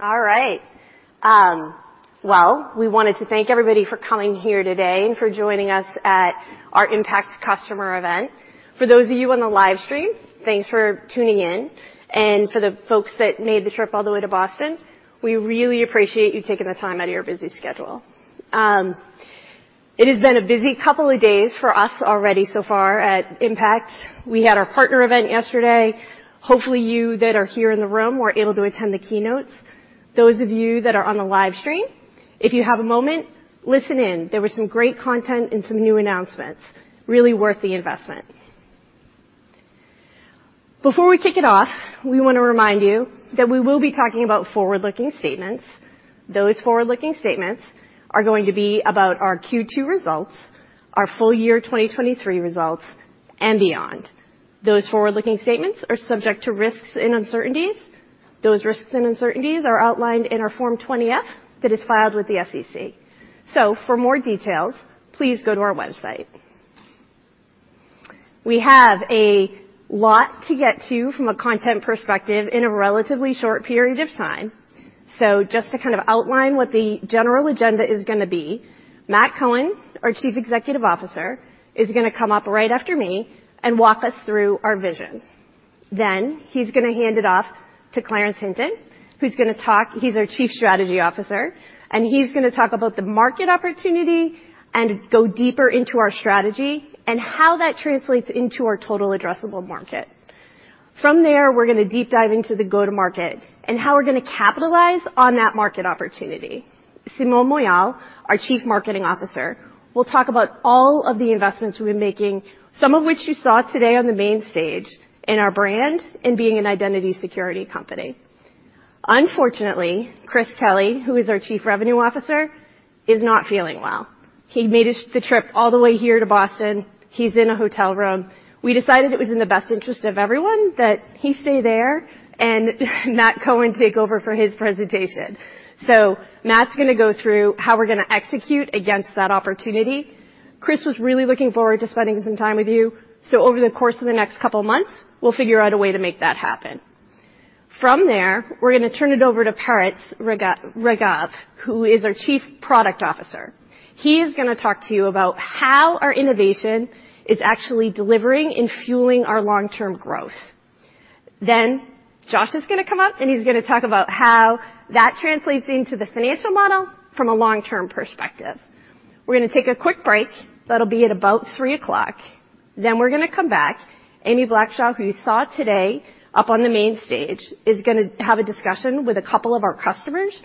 All right. Well, we wanted to thank everybody for coming here today and for joining us at our IMPACT customer event. For those of you on the live stream, thanks for tuning in. For the folks that made the trip all the way to Boston, we really appreciate you taking the time out of your busy schedule. It has been a busy couple of days for us already so far at IMPACT. We had our partner event yesterday. Hopefully, you that are here in the room were able to attend the keynotes. Those of you that are on the live stream, if you have a moment, listen in. There was some great content and some new announcements. Really worth the investment. Before we kick it off, we wanna remind you that we will be talking about forward-looking statements. Those forward-looking statements are going to be about our Q2 results, our full year 2023 results, and beyond. Those forward-looking statements are subject to risks and uncertainties. Those risks and uncertainties are outlined in our Form 20-F that is filed with the SEC. For more details, please go to our website. We have a lot to get to from a content perspective in a relatively short period of time. Just to kind of outline what the general agenda is gonna be, Matt Cohen, our Chief Executive Officer, is gonna come up right after me and walk us through our vision. He's gonna hand it off to Clarence Hinton, who's gonna talk. He's our Chief Strategy Officer, and he's gonna talk about the market opportunity and go deeper into our strategy and how that translates into our total addressable market. From there, we're gonna deep dive into the go-to-market and how we're gonna capitalize on that market opportunity. Simon Mouyal, our Chief Marketing Officer, will talk about all of the investments we've been making, some of which you saw today on the main stage, in our brand in being an identity security company. Unfortunately, Chris Kelly, who is our Chief Revenue Officer, is not feeling well. He made the trip all the way here to Boston. He's in a hotel room. We decided it was in the best interest of everyone that he stay there and Matt Cohen take over for his presentation. Matt's gonna go through how we're gonna execute against that opportunity. Chris was really looking forward to spending some time with you. Over the course of the next couple of months, we'll figure out a way to make that happen. We're gonna turn it over to Peretz Regev, who is our Chief Product Officer. He is gonna talk to you about how our innovation is actually delivering and fueling our long-term growth. Josh is gonna come up, and he's gonna talk about how that translates into the financial model from a long-term perspective. We're gonna take a quick break. That'll be at about 3:00 P.M. We're gonna come back. Amy Blackshaw, who you saw today up on the main stage, is gonna have a discussion with a couple of our customers,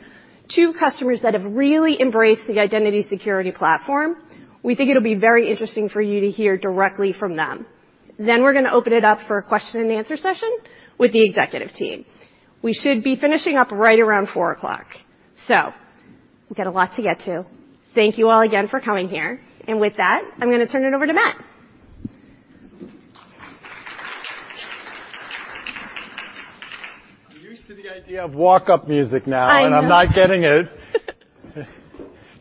two customers that have really embraced the Identity Security Platform. We think it'll be very interesting for you to hear directly from them. We're gonna open it up for a question and answer session with the executive team. We should be finishing up right around 4:00 P.M. We've got a lot to get to. Thank you all again for coming here. With that, I'm gonna turn it over to Matt. I'm used to the idea of walk-up music now. I know. I'm not getting it.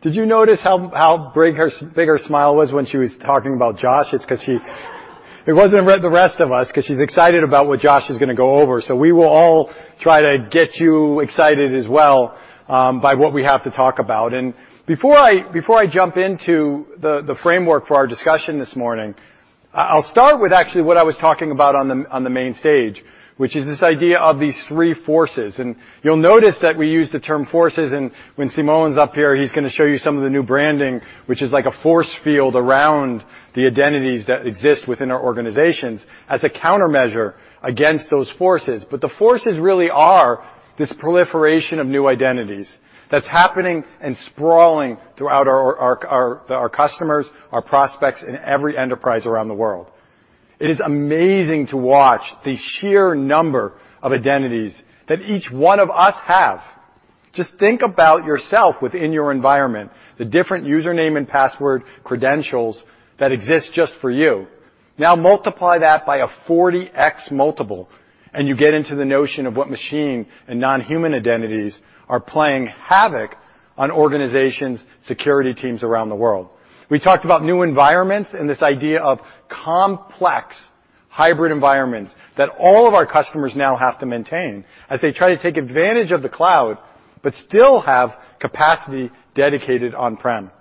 Did you notice how big her smile was when she was talking about Josh? It wasn't the rest of us, 'cause she's excited about what Josh is gonna go over. We will all try to get you excited as well by what we have to talk about. Before I jump into the framework for our discussion this morning, I'll start with actually what I was talking about on the main stage, which is this idea of these three forces. You'll notice that we use the term forces, and when Simon's up here, he's gonna show you some of the new branding, which is like a force field around the identities that exist within our organizations as a countermeasure against those forces. The forces really are this proliferation of new identities that's happening and sprawling throughout our customers, our prospects in every enterprise around the world. It is amazing to watch the sheer number of identities that each one of us have. Just think about yourself within your environment, the different username and password credentials that exist just for you. Now multiply that by a 40x multiple, and you get into the notion of what machine and non-human identities are playing havoc on organizations, security teams around the world. We talked about new environments and this idea of complex hybrid environments that all of our customers now have to maintain as they try to take advantage of the cloud, but still have capacity dedicated on-prem.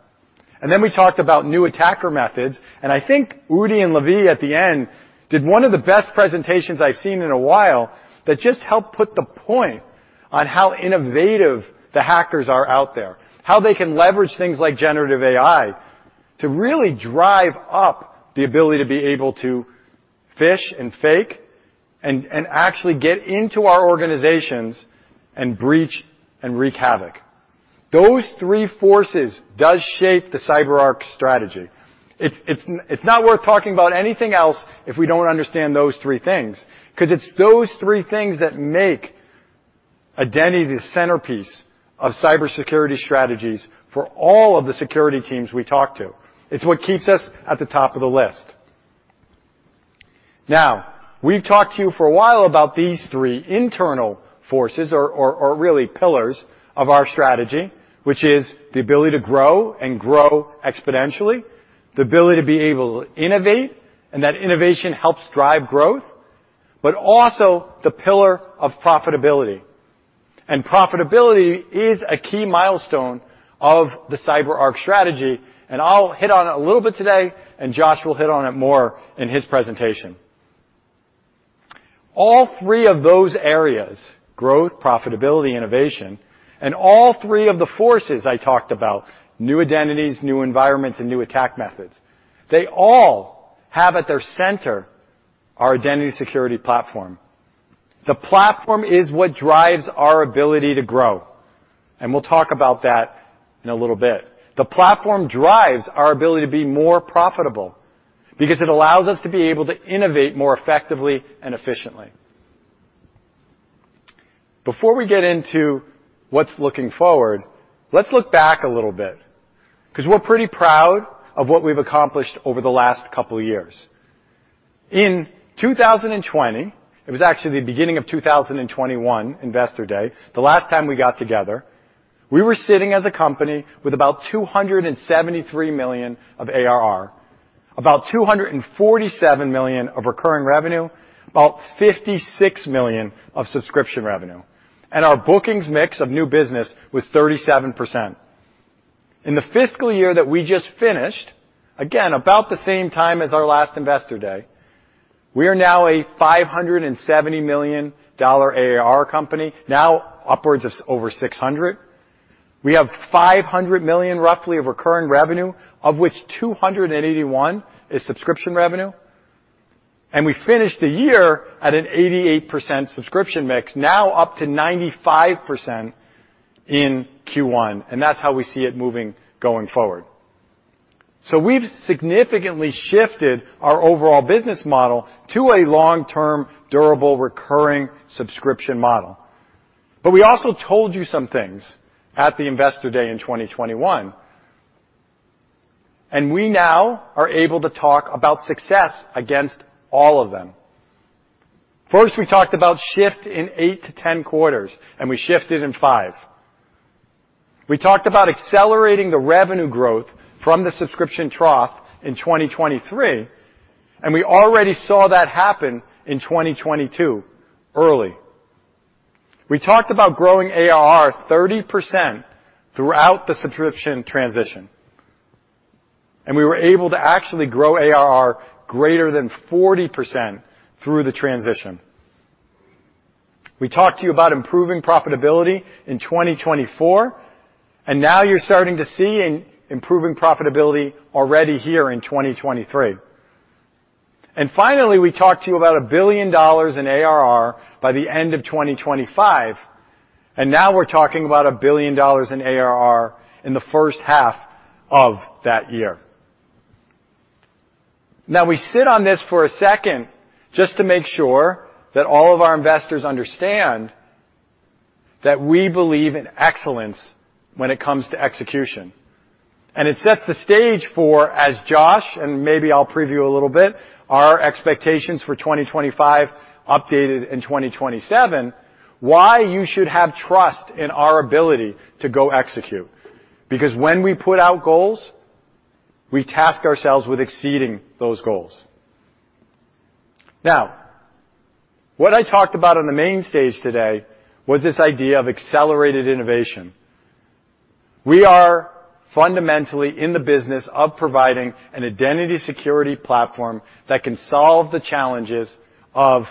Then we talked about new attacker methods, and I think Udi and Levi, at the end, did one of the best presentations I've seen in a while that just helped put the point on how innovative the hackers are out there, how they can leverage things like generative AI to really drive up the ability to be able to phish and fake and actually get into our organizations and breach and wreak havoc. Those three forces does shape the CyberArk strategy. It's, it's not worth talking about anything else if we don't understand those three things, 'cause it's those three things that make identity the centerpiece of cybersecurity strategies for all of the security teams we talk to. It's what keeps us at the top of the list. Now, we've talked to you for a while about these three internal forces or really pillars of our strategy, which is the ability to grow and grow exponentially, the ability to be able to innovate. That innovation helps drive growth, but also the pillar of profitability. Profitability is a key milestone of the CyberArk strategy. I'll hit on it a little bit today, and Josh will hit on it more in his presentation. All three of those areas, growth, profitability, innovation, and all three of the forces I talked about, new identities, new environments, and new attack methods, they all have at their center our Identity Security Platform. The platform is what drives our ability to grow, and we'll talk about that in a little bit. The platform drives our ability to be more profitable because it allows us to be able to innovate more effectively and efficiently. Before we get into what's looking forward, let's look back a little bit because we're pretty proud of what we've accomplished over the last couple of years. In 2020, it was actually the beginning of 2021 Investor Day, the last time we got together, we were sitting as a company with about $273 million of ARR, about $247 million of recurring revenue, about $56 million of subscription revenue. Our bookings mix of new business was 37%. In the fiscal year that we just finished, again, about the same time as our last Investor Day, we are now a $570 million ARR company, now upwards of over $600 million. We have $500 million roughly of recurring revenue, of which $281 million is subscription revenue. We finished the year at an 88% subscription mix, now up to 95% in Q1, and that's how we see it moving going forward. We've significantly shifted our overall business model to a long-term, durable, recurring subscription model. We also told you some things at the Investor Day in 2021. We now are able to talk about success against all of them. First, we talked about shift in 8-10 quarters, and we shifted in five. We talked about accelerating the revenue growth from the subscription trough in 2023, and we already saw that happen in 2022 early. We talked about growing ARR 30% throughout the subscription transition. We were able to actually grow ARR greater than 40% through the transition. We talked to you about improving profitability in 2024, and now you're starting to see an improving profitability already here in 2023. Finally, we talked to you about $1 billion in ARR by the end of 2025, and now we're talking about $1 billion in ARR in the first half of that year. We sit on this for a second just to make sure that all of our investors understand that we believe in excellence when it comes to execution. It sets the stage for, as Josh, and maybe I'll preview a little bit, our expectations for 2025 updated in 2027, why you should have trust in our ability to go execute. When we put out goals, we task ourselves with exceeding those goals. Now, what I talked about on the main stage today was this idea of accelerated innovation. We are fundamentally in the business of providing an Identity Security Platform that can solve the challenges of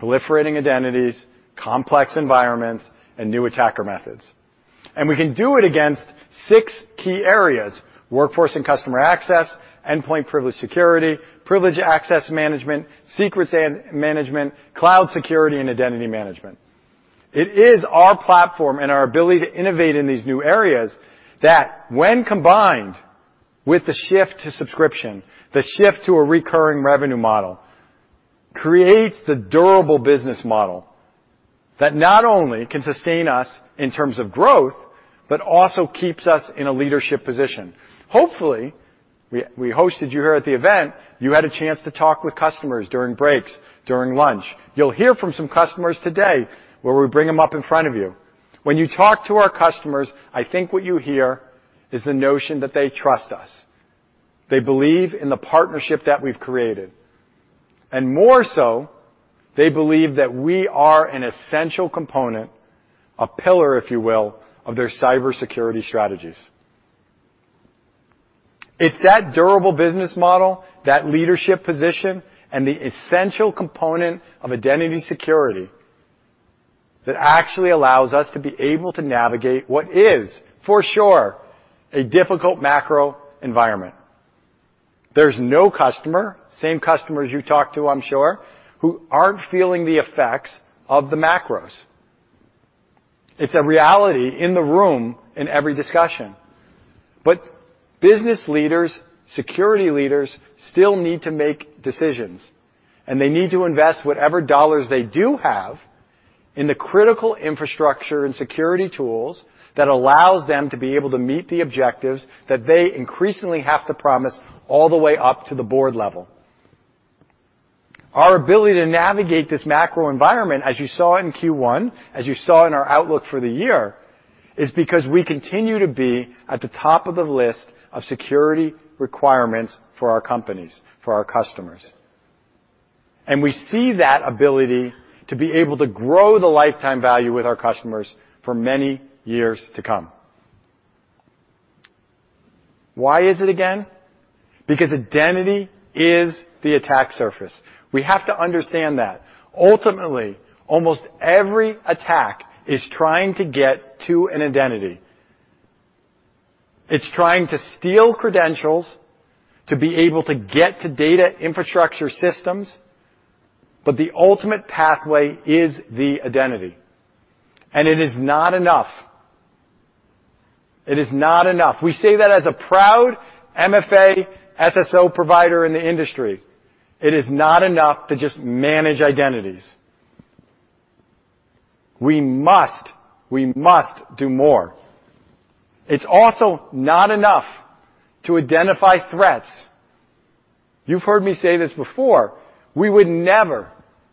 proliferating identities, complex environments, and new attacker methods. We can do it against six key areas: workforce and customer access, endpoint privileged security, privileged access management, secrets and management, cloud security, and identity management. It is our platform and our ability to innovate in these new areas that when combined with the shift to subscription, the shift to a recurring revenue model, creates the durable business model that not only can sustain us in terms of growth, but also keeps us in a leadership position. Hopefully, we hosted you here at the event. You had a chance to talk with customers during breaks, during lunch. You'll hear from some customers today where we bring them up in front of you. When you talk to our customers, I think what you hear is the notion that they trust us. They believe in the partnership that we've created. More so, they believe that we are an essential component, a pillar, if you will, of their cybersecurity strategies. It's that durable business model, that leadership position, and the essential component of identity security that actually allows us to be able to navigate what is, for sure, a difficult macro environment. There's no customer, same customers you talk to, I'm sure, who aren't feeling the effects of the macros. It's a reality in the room in every discussion. Business leaders, security leaders still need to make decisions, and they need to invest whatever dollars they do have in the critical infrastructure and security tools that allows them to be able to meet the objectives that they increasingly have to promise all the way up to the board level. Our ability to navigate this macro environment, as you saw in Q1, as you saw in our outlook for the year, is because we continue to be at the top of the list of security requirements for our companies, for our customers. We see that ability to be able to grow the lifetime value with our customers for many years to come. Why is it again? Identity is the attack surface. We have to understand that. Ultimately, almost every attack is trying to get to an identity. It's trying to steal credentials to be able to get to data infrastructure systems, but the ultimate pathway is the identity. It is not enough. It is not enough. We say that as a proud MFA SSO provider in the industry, it is not enough to just manage identities. We must do more. It's also not enough to identify threats. You've heard me say this before, we would never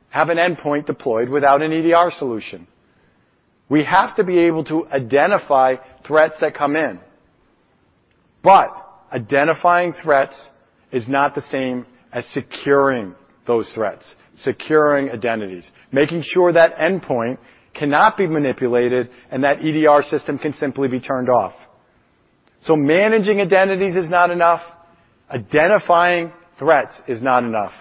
have an endpoint deployed without an EDR solution. We have to be able to identify threats that come in. Identifying threats is not the same as securing those threats, securing identities, making sure that endpoint cannot be manipulated and that EDR system can simply be turned off. Managing identities is not enough. Identifying threats is not enough.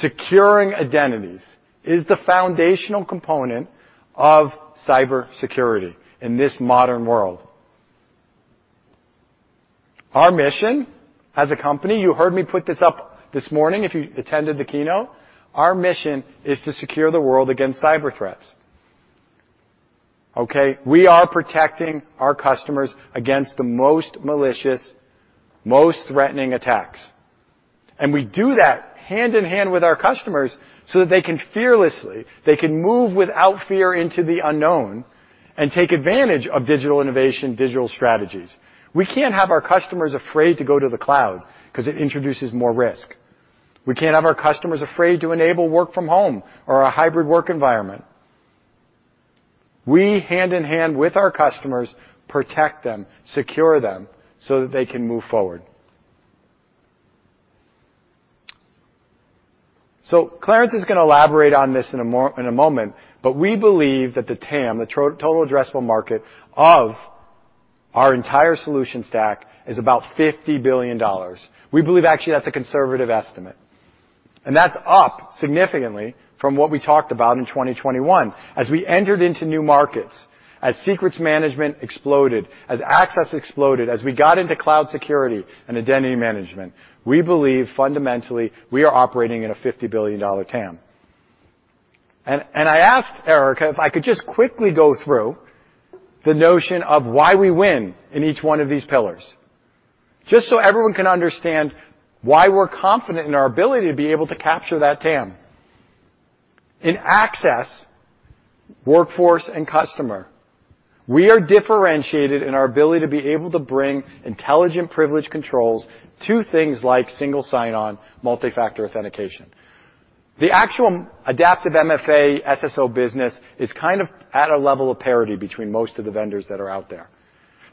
Securing identities is the foundational component of cybersecurity in this modern world. Our mission as a company, you heard me put this up this morning if you attended the keynote, our mission is to secure the world against cyber threats, okay? We are protecting our customers against the most malicious, most threatening attacks. We do that hand in hand with our customers so that they can fearlessly, they can move without fear into the unknown and take advantage of digital innovation, digital strategies. We can't have our customers afraid to go to the cloud because it introduces more risk. We can't have our customers afraid to enable work from home or a hybrid work environment. We hand in hand with our customers, protect them, secure them, so that they can move forward. Clarence is gonna elaborate on this in a moment, but we believe that the TAM, the total addressable market of our entire solution stack is about $50 billion. We believe actually that's a conservative estimate. That's up significantly from what we talked about in 2021. As we entered into new markets, as secrets management exploded, as access exploded, as we got into cloud security and identity management, we believe fundamentally we are operating in a $50 billion TAM. I asked Erica if I could just quickly go through the notion of why we win in each one of these pillars, just so everyone can understand why we're confident in our ability to be able to capture that TAM. In access, workforce, and customer, we are differentiated in our ability to be able to bring intelligent privilege controls to things like single sign-on, multi-factor authentication. The actual adaptive MFA SSO business is kind of at a level of parity between most of the vendors that are out there.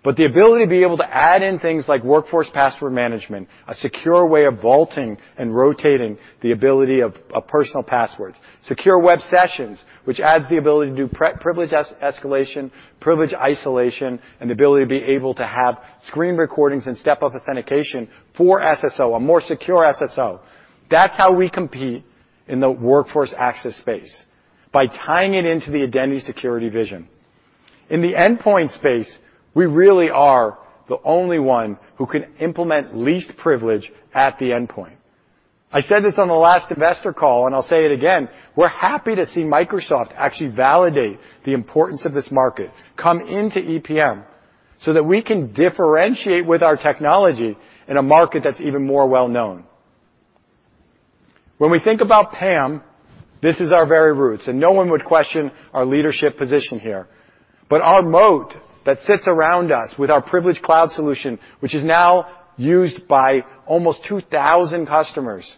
The ability to be able to add in things like workforce password management, a secure way of vaulting and rotating the ability of personal passwords, secure web sessions, which adds the ability to do pre-privilege escalation, privilege isolation, and the ability to be able to have screen recordings and step-up authentication for SSO, a more secure SSO. That's how we compete in the workforce access space, by tying it into the identity security vision. In the endpoint space, we really are the only one who can implement least privilege at the endpoint. I said this on the last investor call, and I'll say it again, we're happy to see Microsoft actually validate the importance of this market come into EPM, so that we can differentiate with our technology in a market that's even more well known. When we think about PAM, this is our very roots, and no one would question our leadership position here. Our moat that sits around us with our privileged cloud solution, which is now used by almost 2,000 customers,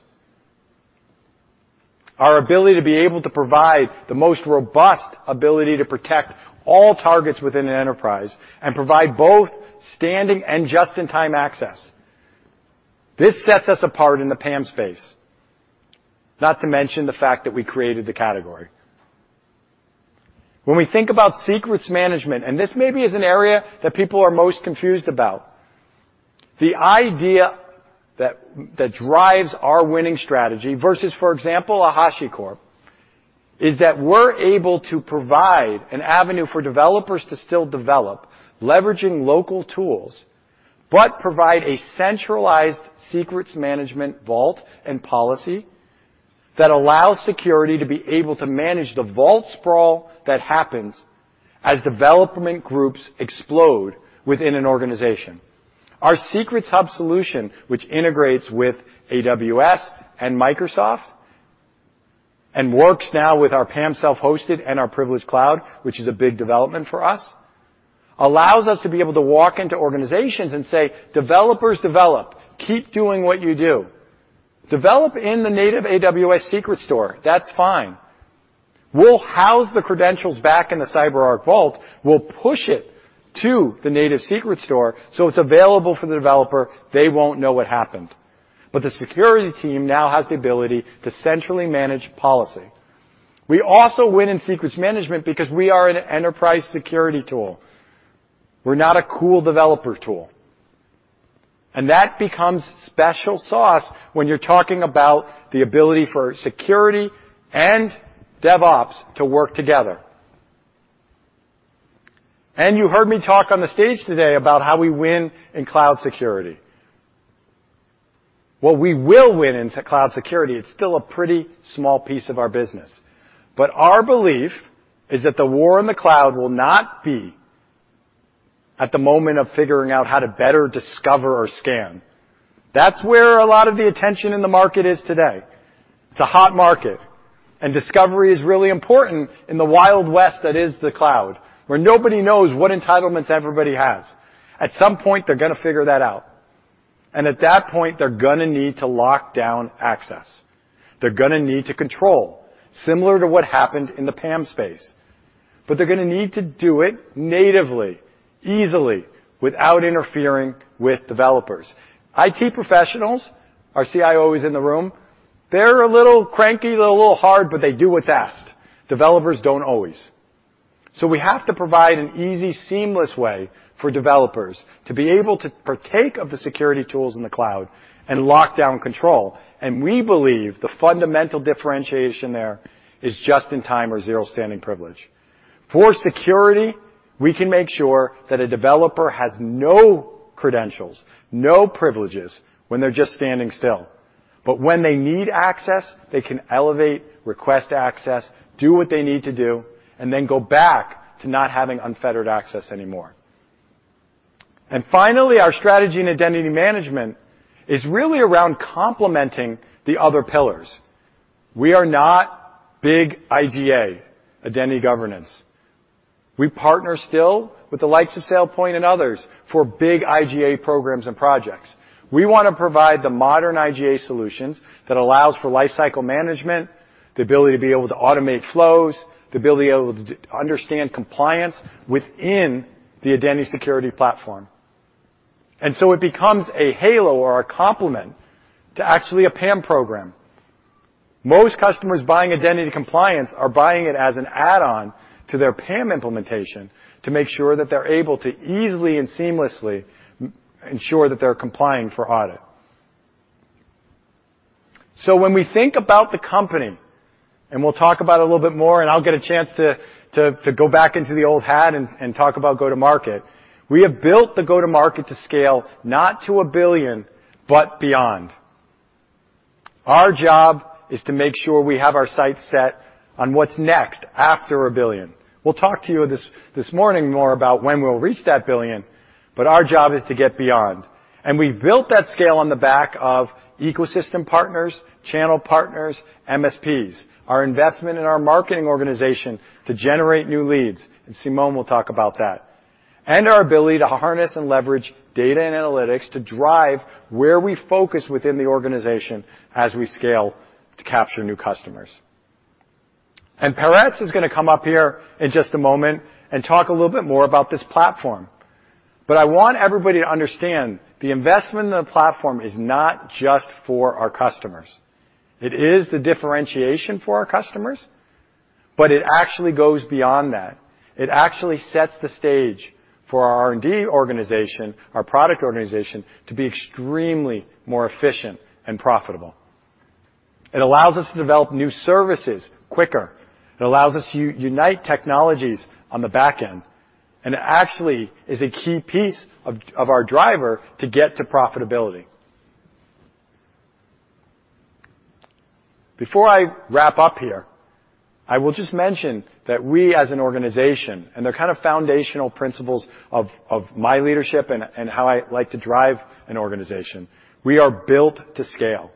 our ability to be able to provide the most robust ability to protect all targets within an enterprise and provide both standing and just-in-time access, this sets us apart in the PAM space. Not to mention the fact that we created the category. When we think about secrets management, this maybe is an area that people are most confused about, the idea that drives our winning strategy versus, for example, a HashiCorp, is that we're able to provide an avenue for developers to still develop, leveraging local tools, but provide a centralized secrets management vault and policy that allows security to be able to manage the vault sprawl that happens as development groups explode within an organization. Our Secrets Hub solution, which integrates with AWS and Microsoft and works now with our PAM self-hosted and our privileged cloud, which is a big development for us. Allows us to be able to walk into organizations and say, developers develop. Keep doing what you do. Develop in the native AWS secret store. That's fine. We'll house the credentials back in the CyberArk vault. We'll push it to the native secret store, so it's available for the developer. They won't know what happened. The security team now has the ability to centrally manage policy. We also win in secrets management because we are an enterprise security tool. We're not a cool developer tool. That becomes special sauce when you're talking about the ability for security and DevOps to work together. You heard me talk on the stage today about how we win in cloud security. Well, we will win in cloud security. It's still a pretty small piece of our business. Our belief is that the war in the cloud will not be at the moment of figuring out how to better discover or scan. That's where a lot of the attention in the market is today. It's a hot market. Discovery is really important in the Wild West that is the cloud, where nobody knows what entitlements everybody has. At some point, they're gonna figure that out. At that point, they're gonna need to lock down access. They're gonna need to control, similar to what happened in the PAM space. They're gonna need to do it natively, easily, without interfering with developers. IT professionals, our CIO is in the room, they're a little cranky, they're a little hard, but they do what's asked. Developers don't always. We have to provide an easy, seamless way for developers to be able to partake of the security tools in the cloud and lock down control. We believe the fundamental differentiation there is just-in-time or Zero Standing Privilege. For security, we can make sure that a developer has no credentials, no privileges when they're just standing still. When they need access, they can elevate, request access, do what they need to do, and then go back to not having unfettered access anymore. Finally, our strategy in identity management is really around complementing the other pillars. We are not big IGA, identity governance. We partner still with the likes of SailPoint and others for big IGA programs and projects. We wanna provide the modern IGA solutions that allows for lifecycle management, the ability to be able to automate flows, the ability to be able to understand compliance within the identity security platform. So it becomes a halo or a complement to actually a PAM program. Most customers buying Identity Compliance are buying it as an add-on to their PAM implementation to make sure that they're able to easily and seamlessly ensure that they're complying for audit. When we think about the company, and we'll talk about it a little bit more, and I'll get a chance to go back into the old hat and talk about go-to-market. We have built the go-to-market to scale not to $1 billion, but beyond. Our job is to make sure we have our sights set on what's next after $1 billion. We'll talk to you this morning more about when we'll reach that $1 billion, but our job is to get beyond. We've built that scale on the back of ecosystem partners, channel partners, MSPs, our investment in our marketing organization to generate new leads, Simon will talk about that, and our ability to harness and leverage data and analytics to drive where we focus within the organization as we scale to capture new customers. Peretz is going to come up here in just a moment and talk a little bit more about this platform. I want everybody to understand the investment in the platform is not just for our customers. It is the differentiation for our customers, but it actually goes beyond that. It actually sets the stage for our R&D organization, our product organization, to be extremely more efficient and profitable. It allows us to develop new services quicker. It allows us to unite technologies on the back end, it actually is a key piece of our driver to get to profitability. Before I wrap up here, I will just mention that we as an organization, and the kind of foundational principles of my leadership and how I like to drive an organization, we are built to scale.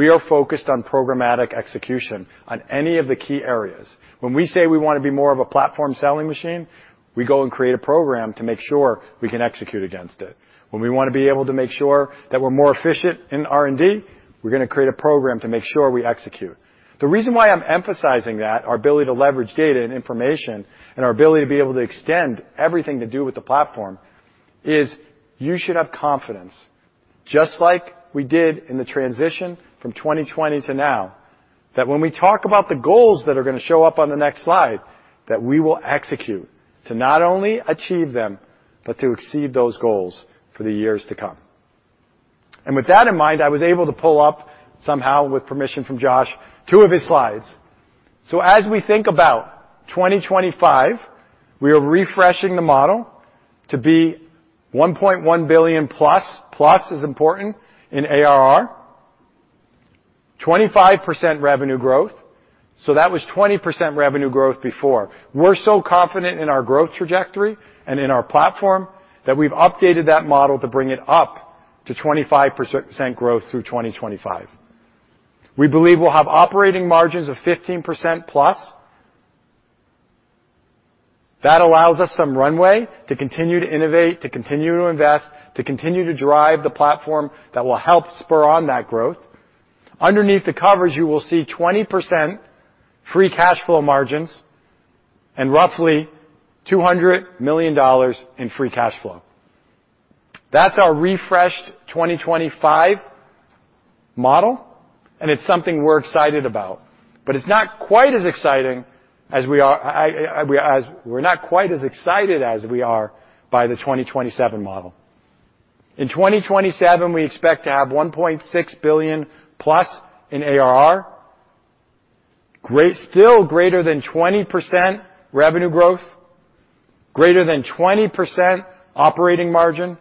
We are focused on programmatic execution on any of the key areas. When we say we wanna be more of a platform selling machine, we go and create a program to make sure we can execute against it. When we wanna be able to make sure that we're more efficient in R&D, we're gonna create a program to make sure we execute. The reason why I'm emphasizing that, our ability to leverage data and information and our ability to be able to extend everything to do with the platform, is you should have confidence, just like we did in the transition from 2020 to now, that when we talk about the goals that are gonna show up on the next slide, that we will execute to not only achieve them, but to exceed those goals for the years to come. With that in mind, I was able to pull up somehow, with permission from Josh, two of his slides. As we think about 2025, we are refreshing the model to be $1.1 billion plus is important, in ARR. 25% revenue growth. That was 20% revenue growth before. We're so confident in our growth trajectory and in our platform that we've updated that model to bring it up to 25% growth through 2025. We believe we'll have operating margins of 15%+. That allows us some runway to continue to innovate, to continue to invest, to continue to drive the platform that will help spur on that growth. Underneath the covers, you will see 20% free cash flow margins and roughly $200 million in free cash flow. That's our refreshed 2025 model, and it's something we're excited about. It's not quite as exciting as we are by the 2027 model. In 2027, we expect to have $1.6 billion+ in ARR. Great. Still greater than 20% revenue growth, greater than 20% operating margin,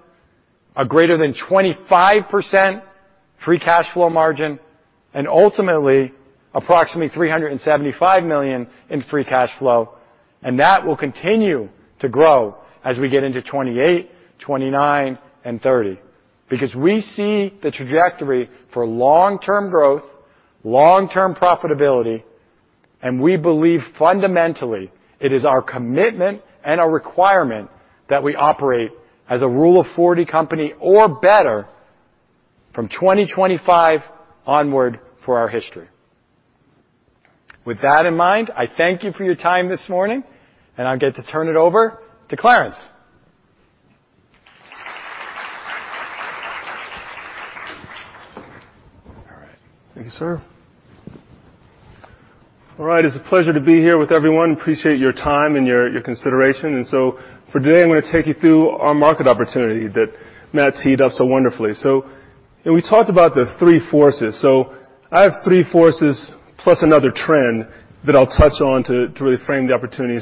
a greater than 25% free cash flow margin, and ultimately approximately $375 million in free cash flow. That will continue to grow as we get into 2028, 2029, and 2030. We see the trajectory for long-term growth, long-term profitability, and we believe fundamentally it is our commitment and our requirement that we operate as a Rule of 40 company or better from 2025 onward for our history. With that in mind, I thank you for your time this morning, and I'll get to turn it over to Clarence. All right. Thank you, sir. All right. It's a pleasure to be here with everyone. Appreciate your time and your consideration. For today, I'm gonna take you through our market opportunity that Matt teed up so wonderfully. We talked about the three forces. I have three forces plus another trend that I'll touch on to really frame the opportunity.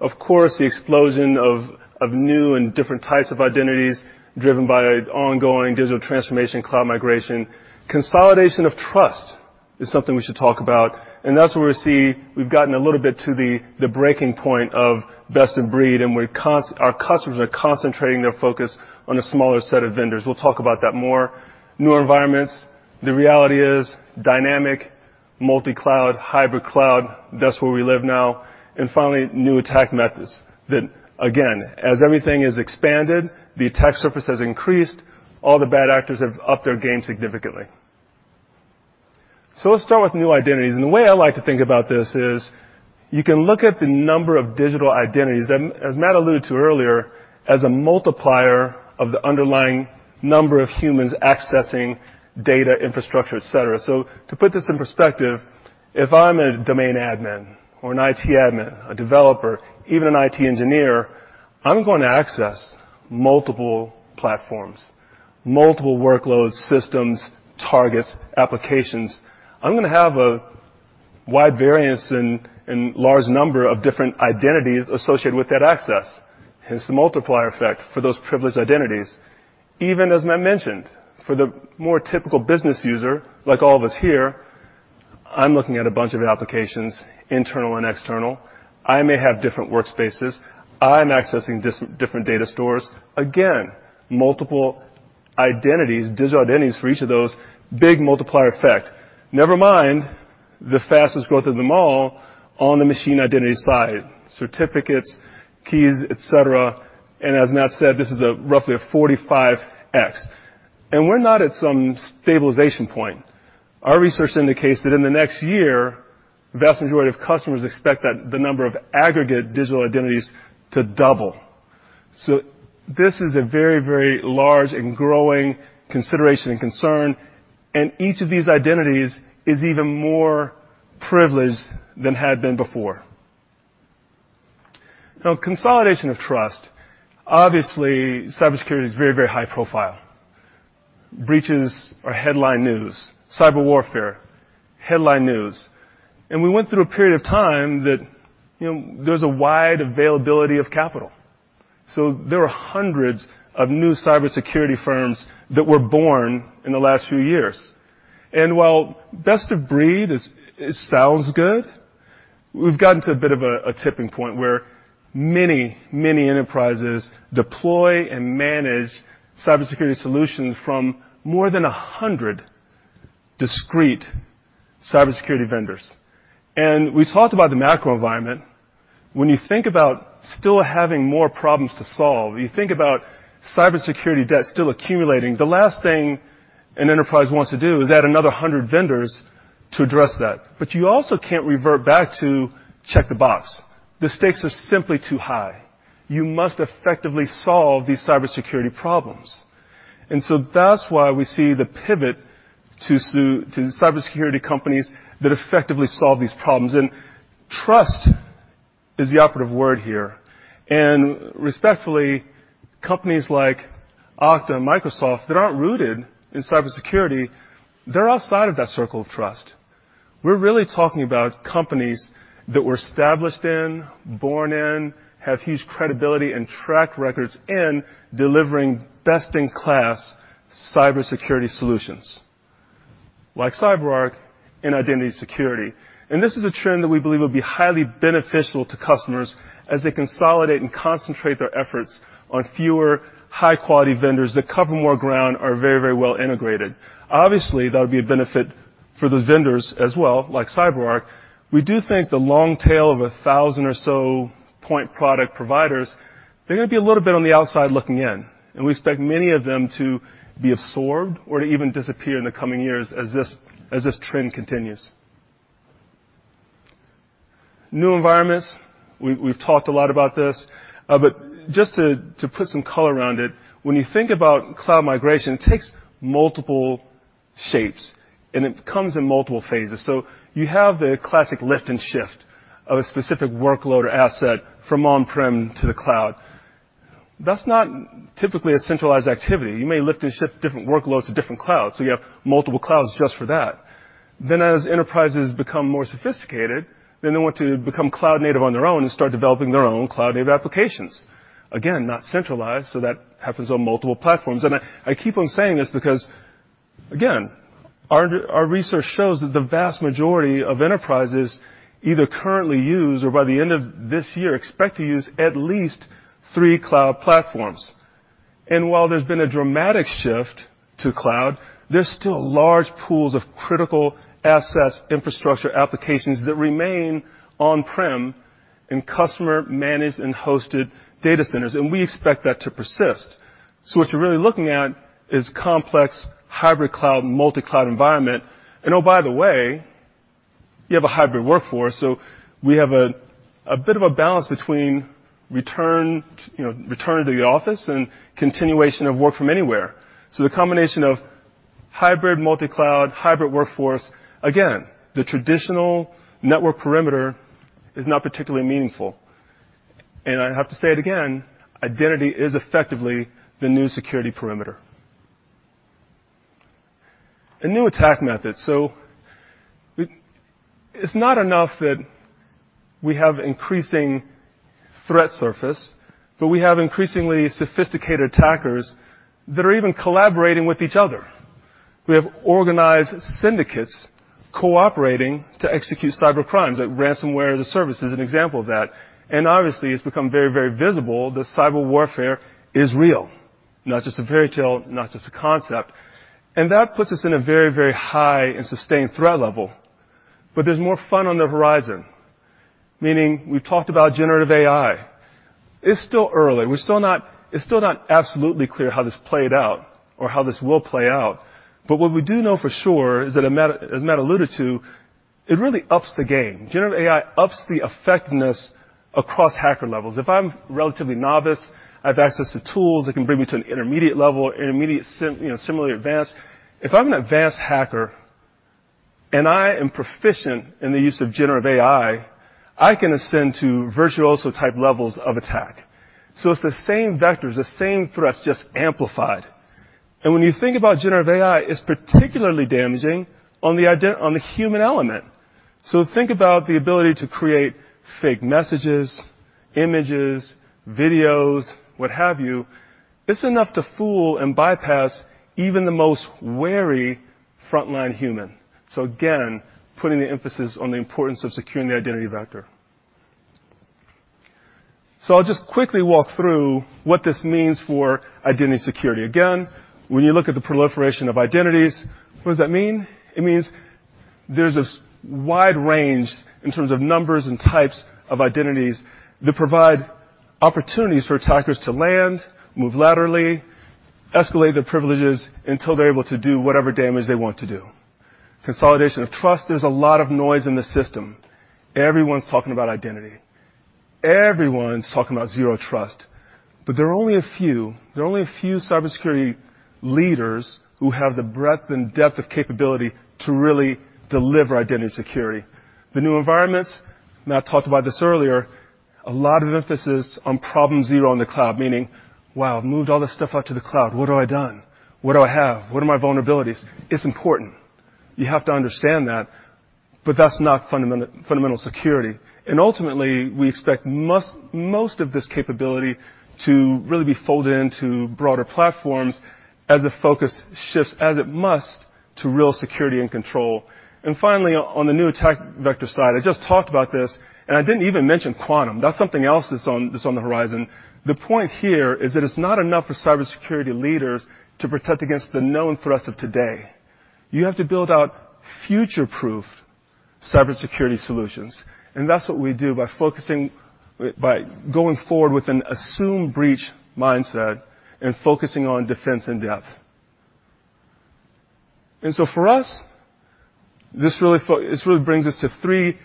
Of course, the explosion of new and different types of identities driven by ongoing digital transformation, cloud migration. Consolidation of trust is something we should talk about, and that's where we see we've gotten a little bit to the breaking point of best in breed, and our customers are concentrating their focus on a smaller set of vendors. We'll talk about that more. New environments. The reality is dynamic multi-cloud, hybrid cloud, that's where we live now. Finally, new attack methods that again, as everything is expanded, the attack surface has increased, all the bad actors have upped their game significantly. Let's start with new identities. The way I like to think about this is you can look at the number of digital identities, and as Matt alluded to earlier, as a multiplier of the underlying number of humans accessing data, infrastructure, et cetera. To put this in perspective, if I'm a domain admin or an IT admin, a developer, even an IT engineer, I'm gonna access multiple platforms, multiple workloads, systems, targets, applications. I'm gonna have a wide variance and large number of different identities associated with that access. Hence, the multiplier effect for those privileged identities. Even as Matt mentioned, for the more typical business user, like all of us here, I'm looking at a bunch of applications, internal and external. I may have different workspaces. I'm accessing different data stores. Again, multiple identities, digital identities for each of those, big multiplier effect. Never mind the fastest growth of them all on the machine identity side, certificates, keys, et cetera. As Matt said, this is a roughly 45x. We're not at some stabilization point. Our research indicates that in the next year, the vast majority of customers expect that the number of aggregate digital identities to double. This is a very, very large and growing consideration and concern, and each of these identities is even more privileged than had been before. Consolidation of trust. Obviously, cybersecurity is very, very high profile. Breaches are headline news. Cyber warfare, headline news. We went through a period of time that, you know, there's a wide availability of capital. There are hundreds of new cybersecurity firms that were born in the last few years. While best of breed it sounds good, we've gotten to a bit of a tipping point where many, many enterprises deploy and manage cybersecurity solutions from more than 100 discrete cybersecurity vendors. We talked about the macro environment. When you think about still having more problems to solve, you think about cybersecurity debt still accumulating. The last thing an enterprise wants to do is add another 100 vendors to address that. You also can't revert back to check the box. The stakes are simply too high. You must effectively solve these cybersecurity problems. That's why we see the pivot to cybersecurity companies that effectively solve these problems. Trust is the operative word here. Respectfully, companies like Okta and Microsoft that aren't rooted in cybersecurity, they're outside of that circle of trust. We're really talking about companies that were established in, born in, have huge credibility and track records in delivering best-in-class cybersecurity solutions like CyberArk and Identity Security. This is a trend that we believe will be highly beneficial to customers as they consolidate and concentrate their efforts on fewer high-quality vendors that cover more ground, are very, very well integrated. Obviously, that would be a benefit for the vendors as well, like CyberArk, we do think the long tail of 1,000 or so point product providers, they're gonna be a little bit on the outside looking in, and we expect many of them to be absorbed or to even disappear in the coming years as this trend continues. New environments, we've talked a lot about this, but just to put some color around it, when you think about cloud migration, it takes multiple shapes, and it comes in multiple phases. You have the classic lift and shift of a specific workload or asset from on-prem to the cloud. That's not typically a centralized activity. You may lift and shift different workloads to different clouds, so you have multiple clouds just for that. As enterprises become more sophisticated, then they want to become cloud native on their own and start developing their own cloud native applications. Again, not centralized, that happens on multiple platforms. I keep on saying this because again, our research shows that the vast majority of enterprises either currently use or by the end of this year expect to use at least three cloud platforms. While there's been a dramatic shift to cloud, there's still large pools of critical assets, infrastructure, applications that remain on-prem in customer-managed and hosted data centers, and we expect that to persist. What you're really looking at is complex hybrid cloud, multi-cloud environment. Oh, by the way, you have a hybrid workforce, so we have a bit of a balance between return to, you know, return to the office and continuation of work from anywhere. The combination of hybrid multi-cloud, hybrid workforce, again, the traditional network perimeter is not particularly meaningful. I have to say it again, identity is effectively the new security perimeter. A new attack method. It's not enough that we have increasing threat surface, but we have increasingly sophisticated attackers that are even collaborating with each other. We have organized syndicates cooperating to execute cybercrimes, like ransomware as a service is an example of that. Obviously, it's become very, very visible that cyber warfare is real, not just a fairy tale, not just a concept. That puts us in a very, very high and sustained threat level. There's more fun on the horizon, meaning we've talked about Generative AI. It's still early. It's still not absolutely clear how this played out or how this will play out, but what we do know for sure is that as Matt alluded to, it really ups the game. Generative AI ups the effectiveness across hacker levels. If I'm relatively novice, I have access to tools that can bring me to an intermediate level, you know, similarly advanced. If I'm an advanced hacker, and I am proficient in the use of generative AI, I can ascend to virtuoso-type levels of attack. It's the same vectors, the same threats, just amplified. When you think about generative AI, it's particularly damaging on the human element. Think about the ability to create fake messages, images, videos, what have you. It's enough to fool and bypass even the most wary frontline human. Again, putting the emphasis on the importance of securing the identity vector. I'll just quickly walk through what this means for identity security. Again, when you look at the proliferation of identities, what does that mean? It means there's a wide range in terms of numbers and types of identities that provide opportunities for attackers to land, move laterally, escalate their privileges until they're able to do whatever damage they want to do. Consolidation of trust. There's a lot of noise in the system. Everyone's talking about identity. Everyone's talking about Zero Trust. There are only a few cybersecurity leaders who have the breadth and depth of capability to really deliver identity security. The new environments, Matt talked about this earlier, a lot of emphasis on problem zero in the cloud. Meaning, "Wow, I've moved all this stuff out to the cloud. What have I done? What do I have? What are my vulnerabilities?" It's important. You have to understand that, but that's not fundamental security. Ultimately, we expect most of this capability to really be folded into broader platforms as the focus shifts, as it must, to real security and control. Finally, on the new attack vector side, I just talked about this, and I didn't even mention quantum. That's something else that's on the horizon. The point here is that it's not enough for cybersecurity leaders to protect against the known threats of today. You have to build out future-proof cybersecurity solutions, and that's what we do by focusing by going forward with an assumed breach mindset and focusing on defense in depth. For us, this really brings us to 3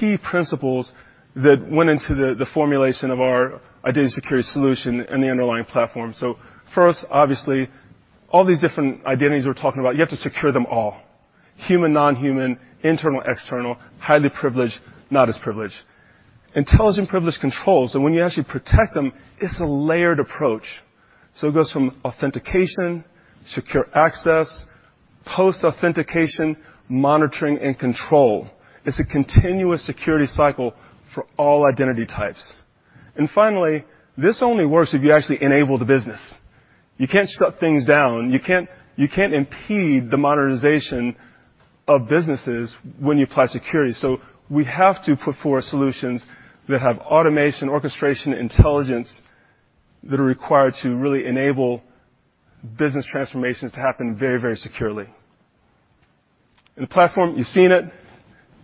key principles that went into the formulation of our Identity Security solution and the underlying platform. For us, obviously, all these different identities we're talking about, you have to secure them all. Human, non-human, internal, external, highly privileged, not as privileged. Intelligent privileged controls, when you actually protect them, it's a layered approach. It goes from authentication, secure access, post-authentication, monitoring, and control. It's a continuous security cycle for all identity types. Finally, this only works if you actually enable the business. You can't shut things down. You can't impede the modernization of businesses when you apply security. We have to put forward solutions that have automation, orchestration, intelligence that are required to really enable business transformations to happen very, very securely. The platform, you've seen it.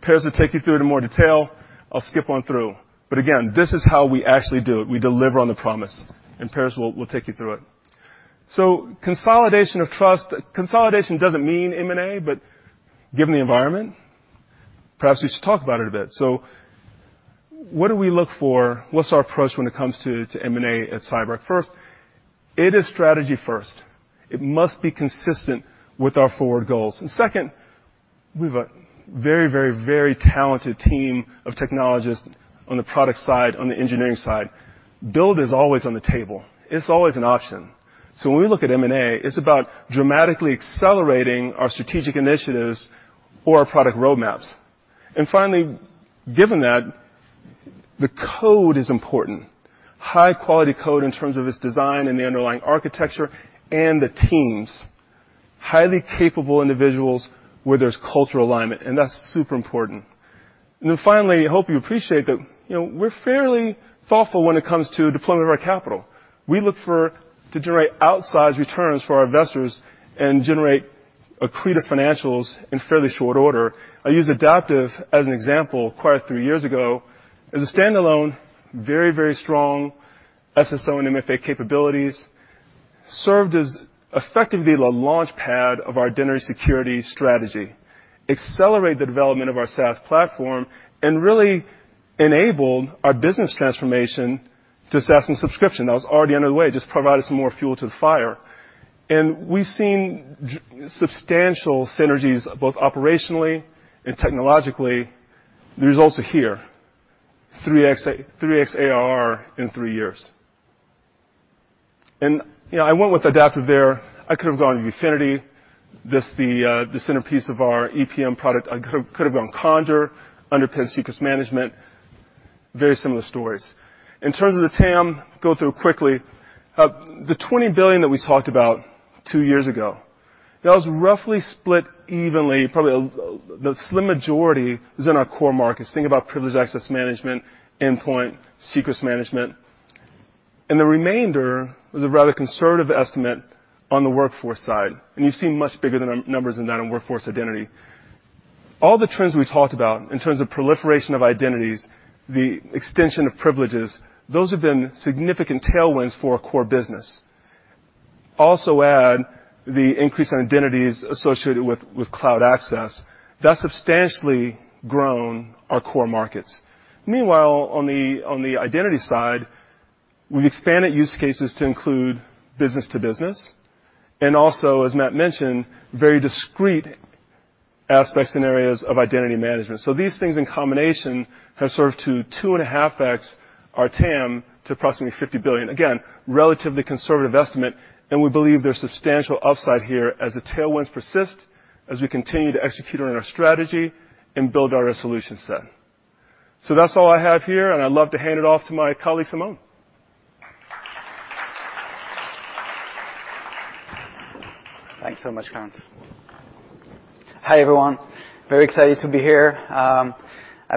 Peretz will take you through it in more detail. I'll skip on through. Again, this is how we actually do it. We deliver on the promise, Peretz will take you through it. Consolidation of trust. Consolidation doesn't mean M&A, given the environment, perhaps we should talk about it a bit. What do we look for? What's our approach when it comes to M&A at CyberArk? First, it is strategy first. It must be consistent with our forward goals. Second, we've a very, very, very talented team of technologists on the product side, on the engineering side. Build is always on the table. It's always an option. When we look at M&A, it's about dramatically accelerating our strategic initiatives or our product roadmaps. Finally, given that the code is important, high quality code in terms of its design and the underlying architecture and the teams, highly capable individuals where there's cultural alignment, and that's super important. Then finally, I hope you appreciate that, you know, we're fairly thoughtful when it comes to deployment of our capital. We look to generate outsized returns for our investors and generate accretive financials in fairly short order. I use Idaptive as an example, acquired three-years ago, as a standalone, very, very strong SSO and MFA capabilities, served as effectively the launch pad of our identity security strategy, accelerated the development of our SaaS platform, and really enabled our business transformation to SaaS and subscription. That was already underway, just provided some more fuel to the fire. We've seen substantial synergies, both operationally and technologically. The results are here, 3x ARR in three years. You know, I went with Idaptive there. I could have gone to Viewfinity. This the centerpiece of our EPM product. I could have, could have gone Conjur, underpins secrets management. Very similar stories. In terms of the TAM, go through quickly. The $20 billion that we talked about two years ago, that was roughly split evenly. Probably the slim majority is in our core markets. Think about privileged access management, endpoint, secrets management. The remainder was a rather conservative estimate on the workforce side, and you've seen much bigger than numbers than that in workforce identity. All the trends we talked about in terms of proliferation of identities, the extension of privileges, those have been significant tailwinds for our core business. Also add the increase in identities associated with cloud access. That's substantially grown our core markets. Meanwhile, on the identity side, we've expanded use cases to include business-to-business and also, as Matt mentioned, very discreet aspects and areas of identity management. These things in combination have served to two and a half X our TAM to approximately $50 billion. Again, relatively conservative estimate, and we believe there's substantial upside here as the tailwinds persist, as we continue to execute on our strategy and build our solution set. That's all I have here, and I'd love to hand it off to my colleague, Simon. Thanks so much, Clarence. Hi, everyone. Very excited to be here. I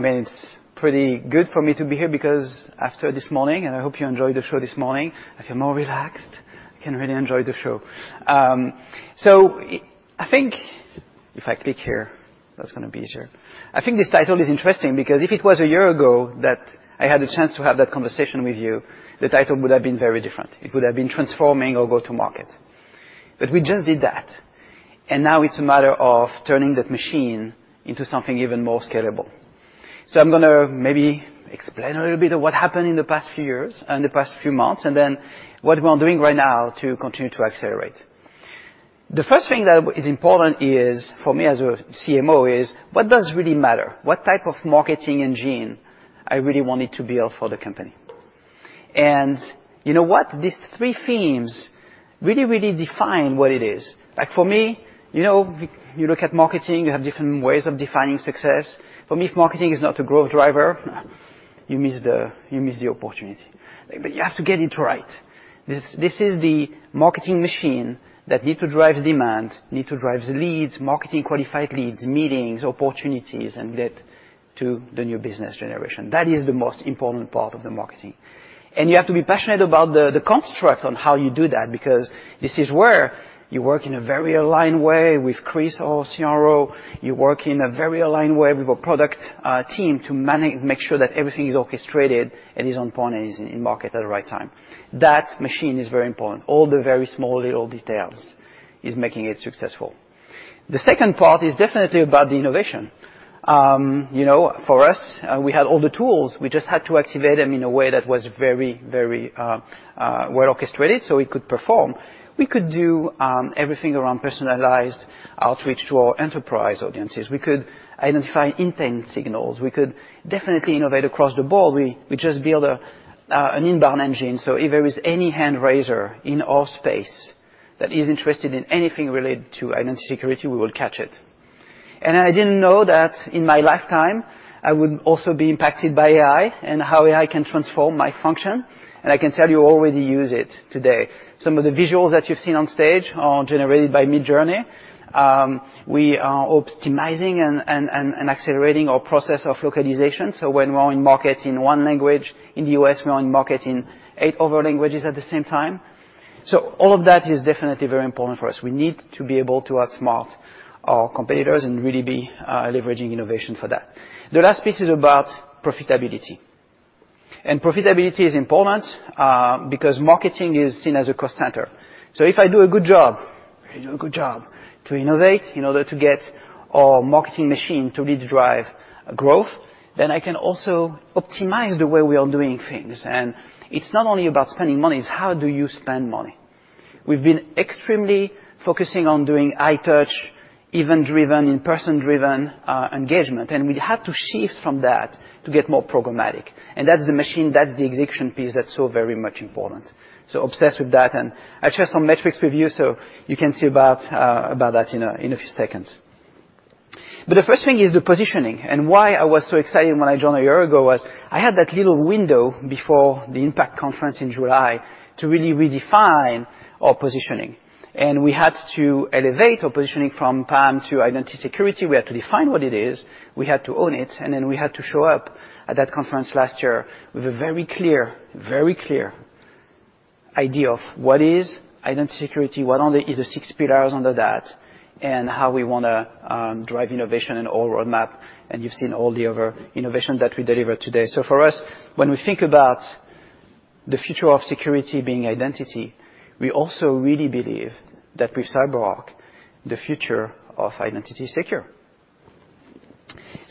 mean, it's pretty good for me to be here because after this morning, and I hope you enjoyed the show this morning, I feel more relaxed. I can really enjoy the show. I think if I click here, that's gonna be easier. I think this title is interesting because if it was a year ago that I had the chance to have that conversation with you, the title would have been very different. It would have been transforming or go to market. We just did that, and now it's a matter of turning that machine into something even more scalable. I'm gonna maybe explain a little bit of what happened in the past few years and the past few months, and then what we are doing right now to continue to accelerate. The first thing that is important is, for me as a CMO, is what does really matter? What type of marketing engine I really wanted to build for the company. You know what? These three themes really, really define what it is. Like for me, you know, you look at marketing, you have different ways of defining success. For me, if marketing is not a growth driver, you miss the opportunity. You have to get it right. This is the marketing machine that need to drive demand, need to drive the leads, marketing qualified leads, meetings, opportunities, and lead to the new business generation. That is the most important part of the marketing. You have to be passionate about the construct on how you do that, because this is where you work in a very aligned way with Chris, our CRO. You work in a very aligned way with our product team to make sure that everything is orchestrated and is on point and is in market at the right time. That machine is very important. All the very small little details is making it successful. The second part is definitely about the innovation. You know, for us, we had all the tools. We just had to activate them in a way that was very, very well-orchestrated so we could perform. We could do everything around personalized outreach to our enterprise audiences. We could identify intent signals. We could definitely innovate across the board. We just build an inbound engine. If there is any hand raiser in our space that is interested in anything related to identity security, we will catch it. I didn't know that in my lifetime, I would also be impacted by AI and how AI can transform my function. I can tell you already use it today. Some of the visuals that you've seen on stage are generated by Midjourney. We are optimizing and accelerating our process of localization. When we're in market in one language in the U.S, we're in market in eight other languages at the same time. All of that is definitely very important for us. We need to be able to outsmart our competitors and really be leveraging innovation for that. The last piece is about profitability. Profitability is important because marketing is seen as a cost center. If I do a good job, if I do a good job to innovate in order to get our marketing machine to really drive growth, then I can also optimize the way we are doing things. It's not only about spending money, it's how do you spend money. We've been extremely focusing on doing high-touch, event-driven, in-person driven engagement, and we have to shift from that to get more programmatic. That's the machine, that's the execution piece that's so very much important. Obsessed with that, and I share some metrics with you, so you can see about that in a few seconds. The first thing is the positioning. Why I was so excited when I joined a year ago was I had that little window before the IMPACT Conference in July to really redefine our positioning. We had to elevate our positioning from PAM to identity security. We had to define what it is, we had to own it, and then we had to show up at that conference last year with a very clear idea of what is identity security, what are the six pillars under that, and how we wanna drive innovation in our roadmap, and you've seen all the other innovation that we deliver today. For us, when we think about the future of security being identity, we also really believe that with CyberArk, the future of identity secure.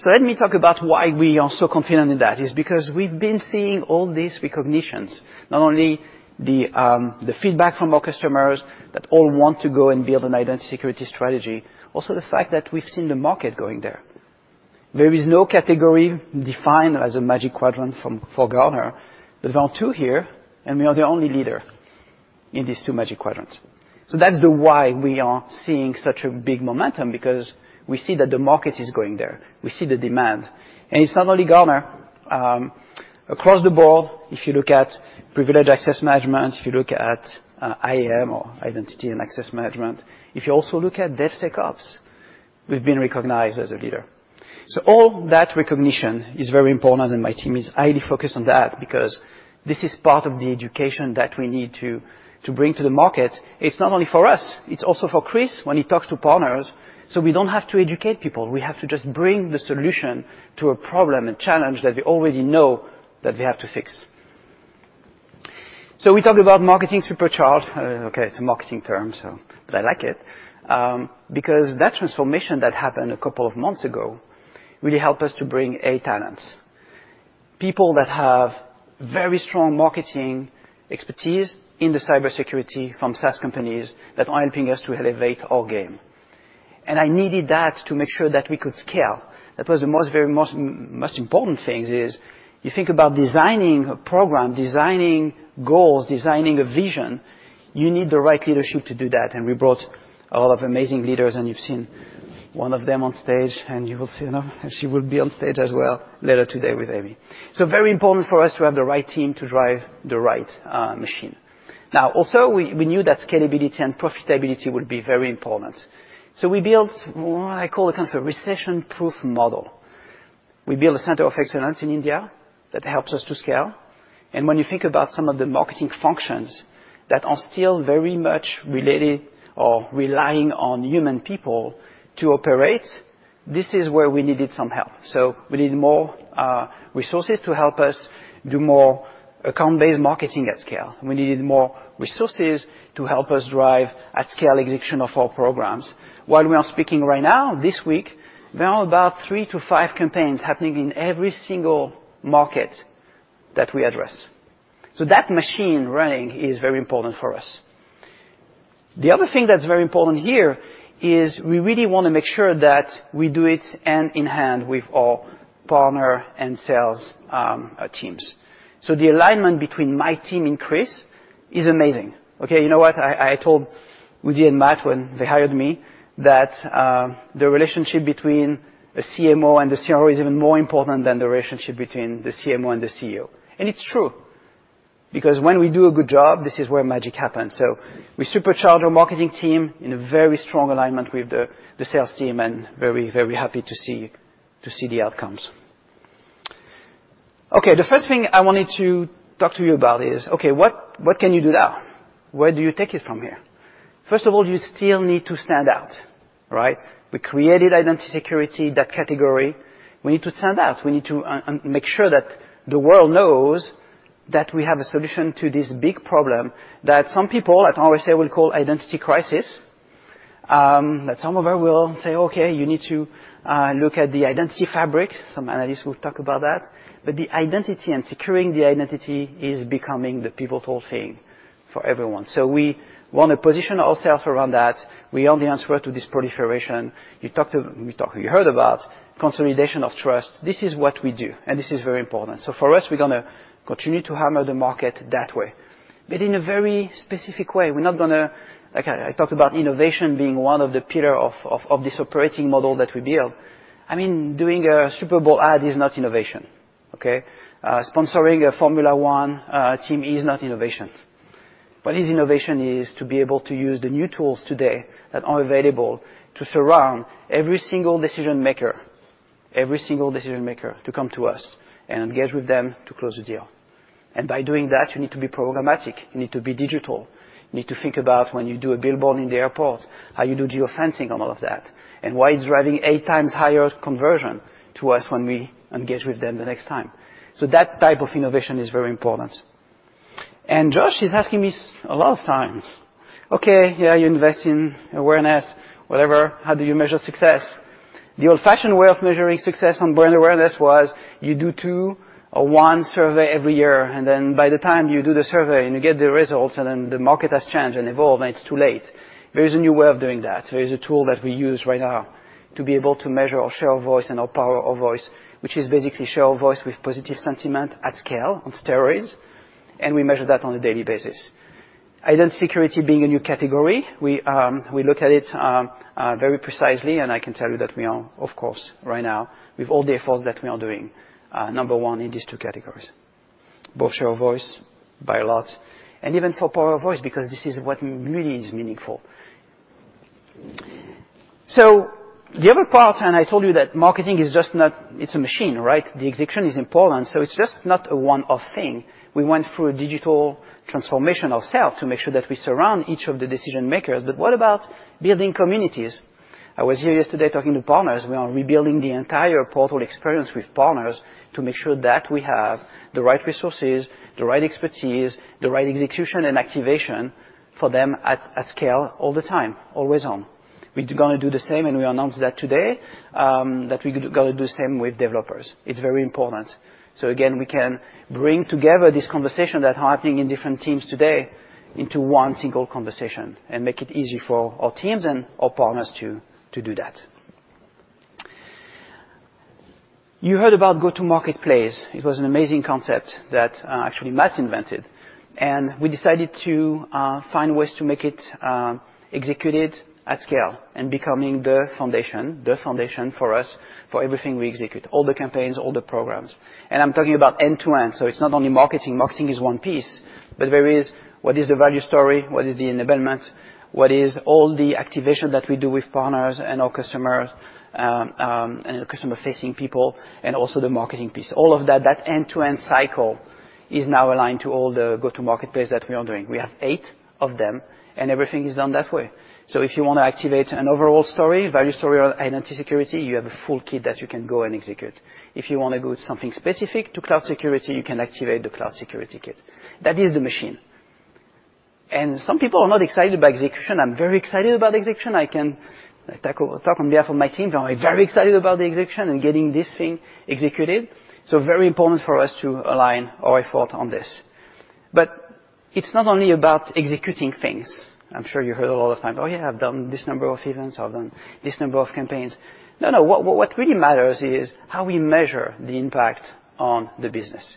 Let me talk about why we are so confident in that. It's because we've been seeing all these recognitions, not only the feedback from our customers that all want to go and build an identity security strategy, also the fact that we've seen the market going there. There is no category defined as a Magic Quadrant for Gartner. There are two here, we are the only leader in these two Magic Quadrants. That's the why we are seeing such a big momentum, because we see that the market is going there. We see the demand. It's not only Gartner. Across the board, if you look at Privileged Access Management, if you look at IAM or Identity and Access Management, if you also look at DevSecOps, we've been recognized as a leader. All that recognition is very important, and my team is highly focused on that because this is part of the education that we need to bring to the market. It's not only for us, it's also for Chris when he talks to partners. We don't have to educate people. We have to just bring the solution to a problem and challenge that they already know that they have to fix. We talk about marketing supercharge. Okay, it's a marketing term. I like it because that transformation that happened a couple of months ago really helped us to bring, A, talents, people that have very strong marketing expertise in the cybersecurity from SaaS companies that are helping us to elevate our game. I needed that to make sure that we could scale. That was the most, very, most important things is you think about designing a program, designing goals, designing a vision, you need the right leadership to do that. We brought a lot of amazing leaders, and you've seen one of them on stage, and you will see another. She will be on stage as well later today with Amy. Very important for us to have the right team to drive the right machine. Also we knew that scalability and profitability would be very important. We built what I call a kind of a recession-proof model. We built a center of excellence in India that helps us to scale. When you think about some of the marketing functions that are still very much related or relying on human people to operate, this is where we needed some help. We needed more resources to help us do more account-based marketing at scale. We needed more resources to help us drive at scale execution of our programs. While we are speaking right now, this week, there are about three to five campaigns happening in every single market that we address. That machine running is very important for us. The other thing that's very important here is we really want to make sure that we do it hand in hand with our partner and sales teams. The alignment between my team and Chris is amazing, okay? You know what? I told Woody and Matt when they hired me that the relationship between a Chief Marketing Officer and a CRO is even more important than the relationship between the Chief Marketing Officer and the Chief Executive Officer. It's true, because when we do a good job, this is where magic happens. We supercharge our marketing team in a very strong alignment with the sales team and very happy to see the outcomes. The first thing I wanted to talk to you about is, what can you do now? Where do you take it from here? First of all, you still need to stand out, right? We created identity security, that category. We need to make sure that the world knows that we have a solution to this big problem that some people, like I always say, will call identity crisis, that some of them will say, "Okay, you need to look at the identity fabric." Some analysts will talk about that. The identity and securing the identity is becoming the pivotal thing for everyone. We wanna position ourselves around that. We own the answer to this proliferation. You talked, we talked, you heard about consolidation of trust. This is what we do. This is very important. For us, we're gonna continue to hammer the market that way. In a very specific way. Like I talked about innovation being one of the pillar of this operating model that we built. I mean, doing a Super Bowl ad is not innovation, okay? Sponsoring a Formula One team is not innovation. What is innovation is to be able to use the new tools today that are available to surround Every single decision maker to come to us and engage with them to close the deal. By doing that, you need to be programmatic, you need to be digital. You need to think about when you do a billboard in the airport, how you do geofencing on all of that, and why it's driving eight times higher conversion to us when we engage with them the next time. That type of innovation is very important. Josh is asking me a lot of times, "Okay, yeah, you invest in awareness, whatever. How do you measure success?" The old-fashioned way of measuring success on brand awareness was you do two or one survey every year, and then by the time you do the survey and you get the results, and then the market has changed and evolved, and it's too late. There is a new way of doing that. There is a tool that we use right now to be able to measure our share of voice and our power of voice, which is basically share of voice with positive sentiment at scale, on steroids, and we measure that on a daily basis. Identity security being a new category, we look at it very precisely, and I can tell you that we are, of course, right now, with all the efforts that we are doing, number 1 in these two categories, both share of voice by a lot, and even for power of voice, because this is what really is meaningful. The other part, and I told you that marketing is just not. It's a machine, right. The execution is important. It's just not a one-off thing. We went through a digital transformation ourself to make sure that we surround each of the decision makers. What about building communities? I was here yesterday talking to partners. We are rebuilding the entire portal experience with partners to make sure that we have the right resources, the right expertise, the right execution and activation for them at scale all the time, always on. We're gonna do the same, and we announced that today, that we gonna do the same with developers. It's very important. Again, we can bring together this conversation that happening in different teams today into one single conversation and make it easy for our teams and our partners to do that. You heard about go-to-marketplace. It was an amazing concept that actually Matt invented. We decided to find ways to make it executed at scale and becoming the foundation for us, for everything we execute, all the campaigns, all the programs. I'm talking about end-to-end, so it's not only marketing. Marketing is one piece, but there is what is the value story, what is the enablement, what is all the activation that we do with partners and our customers and customer-facing people, and also the marketing piece. All of that end-to-end cycle is now aligned to all the go-to-marketplace that we are doing. We have eight of them, and everything is done that way. If you wanna activate an overall story, value story or identity security, you have a full kit that you can go and execute. If you wanna go with something specific to cloud security, you can activate the cloud security kit. That is the machine. Some people are not excited by execution. I'm very excited about execution. I can, like, talk on behalf of my team. I'm very excited about the execution and getting this thing executed, so very important for us to align our effort on this. It's not only about executing things. I'm sure you've heard it all the time. "Oh, yeah, I've done this number of events. I've done this number of campaigns." No, no. What really matters is how we measure the impact on the business.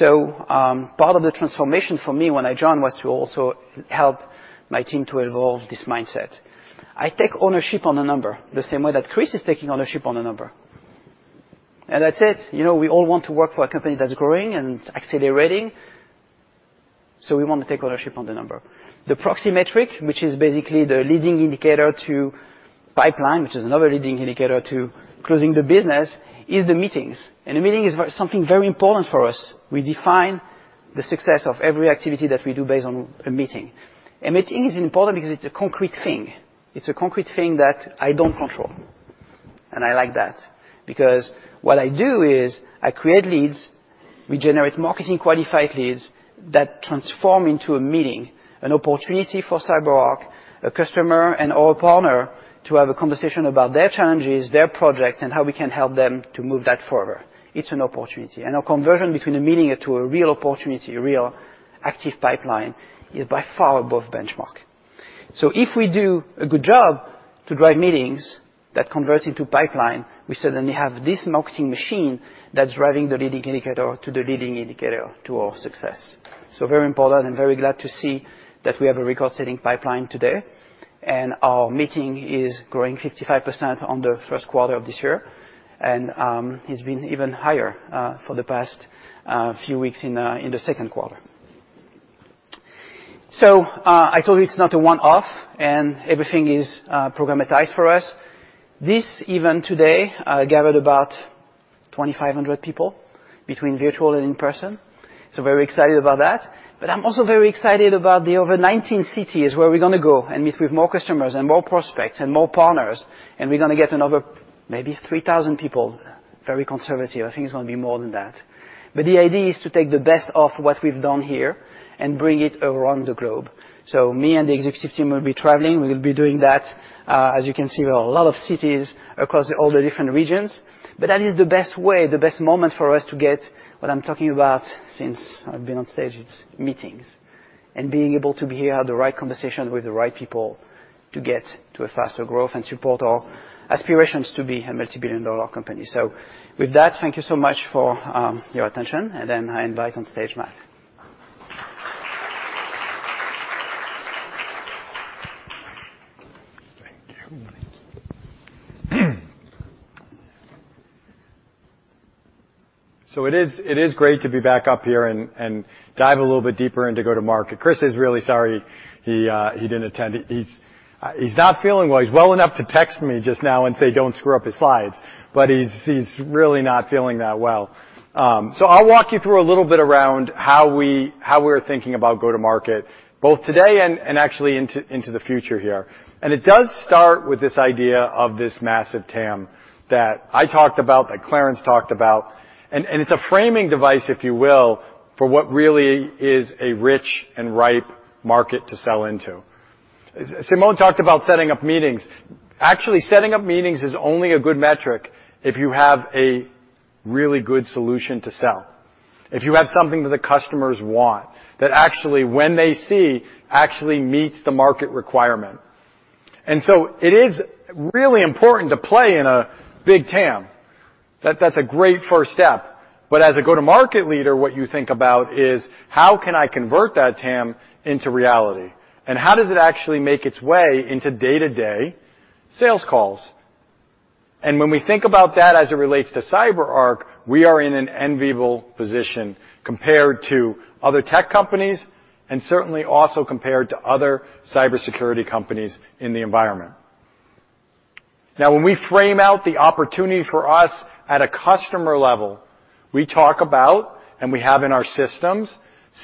Part of the transformation for me when I joined was to also help my team to evolve this mindset. I take ownership on the number, the same way that Chris is taking ownership on the number. That's it. You know, we all want to work for a company that's growing and accelerating. We want to take ownership on the number. The proxy metric, which is basically the leading indicator to pipeline, which is another leading indicator to closing the business, is the meetings. A meeting is something very important for us. We define the success of every activity that we do based on a meeting. A meeting is important because it's a concrete thing. It's a concrete thing that I don't control. I like that because what I do is I create leads. We generate marketing qualified leads that transform into a meeting, an opportunity for CyberArk, a customer, and/or a partner to have a conversation about their challenges, their projects, and how we can help them to move that further. It's an opportunity. Our conversion between a meeting to a real opportunity, a real active pipeline, is by far above benchmark. If we do a good job to drive meetings that convert into pipeline, we suddenly have this marketing machine that's driving the leading indicator to the leading indicator to our success. Very important and very glad to see that we have a record-setting pipeline today. Our meeting is growing 55% on the first quarter of this year, it's been even higher for the past few weeks in the second quarter. I told you it's not a one-off, and everything is programmatized for us. This event today gathered about 2,500 people between virtual and in person, very excited about that. I'm also very excited about the over 19 cities where we're gonna go and meet with more customers and more prospects and more partners, and we're gonna get another maybe 3,000 people. Very conservative. I think it's gonna be more than that. The idea is to take the best of what we've done here and bring it around the globe. Me and the exec team will be traveling. We'll be doing that. As you can see, a lot of cities across all the different regions. That is the best way, the best moment for us to get what I'm talking about since I've been on stage. It's meetings and being able to be here, have the right conversation with the right people to get to a faster growth and support our aspirations to be a multi-billion dollar company. With that, thank you so much for your attention. I invite on stage Matt. It is great to be back up here and dive a little bit deeper into go-to-market. Chris is really sorry he didn't attend. He's not feeling well. He's well enough to text me just now and say, "Don't screw up the slides," but he's really not feeling that well. I'll walk you through a little bit around how we're thinking about go-to-market, both today and actually into the future here. It does start with this idea of this massive TAM that I talked about, that Clarence talked about, and it's a framing device, if you will, for what really is a rich and ripe market to sell into. Simon talked about setting up meetings. Actually, setting up meetings is only a good metric if you have a really good solution to sell, if you have something that the customers want that actually when they see, actually meets the market requirement. It is really important to play in a big TAM. That's a great first step. As a go-to-market leader, what you think about is: how can I convert that TAM into reality? How does it actually make its way into day-to-day sales calls? When we think about that as it relates to CyberArk, we are in an enviable position compared to other tech companies, and certainly also compared to other cybersecurity companies in the environment. Now when we frame out the opportunity for us at a customer level, we talk about, and we have in our systems,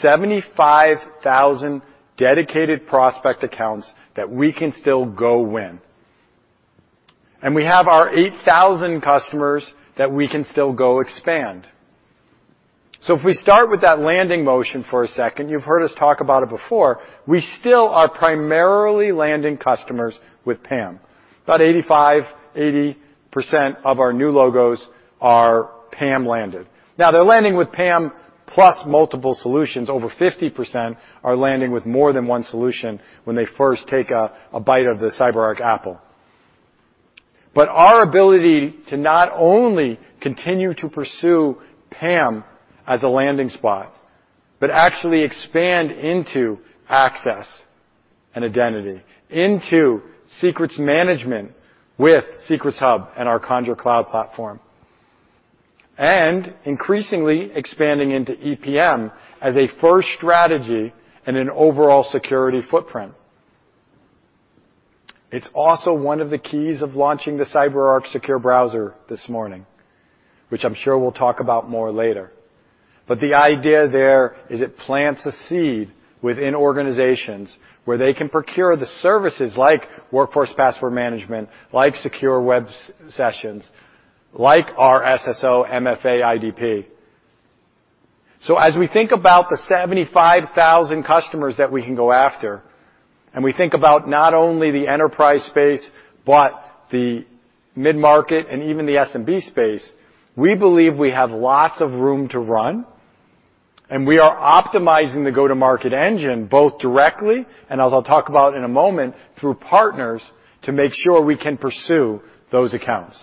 75,000 dedicated prospect accounts that we can still go win. We have our 8,000 customers that we can still go expand. If we start with that landing motion for a second, you've heard us talk about it before, we still are primarily landing customers with PAM. About 85%, 80% of our new logos are PAM landed. Now they're landing with PAM plus multiple solutions. Over 50% are landing with more than one solution when they first take a bite of the CyberArk Apple. Our ability to not only continue to pursue PAM as a landing spot, but actually expand into access and identity, into secrets management with Secrets Hub and our Conjur Cloud Platform, and increasingly expanding into EPM as a first strategy in an overall security footprint. It's also one of the keys of launching the CyberArk Secure Browser this morning, which I'm sure we'll talk about more later. The idea there is it plants a seed within organizations where they can procure the services like CyberArk Workforce Password Management, like CyberArk Secure Web Sessions, like our SSO MFA IDP. As we think about the 75,000 customers that we can go after, and we think about not only the enterprise space, but the mid-market and even the SMB space, we believe we have lots of room to run, and we are optimizing the go-to-market engine, both directly, and as I'll talk about in a moment, through partners to make sure we can pursue those accounts.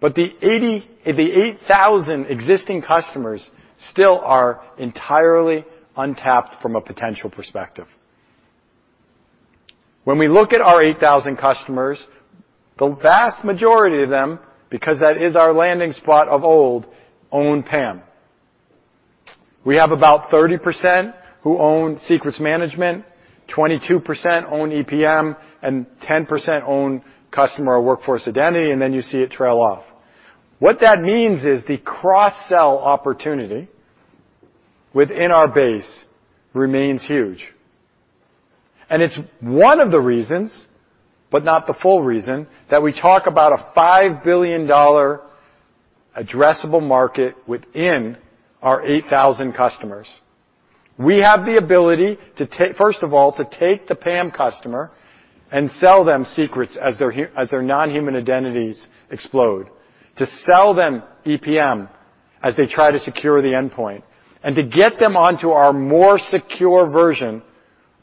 The 8,000 existing customers still are entirely untapped from a potential perspective. When we look at our 8,000 customers, the vast majority of them, because that is our landing spot of old, own PAM. We have about 30% who own Secrets Management, 22% own EPM, and 10% own Customer or Workforce Identity, then you see it trail off. What that means is the cross-sell opportunity within our base remains huge. It's one of the reasons, but not the full reason, that we talk about a $5 billion addressable market within our 8,000 customers. We have the ability to first of all, to take the PAM customer and sell them Secrets as their non-human identities explode, to sell them EPM as they try to secure the endpoint, and to get them onto our more secure version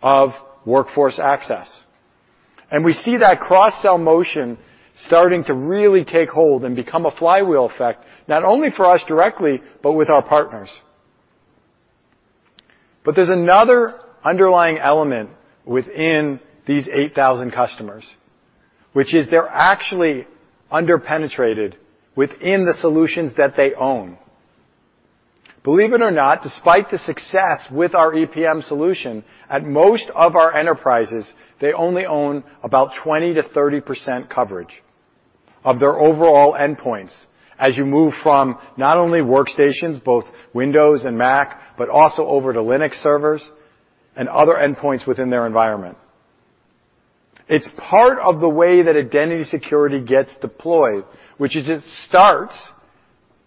of Workforce Access. We see that cross-sell motion starting to really take hold and become a flywheel effect, not only for us directly, but with our partners. There's another underlying element within these 8,000 customers, which is they're actually under-penetrated within the solutions that they own. Believe it or not, despite the success with our EPM solution, at most of our enterprises, they only own about 20%-30% coverage of their overall endpoints as you move from not only workstations, both Windows and Mac, but also over to Linux servers and other endpoints within their environment. It's part of the way that identity security gets deployed, which is it starts,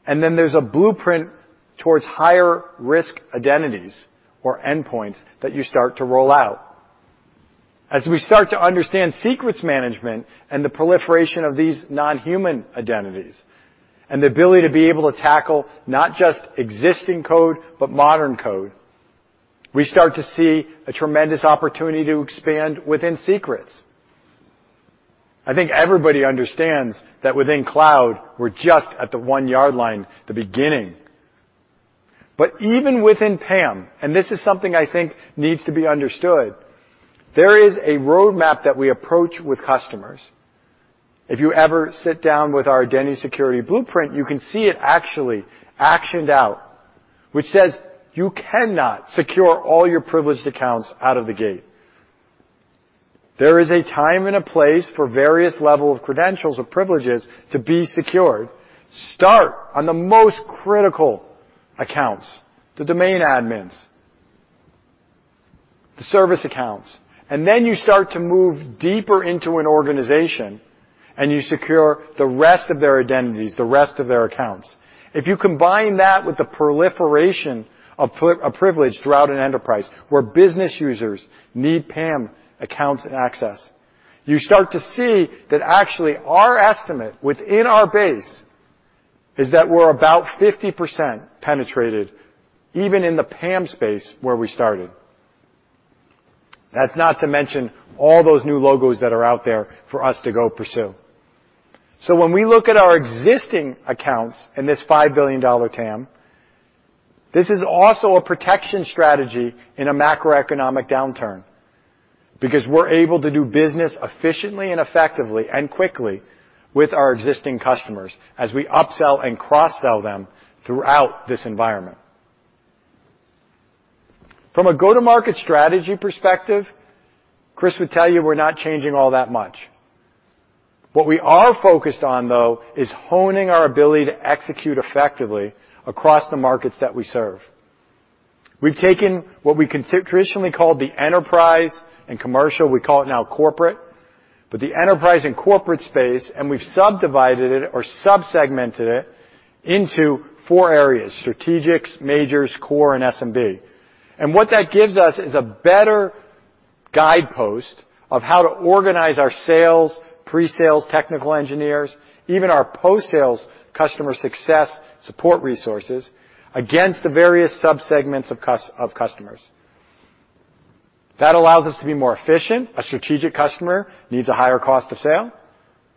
and then there's a blueprint towards higher risk identities or endpoints that you start to roll out. As we start to understand secrets management and the proliferation of these non-human identities, and the ability to be able to tackle not just existing code, but modern code, we start to see a tremendous opportunity to expand within Secrets. I think everybody understands that within cloud, we're just at the one yard line, the beginning. Even within PAM. This is something I think needs to be understood, there is a roadmap that we approach with customers. If you ever sit down with our identity security blueprint, you can see it actually actioned out, which says you cannot secure all your privileged accounts out of the gate. There is a time and a place for various level of credentials or privileges to be secured. Start on the most critical accounts, the domain admins, the service accounts. Then you start to move deeper into an organization. You secure the rest of their identities, the rest of their accounts. If you combine that with the proliferation of privilege throughout an enterprise where business users need PAM accounts and access, you start to see that actually our estimate within our base is that we're about 50% penetrated even in the PAM space where we started. That's not to mention all those new logos that are out there for us to go pursue. When we look at our existing accounts in this $5 billion TAM, this is also a protection strategy in a macroeconomic downturn because we're able to do business efficiently and effectively and quickly with our existing customers as we upsell and cross-sell them throughout this environment. From a go-to-market strategy perspective, Chris would tell you we're not changing all that much. What we are focused on though is honing our ability to execute effectively across the markets that we serve. We've taken what we traditionally called the enterprise and commercial, we call it now corporate, but the enterprise and corporate space, and we've subdivided it or sub-segmented it into four areas: strategics, majors, core, and SMB. What that gives us is a better guidepost of how to organize our sales, pre-sales, technical engineers, even our post-sales customer success support resources against the various sub-segments of customers. That allows us to be more efficient. A strategic customer needs a higher cost of sale.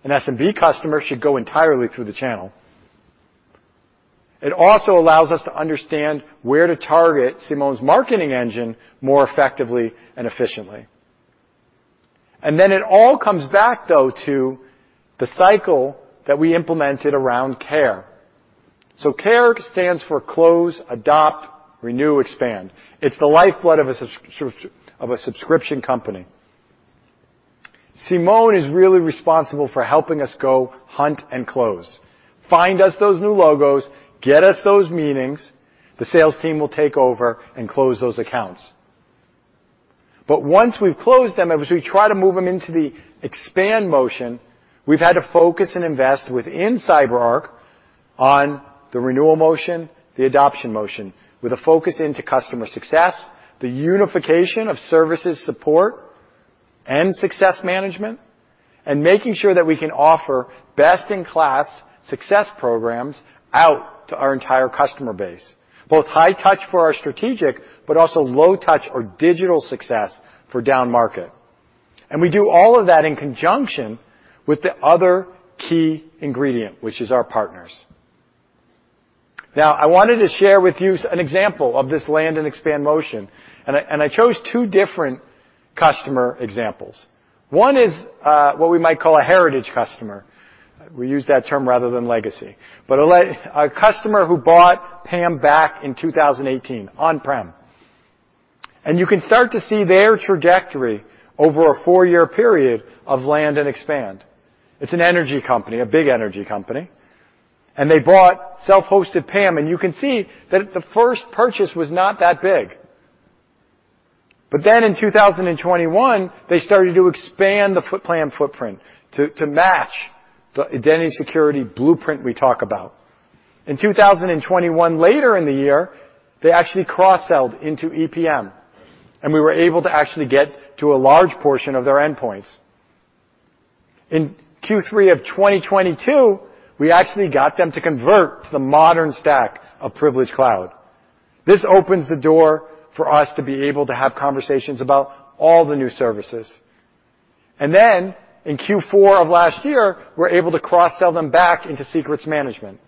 An SMB customer should go entirely through the channel. It also allows us to understand where to target Simon's marketing engine more effectively and efficiently. Then it all comes back though to the cycle that we implemented around CARE. CARE stands for Close, Adopt, Renew, Expand. It's the lifeblood of a subscription company. Simon is really responsible for helping us go hunt and close. Find us those new logos, get us those meetings, the sales team will take over and close those accounts. Once we've closed them, as we try to move them into the expand motion, we've had to focus and invest within CyberArk on the renewal motion, the adoption motion, with a focus into customer success, the unification of services support and success management, and making sure that we can offer best-in-class success programs out to our entire customer base, both high touch for our strategic, but also low touch or digital success for down market. We do all of that in conjunction with the other key ingredient, which is our partners. I wanted to share with you an example of this land and expand motion, and I chose two different customer examples. One is what we might call a heritage customer. We use that term rather than legacy. A customer who bought PAM back in 2018, on-prem. You can start to see their trajectory over a four-year period of land and expand. It's an energy company, a big energy company, and they bought self-hosted PAM, and you can see that at the first purchase was not that big. In 2021, they started to expand the foot-PAM footprint to match the identity security blueprint we talk about. In 2021, later in the year, they actually cross-sold into EPM, and we were able to actually get to a large portion of their endpoints. In Q3 of 2022, we actually got them to convert to the modern stack of Privileged Cloud. This opens the door for us to be able to have conversations about all the new services. In Q4 of last year, we're able to cross-sell them back into Secrets Management.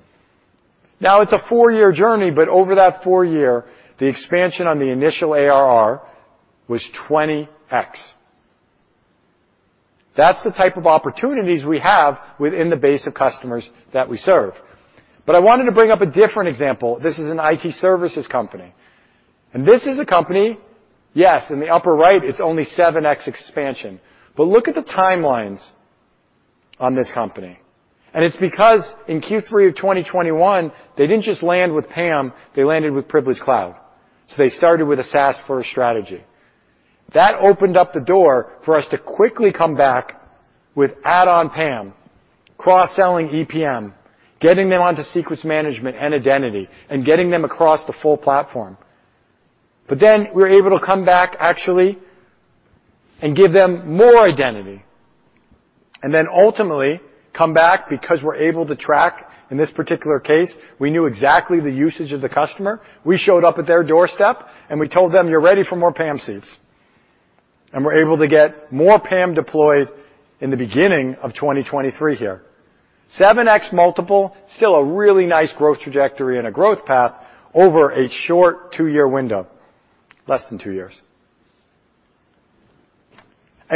It's a four-year journey, but over that four-year, the expansion on the initial ARR was 20x. That's the type of opportunities we have within the base of customers that we serve. I wanted to bring up a different example. This is an IT services company. This is a company. Yes, in the upper right, it's only seven times expansion. Look at the timelines on this company. It's because in Q3 of 2021, they didn't just land with PAM, they landed with Privileged Cloud. They started with a SaaS first strategy. That opened up the door for us to quickly come back with add-on PAM, cross-selling EPM, getting them onto Secrets Management and identity, and getting them across the full platform. We're able to come back actually and give them more identity, and then ultimately come back because we're able to track. In this particular case, we knew exactly the usage of the customer. We showed up at their doorstep, and we told them, "You're ready for more PAM seats." We're able to get more PAM deployed in the beginning of 2023 here. seven times multiple, still a really nice growth trajectory and a growth path over a short two-year window, less than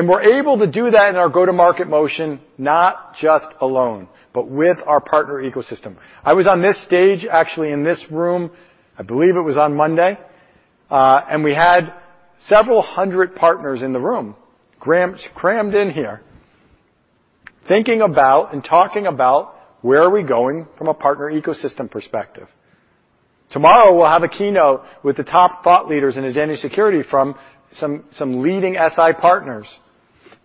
two-years. We're able to do that in our go-to-market motion, not just alone, but with our partner ecosystem. I was on this stage, actually in this room, I believe it was on Monday, and we had several hundred partners in the room, crammed in here, thinking about and talking about where are we going from a partner ecosystem perspective. Tomorrow, we'll have a keynote with the top thought leaders in Identity Security from some leading SI partners.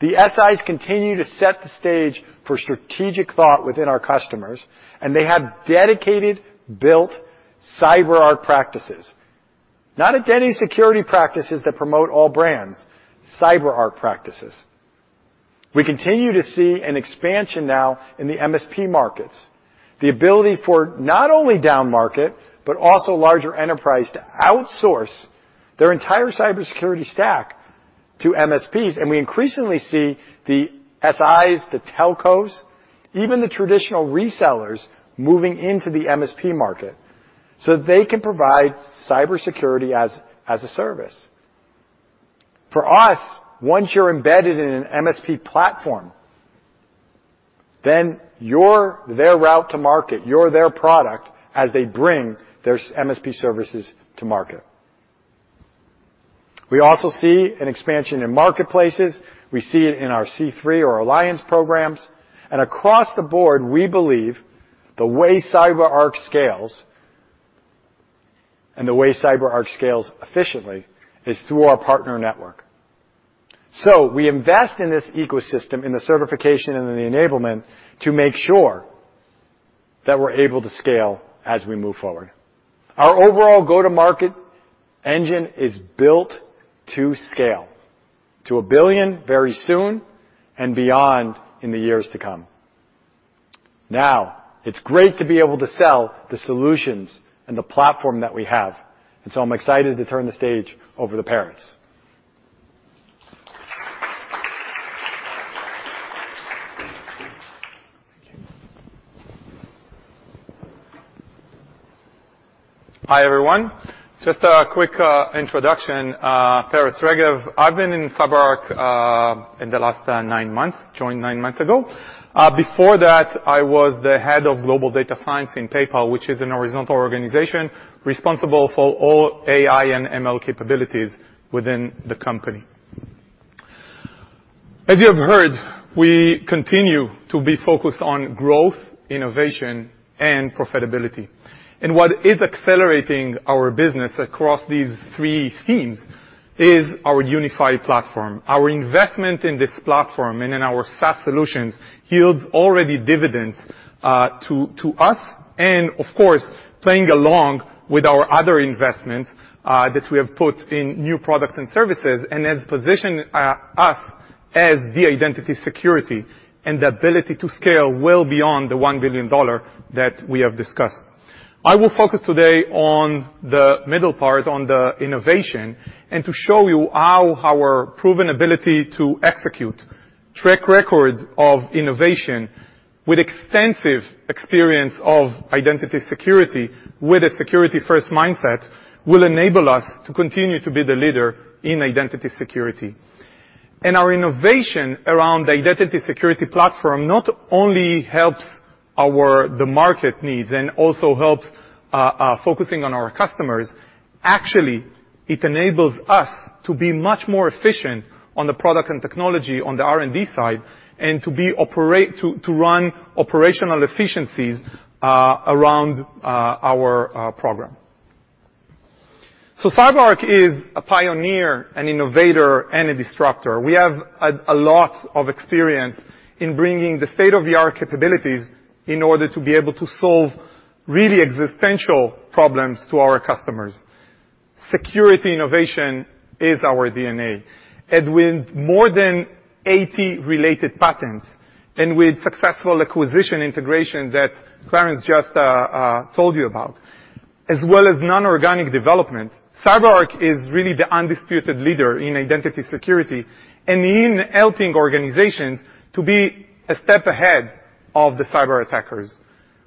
The SIs continue to set the stage for strategic thought within our customers, and they have dedicated, built CyberArk practices. Not Identity Security practices that promote all brands, CyberArk practices. We continue to see an expansion now in the MSP markets. The ability for not only down market, but also larger enterprise to outsource their entire cybersecurity stack to MSPs. We increasingly see the SIs, the telcos, even the traditional resellers moving into the MSP market so they can provide cybersecurity as a service. For us, once you're embedded in an MSP platform, then you're their route to market, you're their product as they bring their S-MSP services to market. We also see an expansion in marketplaces. We see it in our C3 Alliance programs. Across the board, we believe the way CyberArk scales and the way CyberArk scales efficiently is through our partner network. We invest in this ecosystem, in the certification and in the enablement to make sure that we're able to scale as we move forward. Our overall go-to-market engine is built to scale to $1 billion very soon and beyond in the years to come. It's great to be able to sell the solutions and the platform that we have, I'm excited to turn the stage over to Peretz. Hi, everyone. Just a quick introduction. Peretz Regev. I've been in CyberArk in the last nine months, joined nine months ago. Before that, I was the Head of Global Data Science in PayPal, which is an horizontal organization responsible for all AI and ML capabilities within the company. As you have heard, we continue to be focused on growth, innovation, and profitability. What is accelerating our business across these three themes is our unified platform. Our investment in this platform and in our SaaS solutions yields already dividends to us and of course, playing along with our other investments that we have put in new products and services, and has positioned us as the identity security and the ability to scale well beyond the $1 billion that we have discussed. I will focus today on the middle part, on the innovation, and to show you how our proven ability to execute track record of innovation with extensive experience of identity security, with a security-first mindset, will enable us to continue to be the leader in identity security. Our innovation around the identity security platform not only helps the market needs and also helps focusing on our customers, actually, it enables us to be much more efficient on the product and technology on the R&D side and to run operational efficiencies around our program. CyberArk is a pioneer, an innovator, and a disruptor. We have a lot of experience in bringing the state-of-the-art capabilities in order to be able to solve really existential problems to our customers. Security innovation is our DNA. With more than 80 related patents and with successful acquisition integration that Clarence just told you about, as well as non-organic development, CyberArk is really the undisputed leader in identity security and in helping organizations to be a step ahead of the cyber attackers.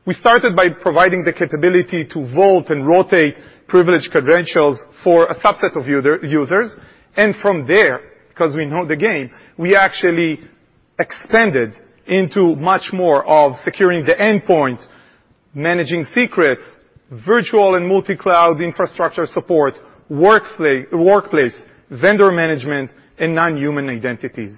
We started by providing the capability to vault and rotate privileged credentials for a subset of users, and from there, 'cause we know the game, we actually expanded into much more of securing the endpoint, managing secrets, virtual and multi-cloud infrastructure support, workplace, vendor management, and non-human identities.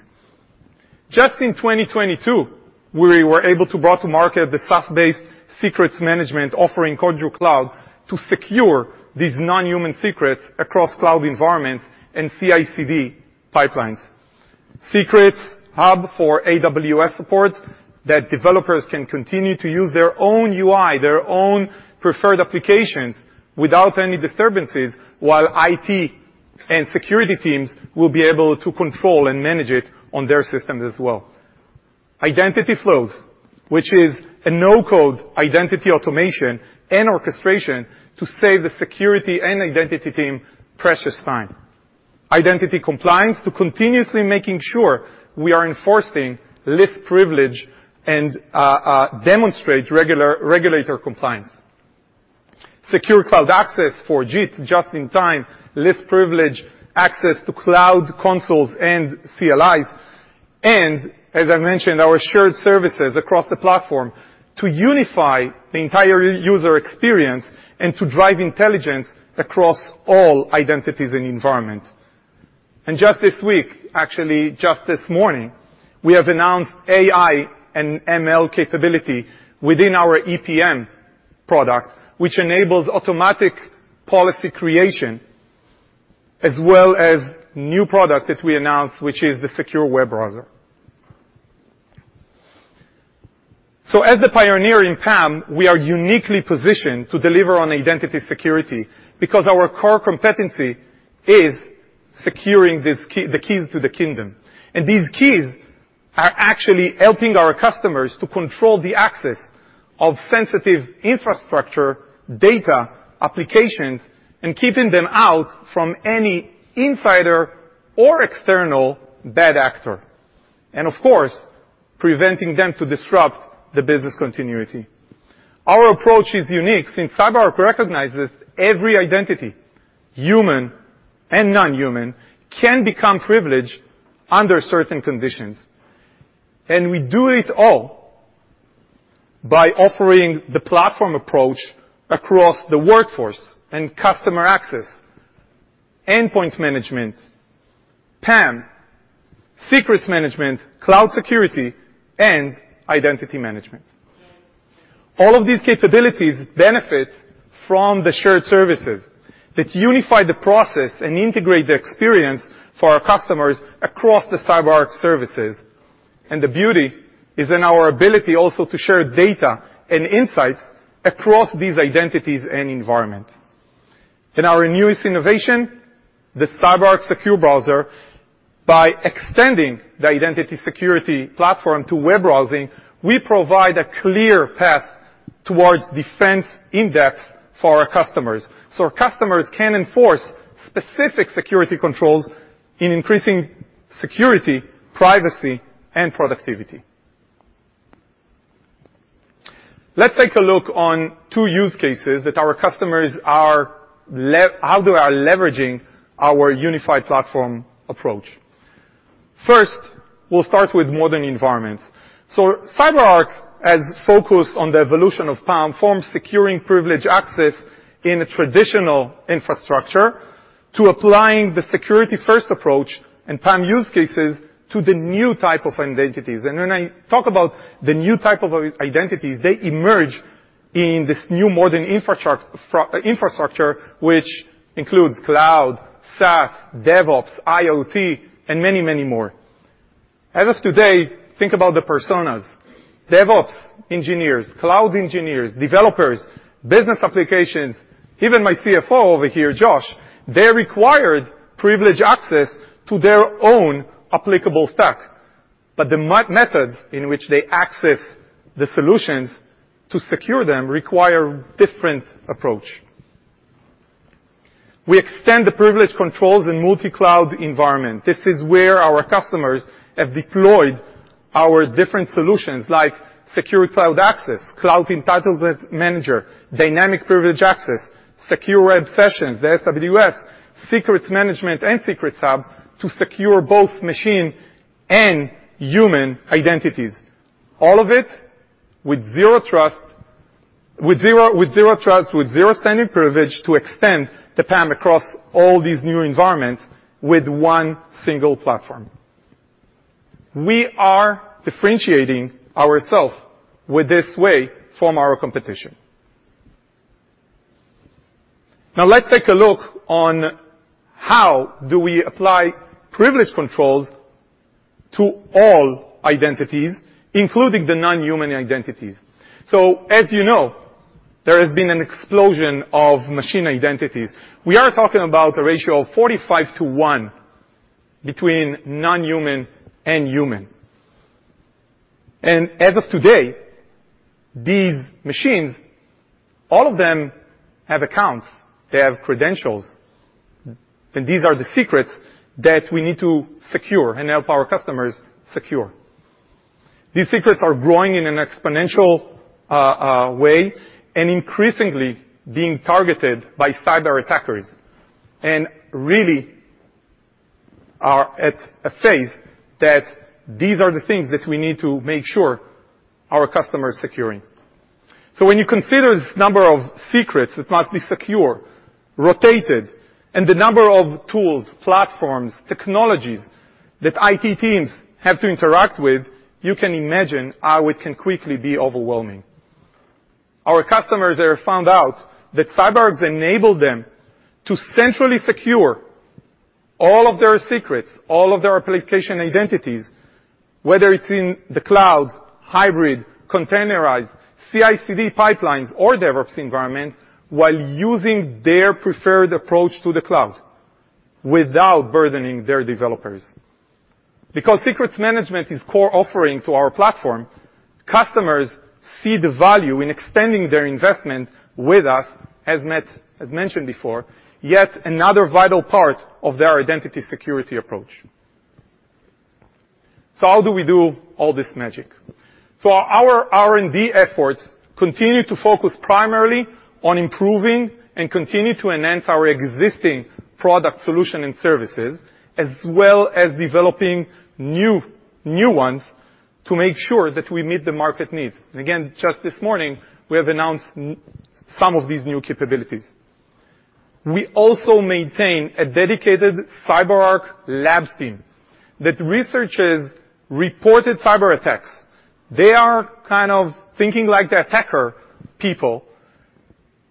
Just in 2022, we were able to brought to market the SaaS-based secrets management offering, Conjur Cloud, to secure these non-human secrets across cloud environments and CI/CD pipelines. Secrets Hub for AWS supports that developers can continue to use their own UI, their own preferred applications without any disturbances while IT and security teams will be able to control and manage it on their systems as well. Identity Flows, which is a no-code identity automation and orchestration to save the security and identity team precious time. Identity Compliance to continuously making sure we are enforcing least privilege and demonstrate regulator compliance. Secure Cloud Access for JIT, just in time, least privilege access to cloud consoles and CLIs. As I mentioned, our shared services across the platform to unify the entire user experience and to drive intelligence across all identities and environment. Just this week, actually just this morning, we have announced AI and ML capability within our EPM product, which enables automatic policy creation, as well as new product that we announced, which is the Secure Web Browser. As the pioneer in PAM, we are uniquely positioned to deliver on identity security because our core competency is securing this key, the keys to the kingdom. These keys are actually helping our customers to control the access of sensitive infrastructure, data, applications, and keeping them out from any insider or external bad actor, and of course, preventing them to disrupt the business continuity. Our approach is unique since CyberArk recognizes every identity, human and non-human, can become privileged under certain conditions. We do it all by offering the platform approach across the workforce and customer access, endpoint management, PAM, secrets management, cloud security, and identity management. All of these capabilities benefit from the shared services that unify the process and integrate the experience for our customers across the CyberArk services. The beauty is in our ability also to share data and insights across these identities and environment. In our newest innovation, the CyberArk Secure Browser, by extending the Identity Security Platform to web browsing, we provide a clear path towards defense in-depth for our customers can enforce specific security controls in increasing security, privacy, and productivity. Let's take a look on two use cases that our customers are how they are leveraging our unified platform approach. First, we'll start with modern environments. CyberArk has focused on the evolution of PAM forms, securing privileged access in a traditional infrastructure to applying the security-first approach and PAM use cases to the new type of identities. When I talk about the new type of identities, they emerge in this new modern infrastructure, which includes cloud, SaaS, DevOps, IoT, and many, many more. As of today, think about the personas. DevOps engineers, cloud engineers, developers, business applications, even my Chief Financial Officer over here, Josh, they required privileged access to their own applicable stack, but the methods in which they access the solutions to secure them require different approach. We extend the privileged controls in multi-cloud environment. This is where our customers have deployed our different solutions like Secure Cloud Access, Cloud Entitlements Manager, Dynamic Privileged Access, Secure Web Sessions, the SWS, secrets management and Secrets Hub to secure both machine and human identities. All of it with Zero Trust, with Zero Standing Privilege to extend the PAM across all these new environments with one single platform. We are differentiating ourselves with this way from our competition. Let's take a look on how do we apply privilege controls to all identities, including the non-human identities. As you know, there has been an explosion of machine identities. We are talking about a ratio of 45 to one between non-human and human. As of today, these machines, all of them have accounts, they have credentials, and these are the secrets that we need to secure and help our customers secure. These secrets are growing in an exponential way and increasingly being targeted by cyber attackers, and really are at a phase that these are the things that we need to make sure our customers securing. When you consider the number of secrets that must be secure, rotated, and the number of tools, platforms, technologies that IT teams have to interact with, you can imagine how it can quickly be overwhelming. Our customers have found out that CyberArk has enabled them to centrally secure all of their secrets, all of their application identities, whether it's in the cloud, hybrid, containerized, CI/CD pipelines, or DevOps environment while using their preferred approach to the cloud. Without burdening their developers. Secrets management is core offering to our platform, customers see the value in extending their investment with us, as Matt has mentioned before, yet another vital part of their identity security approach. How do we do all this magic? Our R&D efforts continue to focus primarily on improving and continue to enhance our existing product solution and services, as well as developing new ones to make sure that we meet the market needs. Again, just this morning, we have announced some of these new capabilities. We also maintain a dedicated CyberArk Labs team that researches reported cyberattacks. They are kind of thinking like the attacker people,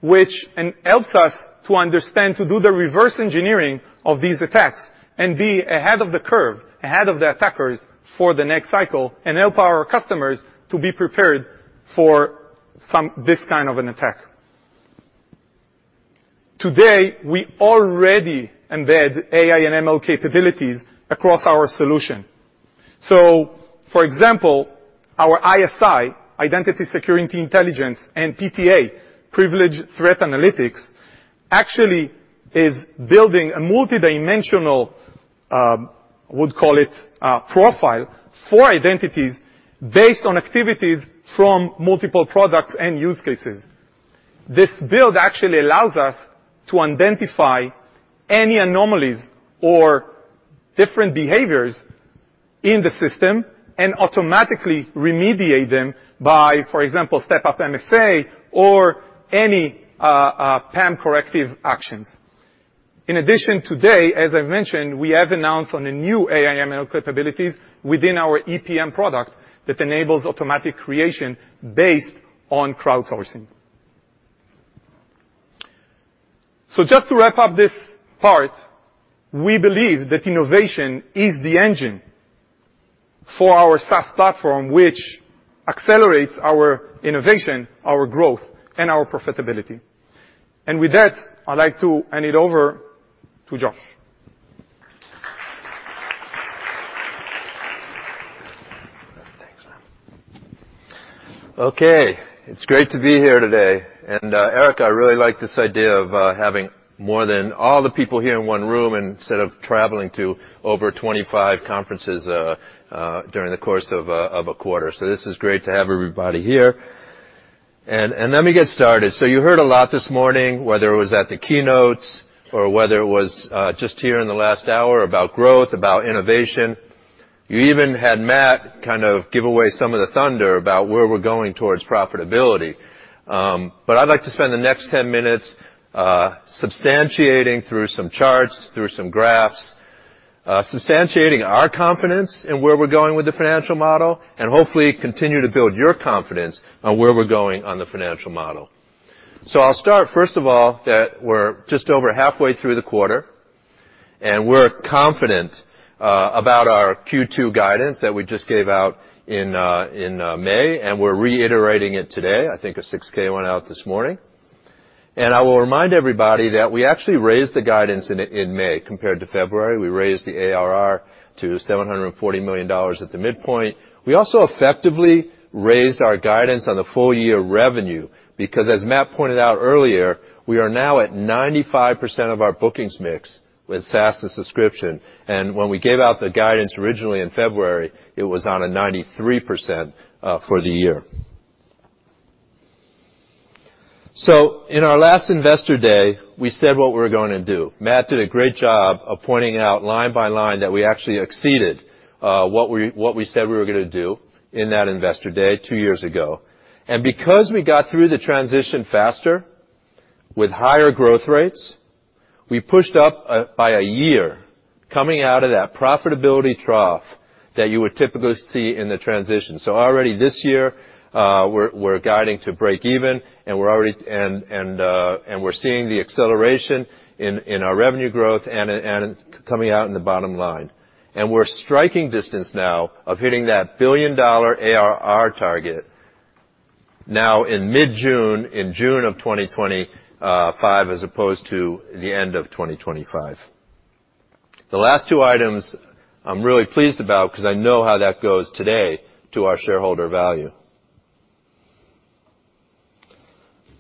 which helps us to understand, to do the reverse engineering of these attacks and be ahead of the curve, ahead of the attackers for the next cycle, and help our customers to be prepared for this kind of an attack. Today, we already embed AI and ML capabilities across our solution. For example, our ISI, Identity Security Intelligence, and PTA, Privileged Threat Analytics, actually is building a multidimensional, would call it a profile for identities based on activities from multiple products and use cases. This build actually allows us to identify any anomalies or different behaviors in the system and automatically remediate them by, for example, step-up MFA or any PAM corrective actions. In addition, today, as I've mentioned, we have announced on the new AI ML capabilities within our EPM product that enables automatic creation based on crowdsourcing. Just to wrap up this part, we believe that innovation is the engine for our SaaS platform, which accelerates our innovation, our growth, and our profitability. With that, I'd like to hand it over to Josh. Thanks, man. Okay, it's great to be here today. Erik, I really like this idea of having more than all the people here in one room instead of traveling to over 25 conferences during the course of a quarter. This is great to have everybody here. Let me get started. You heard a lot this morning, whether it was at the keynotes or whether it was just here in the last hour about growth, about innovation. You even had Matt kind of give away some of the thunder about where we're going towards profitability. I'd like to spend the next 10 minutes, substantiating through some charts, through some graphs, substantiating our confidence in where we're going with the financial model, and hopefully continue to build your confidence on where we're going on the financial model. I'll start, first of all, that we're just over halfway through the quarter, and we're confident about our Q2 guidance that we just gave out in May, and we're reiterating it today. I think a 6-K went out this morning. I will remind everybody that we actually raised the guidance in May compared to February. We raised the ARR to $740 million at the midpoint. We also effectively raised our guidance on the full year revenue because as Matt pointed out earlier, we are now at 95% of our bookings mix with SaaS subscription, and when we gave out the guidance originally in February, it was on a 93% for the year. In our last Investor Day, we said what we're gonna do. Matt did a great job of pointing out line by line that we actually exceeded what we said we were gonna do in that Investor Day two years ago. Because we got through the transition faster with higher growth rates, we pushed up by a year coming out of that profitability trough that you would typically see in the transition. Already this year, we're guiding to break even, and we're seeing the acceleration in our revenue growth and coming out in the bottom line. We're striking distance now of hitting that $1 billion ARR target now in mid-June, in June of 2025 as opposed to the end of 2025. The last two items I'm really pleased about 'cause I know how that goes today to our shareholder value.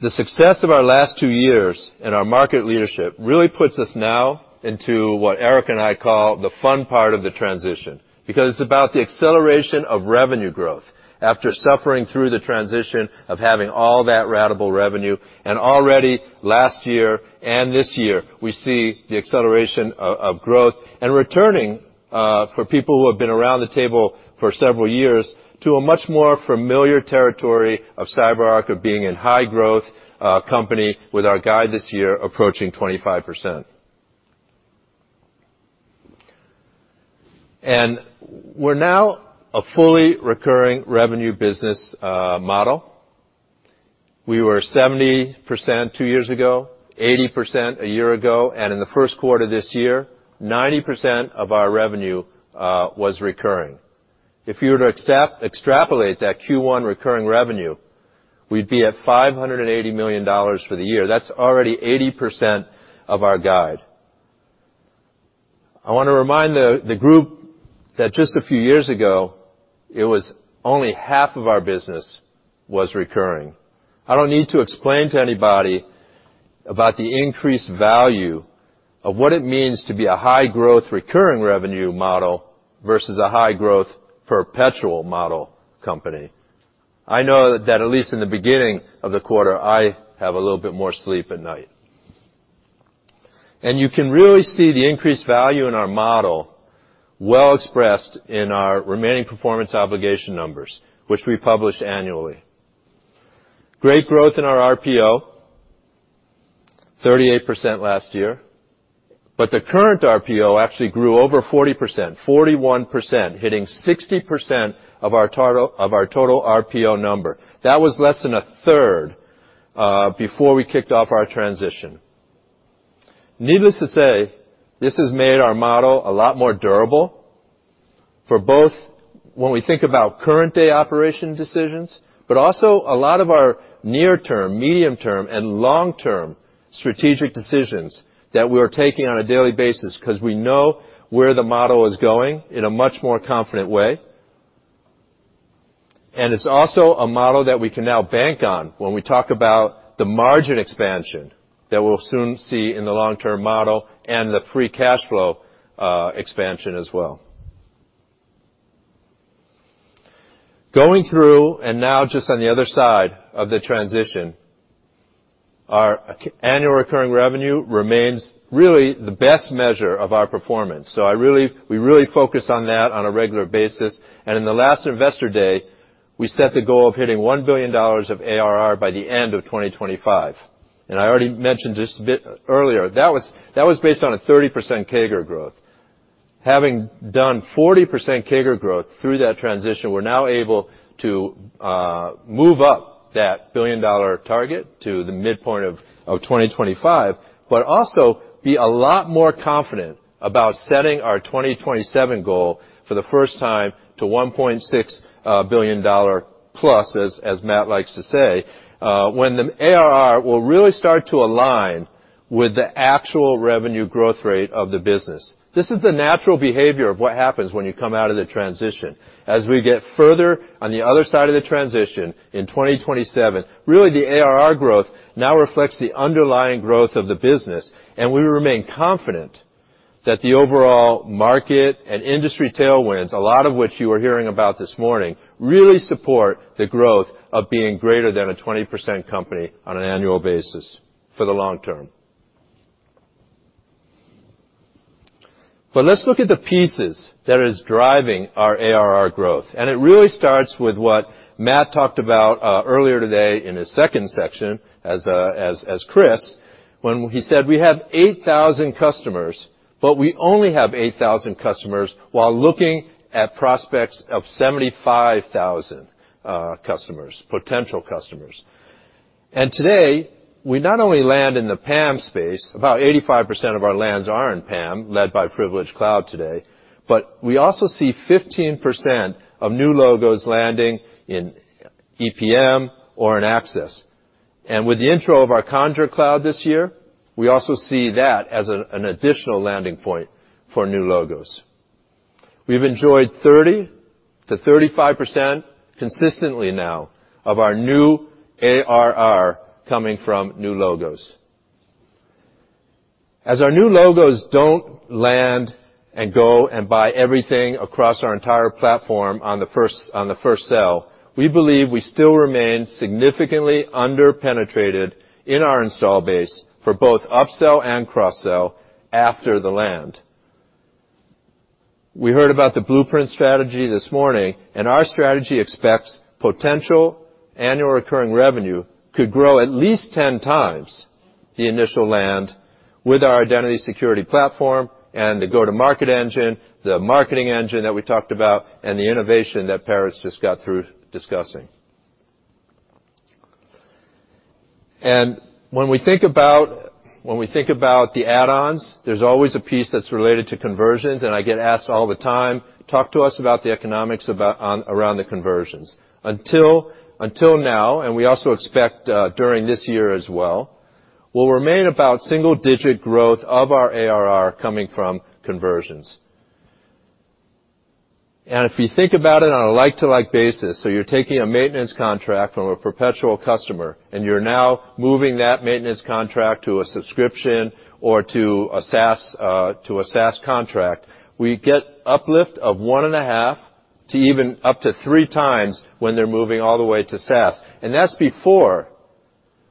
The success of our last two years and our market leadership really puts us now into what Erik and I call the fun part of the transition, because it's about the acceleration of revenue growth after suffering through the transition of having all that ratable revenue. Already last year and this year, we see the acceleration of growth and returning for people who have been around the table for several years to a much more familiar territory of CyberArk of being in high growth company with our guide this year approaching 25%. We're now a fully recurring revenue business model. We were 70% two-years ago, 80% a year ago, and in the first quarter this year, 90% of our revenue was recurring. If you were to extrapolate that Q1 recurring revenueWe'd be at $580 million for the year. That's already 80% of our guide. I wanna remind the group that just a few years ago, it was only half of our business was recurring. I don't need to explain to anybody about the increased value of what it means to be a high-growth recurring revenue model versus a high-growth perpetual model company. I know that at least in the beginning of the quarter, I have a little bit more sleep at night. You can really see the increased value in our model well expressed in our remaining performance obligation numbers, which we publish annually. Great growth in our RPO, 38% last year. The current RPO actually grew over 40%, 41%, hitting 60% of our total, of our total RPO number. That was less than a third before we kicked off our transition. Needless to say, this has made our model a lot more durable for both when we think about current-day operation decisions, but also a lot of our near-term, medium-term, and long-term strategic decisions that we're taking on a daily basis 'cause we know where the model is going in a much more confident way. It's also a model that we can now bank on when we talk about the margin expansion that we'll soon see in the long-term model and the free cash flow expansion as well. Going through, now just on the other side of the transition, our annual recurring revenue remains really the best measure of our performance. We really focus on that on a regular basis. In the last Investor Day, we set the goal of hitting $1 billion of ARR by the end of 2025. I already mentioned this a bit earlier. That was based on a 30% CAGR growth. Having done 40% CAGR growth through that transition, we're now able to move up that billion-dollar target to the midpoint of 2025, but also be a lot more confident about setting our 2027 goal for the first time to $1.6 billion plus, as Matt likes to say, when the ARR will really start to align with the actual revenue growth rate of the business. This is the natural behavior of what happens when you come out of the transition. As we get further on the other side of the transition in 2027, really the ARR growth now reflects the underlying growth of the business. We remain confident that the overall market and industry tailwinds, a lot of which you are hearing about this morning, really support the growth of being greater than a 20% company on an annual basis for the long term. Let's look at the pieces that is driving our ARR growth. It really starts with what Matt talked about earlier today in his second section as Chris, when he said we have 8,000 customers, but we only have 8,000 customers while looking at prospects of 75,000 customers, potential customers. Today, we not only land in the PAM space, about 85% of our lands are in PAM, led by Privileged Cloud today, but we also see 15% of new logos landing in EPM or in Access. With the intro of our Conjur Cloud this year, we also see that as an additional landing point for new logos. We've enjoyed 30%-35% consistently now of our new ARR coming from new logos. As our new logos don't land and go and buy everything across our entire platform on the first, on the first sale, we believe we still remain significantly under-penetrated in our install base for both upsell and cross-sell after the land. We heard about the blueprint strategy this morning. Our strategy expects potential annual recurring revenue could grow at least 10 times the initial land with our Identity Security Platform and the go-to-market engine, the marketing engine that we talked about, and the innovation that Paris just got through discussing. When we think about the add-ons, there's always a piece that's related to conversions. I get asked all the time, "Talk to us about the economics about on, around the conversions." Until now, we also expect, during this year as well, we'll remain about single-digit growth of our ARR coming from conversions. If you think about it on a like-to-like basis, so you're taking a maintenance contract from a perpetual customer, and you're now moving that maintenance contract to a subscription or to a SaaS, to a SaaS contract, we get uplift of one point five to even up to three times when they're moving all the way to SaaS. That's before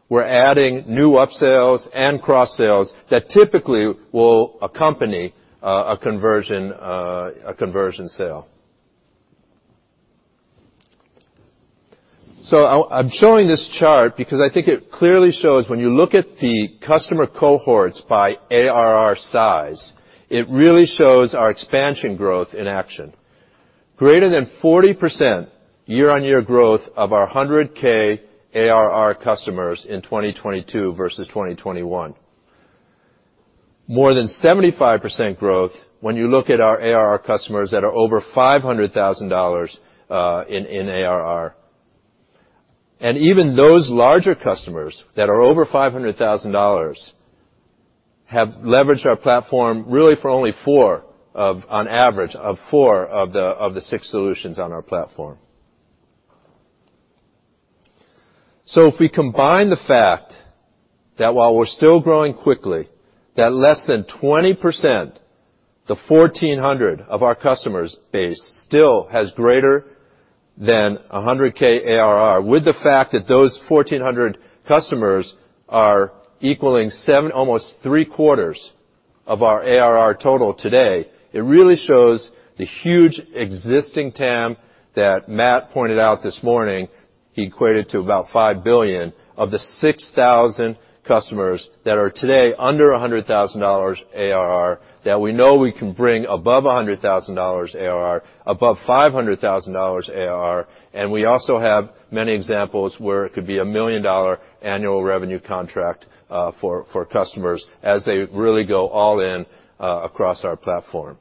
we're adding new upsales and cross-sales that typically will accompany a conversion, a conversion sale. I'm showing this chart because I think it clearly shows when you look at the customer cohorts by ARR size, it really shows our expansion growth in action. Greater than 40% year-on-year growth of our 100K ARR customers in 2022 versus 2021. More than 75% growth when you look at our ARR customers that are over $500,000 in ARR. Even those larger customers that are over $500,000 have leveraged our platform really for only on average of four of the six solutions on our platform. If we combine the fact that while we're still growing quickly, that less than 20%, the 1,400 of our customers base still has greater than a 100K ARR, with the fact that those 1,400 customers are equaling almost 3/4 of our ARR total today, it really shows the huge existing TAM that Matt pointed out this morning. He equated to about $5 billion of the 6,000 customers that are today under $100,000 ARR, that we know we can bring above $100,000 ARR, above $500,000 ARR. We also have many examples where it could be a $1 million annual revenue contract, for customers as they really go all in, across our platform.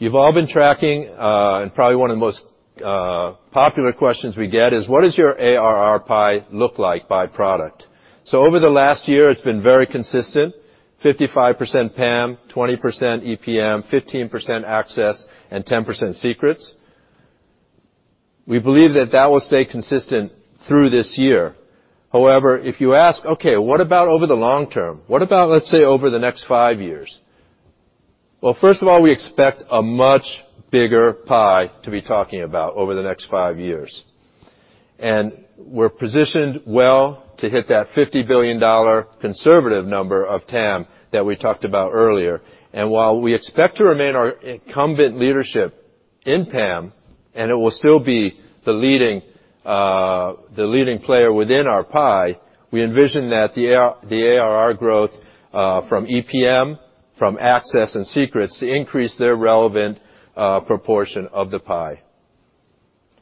You've all been tracking, and probably one of the most popular questions we get is, "What does your ARR pie look like by product?" Over the last year, it's been very consistent. 55% PAM, 20% EPM, 15% access, and 10% secrets. We believe that that will stay consistent through this year. If you ask, "Okay, what about over the long term? What about, let's say, over the next five years? Well, first of all, we expect a much bigger pie to be talking about over the next five years. We're positioned well to hit that $50 billion conservative number of TAM that we talked about earlier. While we expect to remain our incumbent leadership in PAM, it will still be the leading player within our pie, we envision that the ARR growth from EPM, from access and secrets to increase their relevant proportion of the pie.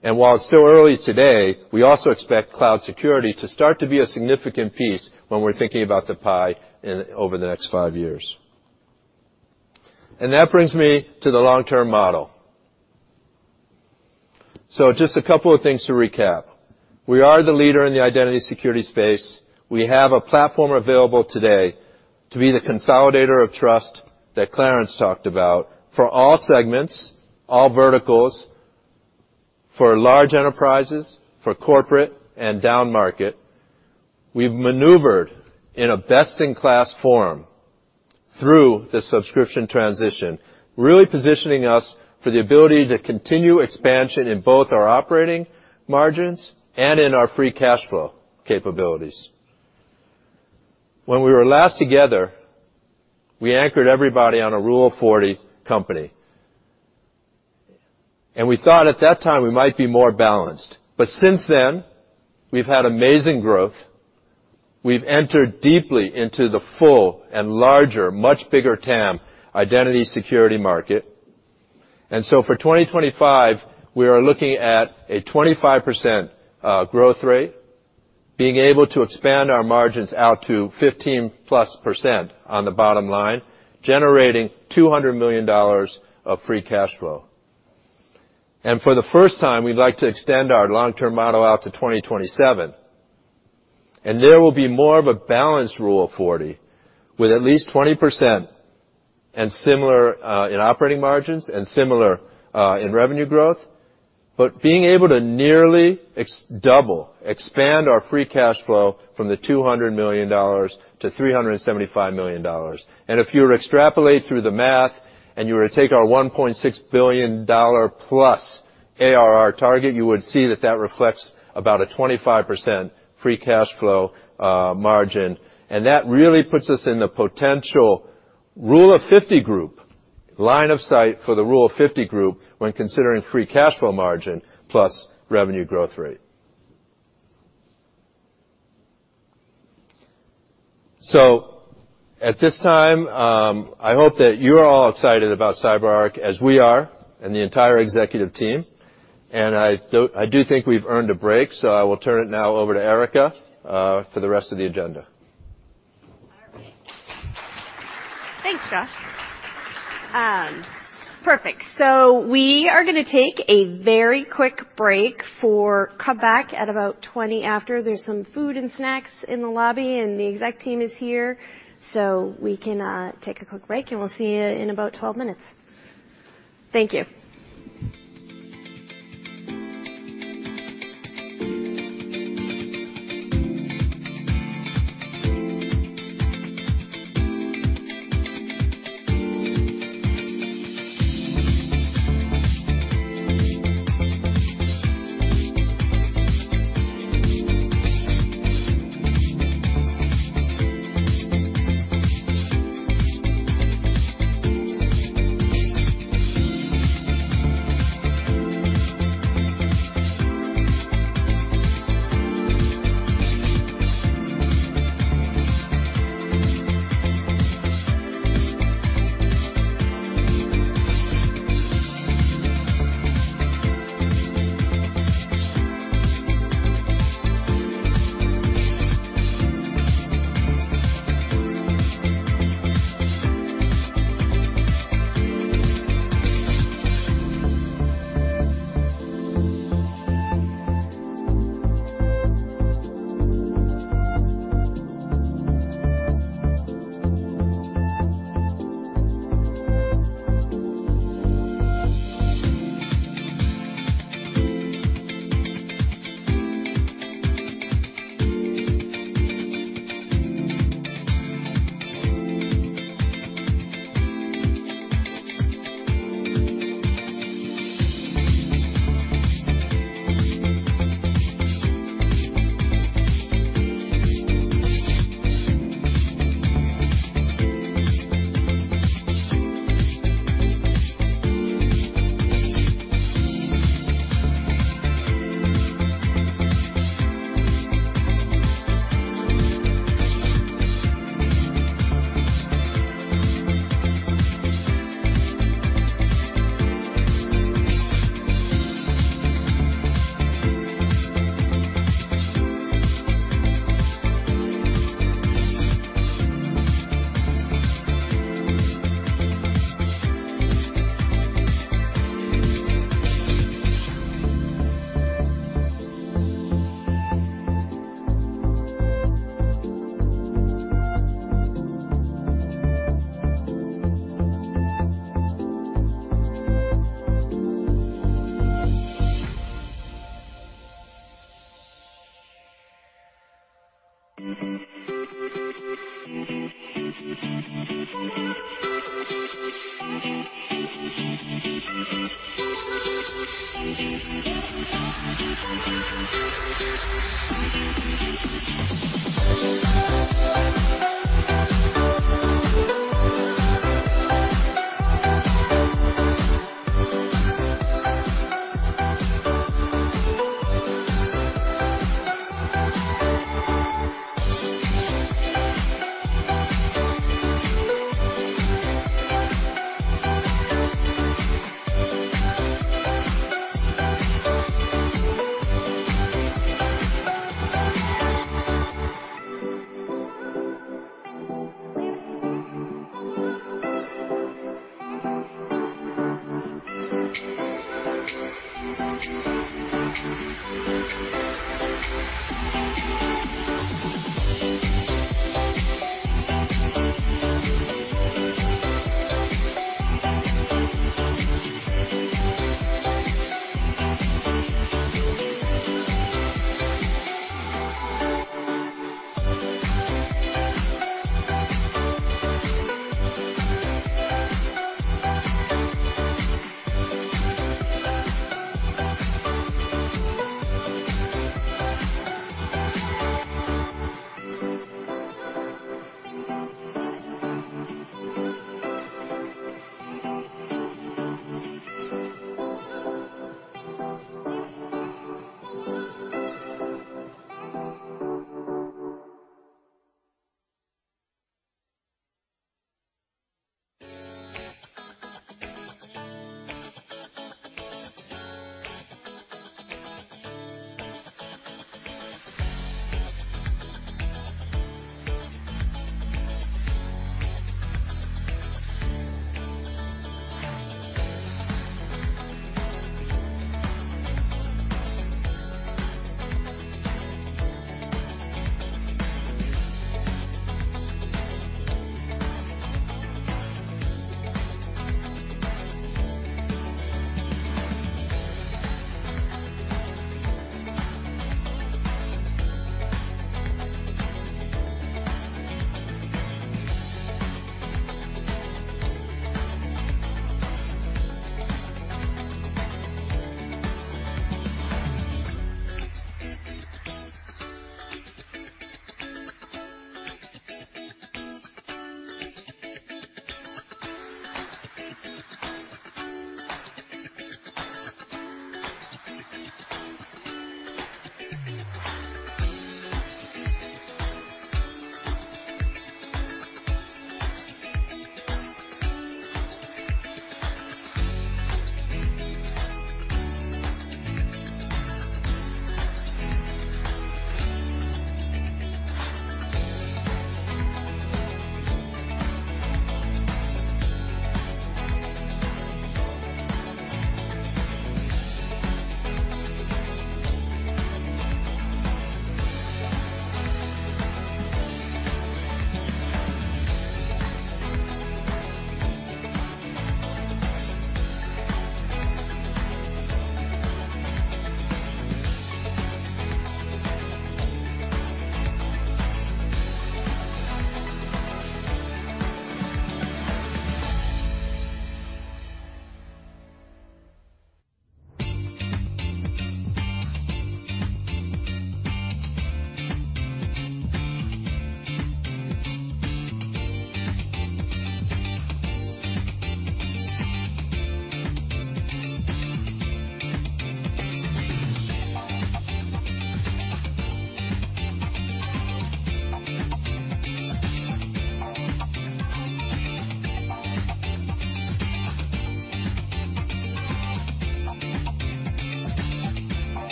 While it's still early today, we also expect cloud security to start to be a significant piece when we're thinking about the pie over the next five years. That brings me to the long-term model. Just a couple of things to recap. We are the leader in the identity security space. We have a platform available today to be the consolidator of trust that Clarence talked about for all segments, all verticals, for large enterprises, for corporate and down-market. We've maneuvered in a best-in-class forum through the subscription transition, really positioning us for the ability to continue expansion in both our operating margins and in our free cash flow capabilities. When we were last together, we anchored everybody on a Rule of 40 company. We thought at that time we might be more balanced. Since then, we've had amazing growth. We've entered deeply into the full and larger, much bigger TAM identity security market. For 2025, we are looking at a 25% growth rate, being able to expand our margins out to 15%+ on the bottom line, generating $200 million of free cash flow. For the first time, we'd like to extend our long-term model out to 2027. There will be more of a balanced Rule of 40 with at least 20% and similar in operating margins and similar in revenue growth. Being able to nearly double, expand our free cash flow from the $200 million to $375 million. If you were to extrapolate through the math and you were to take our $1.6 billion+ ARR target, you would see that that reflects about a 25% free cash flow margin. That really puts us in the potential Rule of 50 group, line of sight for the Rule of 50 group when considering free cash flow margin plus revenue growth rate. At this time, I hope that you're all excited about CyberArk as we are and the entire executive team. I do think we've earned a break, so I will turn it now over to Erica for the rest of the agenda. All right. Thanks, Josh. Perfect. We are gonna take a very quick break. Come back at about 20 after. There's some food and snacks in the lobby. The exec team is here. We can take a quick break. We'll see you in about 12 minutes. Thank you.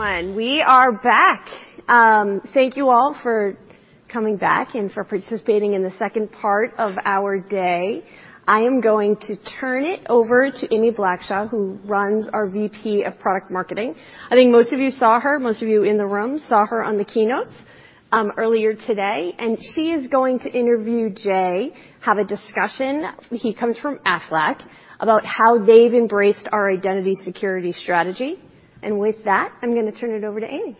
Okay, everyone, we are back. Thank you all for coming back and for participating in the second part of our day. I am going to turn it over to Amy Blackshaw, who runs our VP of Product Marketing. I think most of you saw her. Most of you in the room saw her on the keynotes earlier today. She is going to interview Jay, have a. discussion, he comes from Aflac, about how they've embraced our identity security strategy. With that, I'm gonna turn it over to Amy.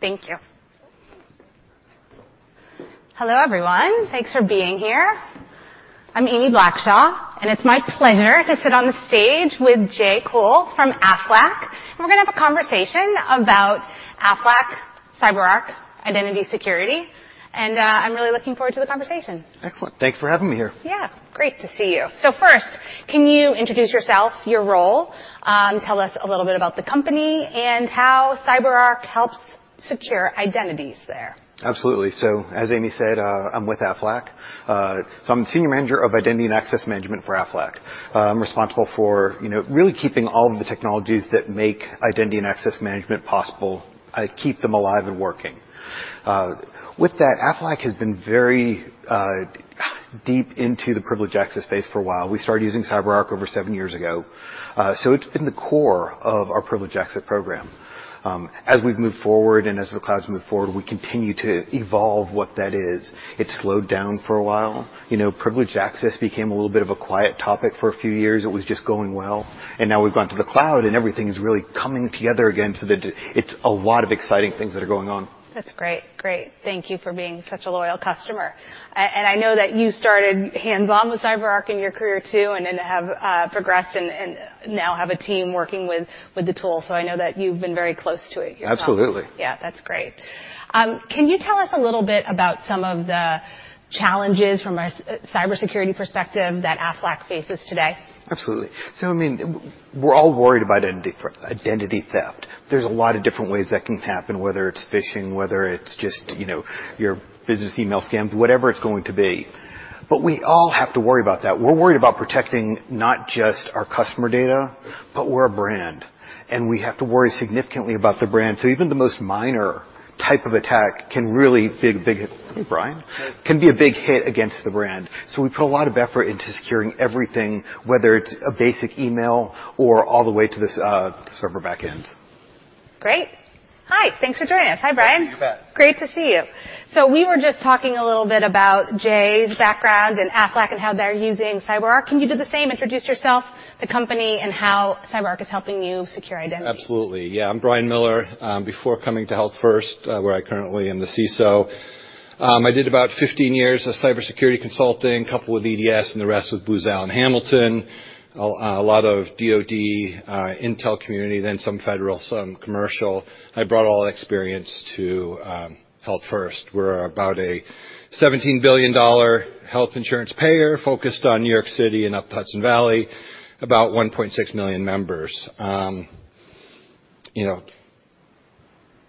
Thank you. Hello, everyone. Thanks for being here. I'm Amy Blackshaw. It's my pleasure to sit on the stage with Jay Coull from Aflac. We're gonna have a conversation about Aflac, CyberArk, identity security. I'm really looking forward to the conversation. Excellent. Thanks for having me here. Yeah. Great to see you. First, can you introduce yourself, your role, tell us a little bit about the company and how CyberArk helps secure identities there. Absolutely. As Amy said, I'm with Aflac. I'm the Senior Manager of identity and access management for Aflac. I'm responsible for, you know, really keeping all of the technologies that make identity and access management possible, I keep them alive and working. With that, Aflac has been very deep into the privileged access space for a while. We started using CyberArk over seven years ago. It's been the core of our privileged access program. As we've moved forward and as the cloud moves forward, we continue to evolve what that is. It slowed down for a while. You know, privileged access became a little bit of a quiet topic for a few years. It was just going well. Now we've gone to the cloud, and everything is really coming together again. It's a lot of exciting things that are going on. That's great. Great. Thank you for being such a loyal customer. I know that you started hands-on with CyberArk in your career too and then have progressed and now have a team working with the tool. I know that you've been very close to it yourself. Absolutely. Yeah. That's great. Can you tell us a little bit about some of the challenges from a cybersecurity perspective that Aflac faces today? Absolutely. I mean, we're all worried about identity theft. There's a lot of different ways that can happen, whether it's phishing, whether it's just, you know, your business email scams, whatever it's going to be. We all have to worry about that. We're worried about protecting not just our customer data, but we're a brand, and we have to worry significantly about the brand. Even the most minor type of attack can really big. Hey, Brian. Can be a big hit against the brand. We put a lot of effort into securing everything, whether it's a basic email or all the way to the server backends. Great. Hi. Thanks for joining us. Hi, Brian. Thanks for having me back. Great to see you. We were just talking a little bit about Jay's background in Aflac and how they're using CyberArk. Can you do the same? Introduce yourself, the company, and how CyberArk is helping you secure identities. Absolutely. Yeah. I'm Brian Miller. Before coming to HealthFirst, where I currently am the CISO, I did about 15 years of cybersecurity consulting, coupled with EDS and the rest with Booz Allen Hamilton. A lot of DoD, intel community, then some federal, some commercial. I brought all that experience to HealthFirst. We're about a $17 billion health insurance payer focused on New York City and up Hudson Valley, about 1.6 million members. You know,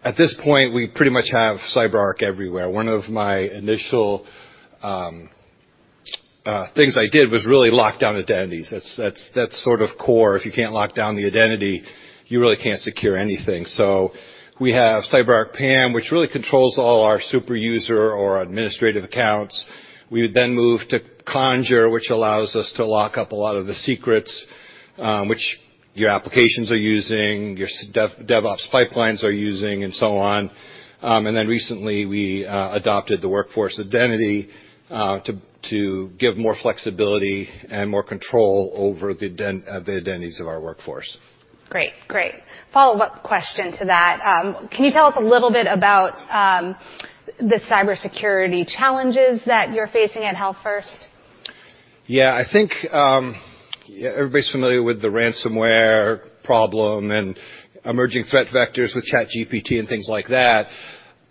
at this point, we pretty much have CyberArk everywhere. One of my initial things I did was really lock down identities. That's sort of core. If you can't lock down the identity, you really can't secure anything. So we have CyberArk PAM, which really controls all our superuser or administrative accounts. We would move to Conjur, which allows us to lock up a lot of the secrets, which your applications are using, your dev, DevOps pipelines are using and so on. Recently we adopted the Workforce Identity to give more flexibility and more control over the identities of our workforce. Great. Great. Follow-up question to that. Can you tell us a little bit about the cybersecurity challenges that you're facing at HealthFirst? Yeah. I think, everybody's familiar with the ransomware problem and emerging threat vectors with ChatGPT and things like that,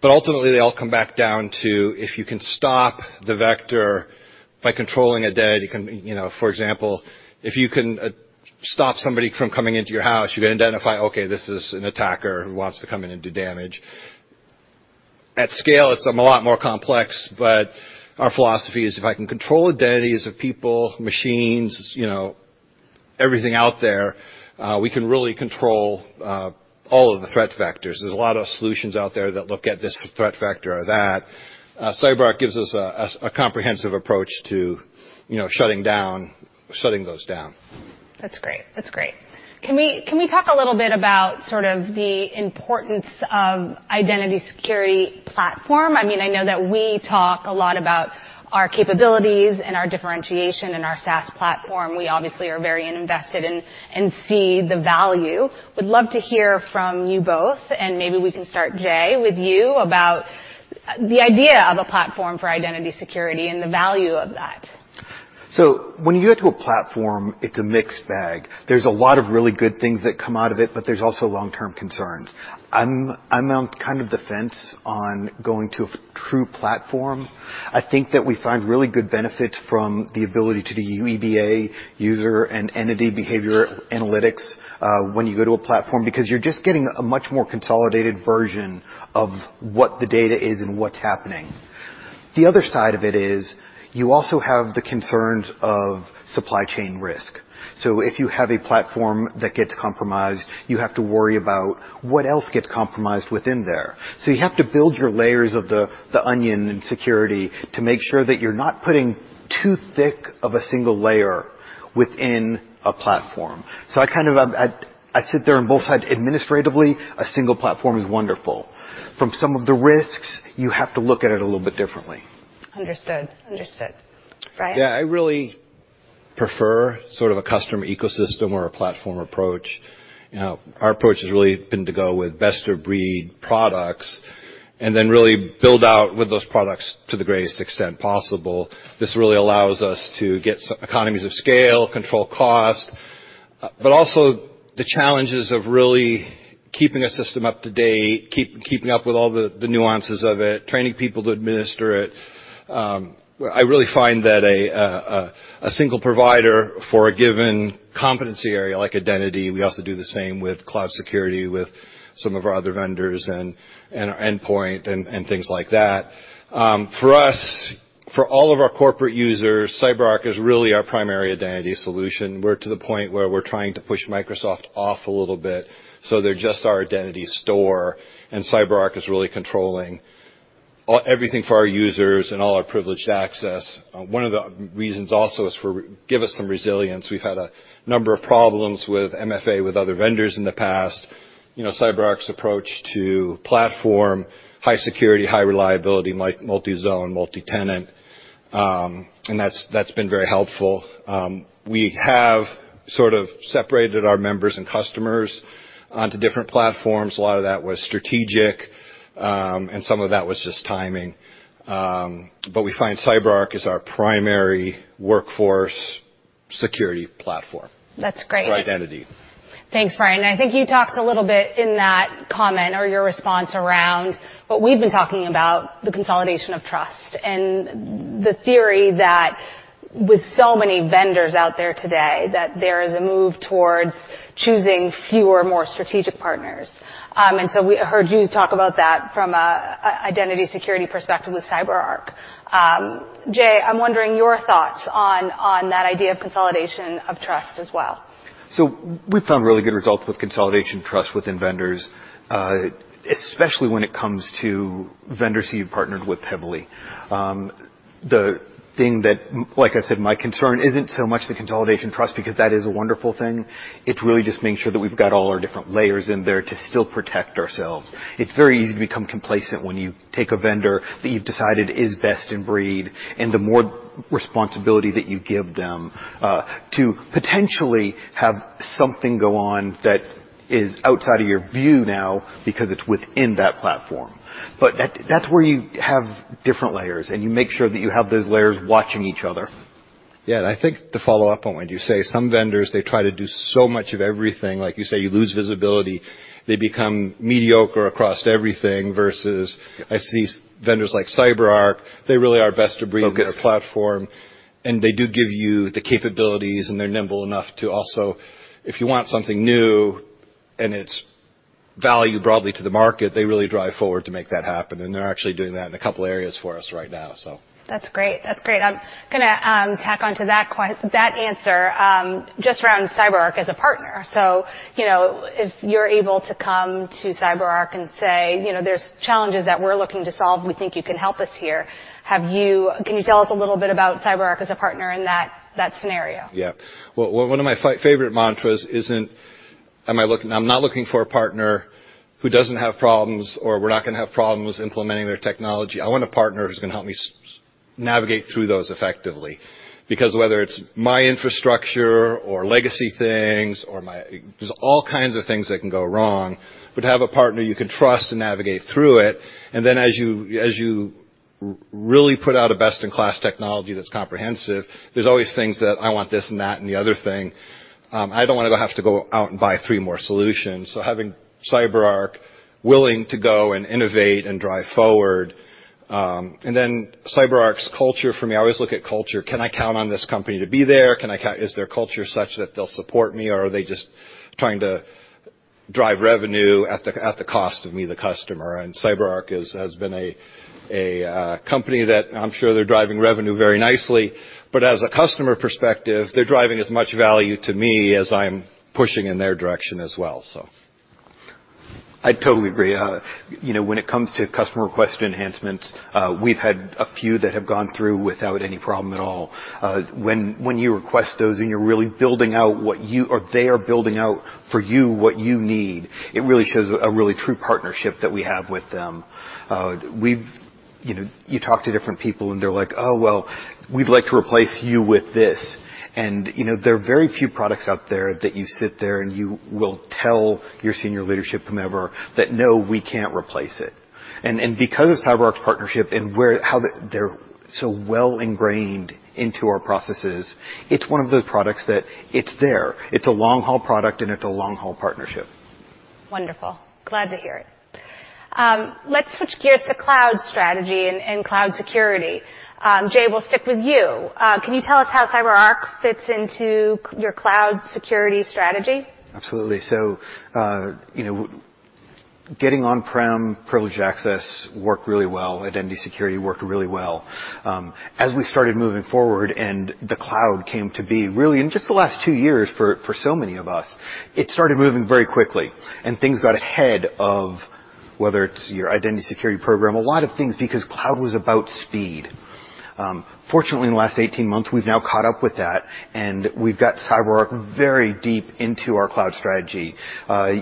but ultimately they all come back down to if you can stop the vector by controlling identity. You know, for example, if you can stop somebody from coming into your house, you can identify, okay, this is an attacker who wants to come in and do damage. At scale, it's a lot more complex, but our philosophy is if I can control identities of people, machines, you know, everything out there, we can really control all of the threat vectors. There's a lot of solutions out there that look at this threat vector or that. CyberArk gives us a comprehensive approach to, you know, shutting those down. That's great. That's great. Can we talk a little bit about sort of the importance of Identity Security Platform? I mean, I know that we talk a lot about our capabilities and our SaaS platform. We obviously are very invested in and see the value. Would love to hear from you both, and maybe we can start, Jay, with you about the idea of a platform for identity security and the value of that. When you go to a platform, it's a mixed bag. There's a lot of really good things that come out of it, there's also long-term concerns. I'm on kind of the fence on going to a true platform. I think that we find really good benefit from the ability to do UEBA, user and entity behavior analytics, when you go to a platform because you're just getting a much more consolidated version of what the data is and what's happening. The other side of it is you also have the concerns of supply chain risk. If you have a platform that gets compromised, you have to worry about what else gets compromised within there. You have to build your layers of the onion and security to make sure that you're not putting too thick of a single layer within a platform. I kind of... I sit there on both sides. Administratively, a single platform is wonderful. From some of the risks, you have to look at it a little bit differently. Understood. Understood. Brian? I really prefer sort of a custom ecosystem or a platform approach. You know, our approach has really been to go with best-of-breed products and then really build out with those products to the greatest extent possible. This really allows us to get economies of scale, control cost, but also the challenges of really keeping a system up to date, keeping up with all the nuances of it, training people to administer it. I really find that a single provider for a given competency area like identity, we also do the same with cloud security, with some of our other vendors and our endpoint and things like that. For us, for all of our corporate users, CyberArk is really our primary identity solution. We're to the point where we're trying to push Microsoft off a little bit, so they're just our identity store, and CyberArk is really controlling everything for our users and all our privileged access. One of the reasons also is for give us some resilience. We've had a number of problems with MFA with other vendors in the past. You know, CyberArk's approach to platform, high security, high reliability, multizone, multitenant, and that's been very helpful. We have sort of separated our members and customers onto different platforms. A lot of that was strategic, and some of that was just timing. We find CyberArk is our primary workforce security platform- That's great. For identity. Thanks, Brian. I think you talked a little bit in that comment or your response around what we've been talking about, the consolidation of trust and the theory that with so many vendors out there today, that there is a move towards choosing fewer, more strategic partners. We heard you talk about that from a identity security perspective with CyberArk. Jay, I'm wondering your thoughts on that idea of consolidation of trust as well. We've found really good results with consolidation trust within vendors, especially when it comes to vendors you've partnered with heavily. The thing that, like I said, my concern isn't so much the consolidation trust because that is a wonderful thing. It's really just making sure that we've got all our different layers in there to still protect ourselves. It's very easy to become complacent when you take a vendor that you've decided is best in breed, and the more responsibility that you give them, to potentially have something go on that is outside of your view now because it's within that platform. That, that's where you have different layers, and you make sure that you have those layers watching each other. Yeah. I think to follow up on what you say, some vendors, they try to do so much of everything. Like you say, you lose visibility. They become mediocre across everything versus I see vendors like CyberArk, they really are best of breed. Focus. in their platform, and they do give you the capabilities, and they're nimble enough to also, if you want something new and it's value broadly to the market, they really drive forward to make that happen, and they're actually doing that in a couple areas for us right now, so. That's great. That's great. I'm gonna tack on to that answer just around CyberArk as a partner. You know, if you're able to come to CyberArk and say, you know, "There's challenges that we're looking to solve, and we think you can help us here," can you tell us a little bit about CyberArk as a partner in that scenario? Well, one of my favorite mantras isn't I'm not looking for a partner who doesn't have problems or we're not gonna have problems implementing their technology. I want a partner who's gonna help me navigate through those effectively because whether it's my infrastructure or legacy things or my. There's all kinds of things that can go wrong. To have a partner you can trust to navigate through it, and then as you, as you really put out a best-in-class technology that's comprehensive, there's always things that I want this and that and the other thing. I don't wanna go have to go out and buy three more solutions. Having CyberArk willing to go and innovate and drive forward, CyberArk's culture for me, I always look at culture. Can I count on this company to be there? Is their culture such that they'll support me, or are they just trying to drive revenue at the cost of me, the customer? CyberArk has been a company that I'm sure they're driving revenue very nicely. As a customer perspective, they're driving as much value to me as I'm pushing in their direction as well. I totally agree. You know, when it comes to customer request enhancements, we've had a few that have gone through without any problem at all. When you request those and you're really building out what you or they are building out for you, what you need, it really shows a really true partnership that we have with them. We've. You know, you talk to different people, and they're like, "Oh, well, we'd like to replace you with this." You know, there are very few products out there that you sit there and you will tell your senior leadership whomever that, "No, we can't replace it." Because of CyberArk's partnership and how they're so well ingrained into our processes, it's one of those products that it's there. It's a long-haul product, and it's a long-haul partnership. Wonderful. Glad to hear it. Let's switch gears to cloud strategy and cloud security. Jay, we'll stick with you. Can you tell us how CyberArk fits into your cloud security strategy? Absolutely. You know, getting on-prem privileged access worked really well. Identity security worked really well. As we started moving forward and the cloud came to be really in just the last two-years for so many of us, it started moving very quickly, and things got ahead of whether it's your identity security program, a lot of things because cloud was about speed. Fortunately, in the last 18 months, we've now caught up with that, and we've got CyberArk very deep into our cloud strategy.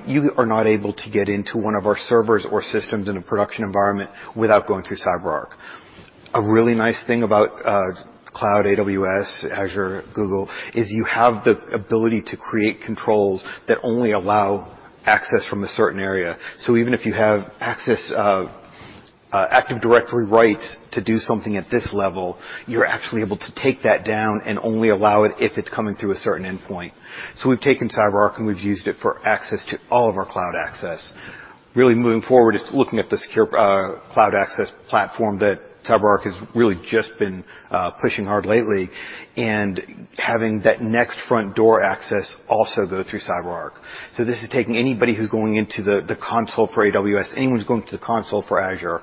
You are not able to get into one of our servers or systems in a production environment without going through CyberArk. A really nice thing about cloud AWS, Azure, Google, is you have the ability to create controls that only allow access from a certain area. Even if you have access, Active Directory rights to do something at this level, you're actually able to take that down and only allow it if it's coming through a certain endpoint. We've taken CyberArk, and we've used it for access to all of our cloud access. Really moving forward is looking at the Secure Cloud Access platform that CyberArk has really just been pushing hard lately and having that next front door access also go through CyberArk. This is taking anybody who's going into the console for AWS, anyone who's going to the console for Azure,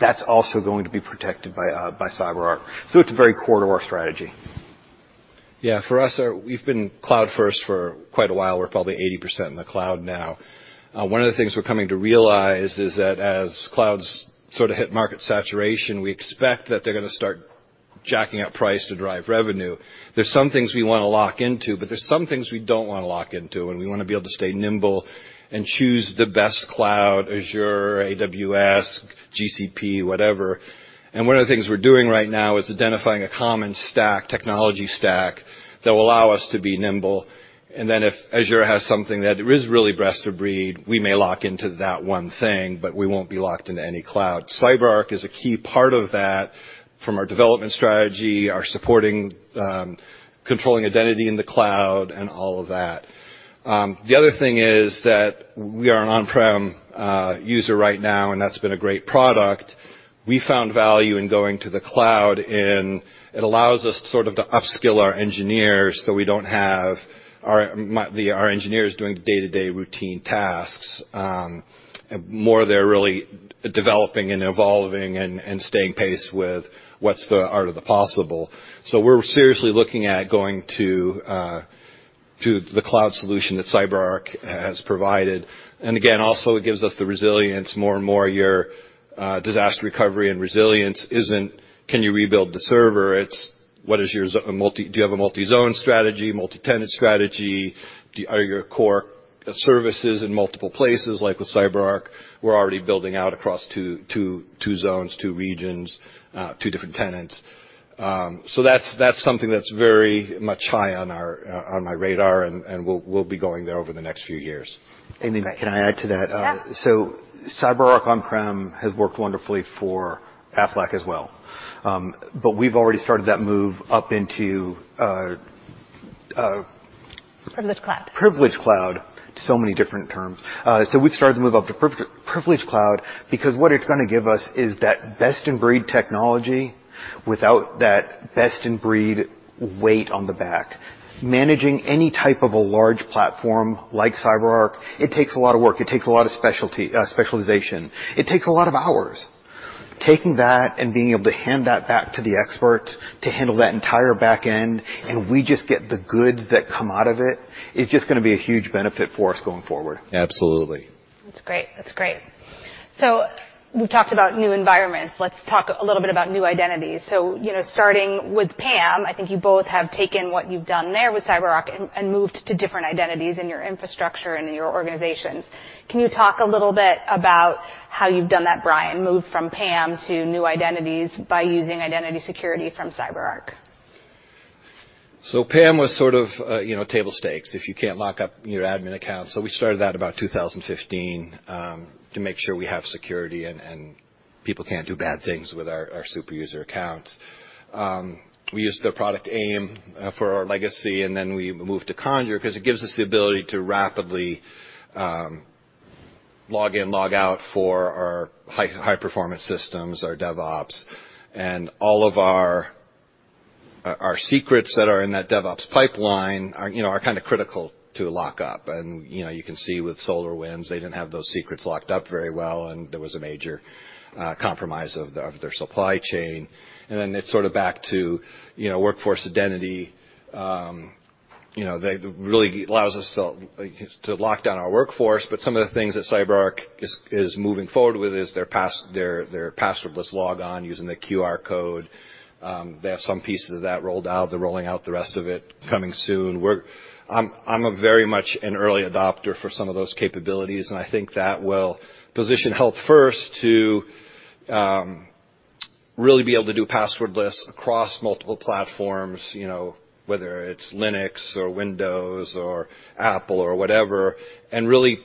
that's also going to be protected by CyberArk, so it's very core to our strategy. Yeah. For us, we've been cloud first for quite a while. We're probably 80% in the cloud now. One of the things we're coming to realize is that as clouds sort of hit market saturation, we expect that they're gonna start jacking up price to drive revenue. There's some things we wanna lock into, but there's some things we don't wanna lock into, and we wanna be able to stay nimble and choose the best cloud, Azure, AWS, GCP, whatever. One of the things we're doing right now is identifying a common stack, technology stack that will allow us to be nimble. Then if Azure has something that is really best of breed, we may lock into that one thing, but we won't be locked into any cloud. CyberArk is a key part of that from our development strategy, our supporting, controlling identity in the cloud and all of that. The other thing is that we are an on-prem user right now, and that's been a great product. We found value in going to the cloud in it allows us sort of to upskill our engineers so we don't have our engineers doing the day-to-day routine tasks. More they're really developing and evolving and staying pace with what's the art of the possible. We're seriously looking at going to the cloud solution that CyberArk has provided. Again, also it gives us the resilience more and more your disaster recovery and resilience isn't can you rebuild the server? Do you have a multi-zone strategy? Multitenant strategy? Are your core services in multiple places like with CyberArk? We're already building out across two zones, two regions, two different tenants. That's something that's very much high on my radar, and we'll be going there over the next few years. Amy, can I add to that? Yeah. CyberArk on-prem has worked wonderfully for Aflac as well. We've already started that move up into. Privilege Cloud. Privileged Cloud. Many different terms. So we've started to move up to Privileged Cloud because what it's gonna give us is that best in breed technology without that best in breed weight on the back. Managing any type of a large platform like CyberArk, it takes a lot of work. It takes a lot of specialization. It takes a lot of hours. Taking that and being able to hand that back to the experts to handle that entire back end, and we just get the goods that come out of it, is just gonna be a huge benefit for us going forward. Absolutely. That's great. That's great. We've talked about new environments. Let's talk a little bit about new identities. You know, starting with PAM, I think you both have taken what you've done there with CyberArk and moved to different identities in your infrastructure and in your organizations. Can you talk a little bit about how you've done that, Brian, moved from PAM to new identities by using identity security from CyberArk? PAM was sort of, you know, table stakes if you can't lock up your admin account. We started that about 2015 to make sure we have security and people can't do bad things with our superuser accounts. We used the product AIM for our legacy, and then we moved to Conjur because it gives us the ability to rapidly log in, log out for our high-performance systems, our DevOps. All of our secrets that are in that DevOps pipeline are, you know, kinda critical to lock up. You know, you can see with SolarWinds, they didn't have those secrets locked up very well, and there was a major compromise of their supply chain. It's sort of back to, you know, Workforce Identity. you know, that really allows us to lock down our workforce. Some of the things that CyberArk is moving forward with is their passwordless logon using the QR code. They have some pieces of that rolled out. They're rolling out the rest of it coming soon. I'm a very much an early adopter for some of those capabilities, and I think that will position HealthFirst to really be able to do passwordless across multiple platforms, you know, whether it's Linux or Windows or Apple or whatever, and really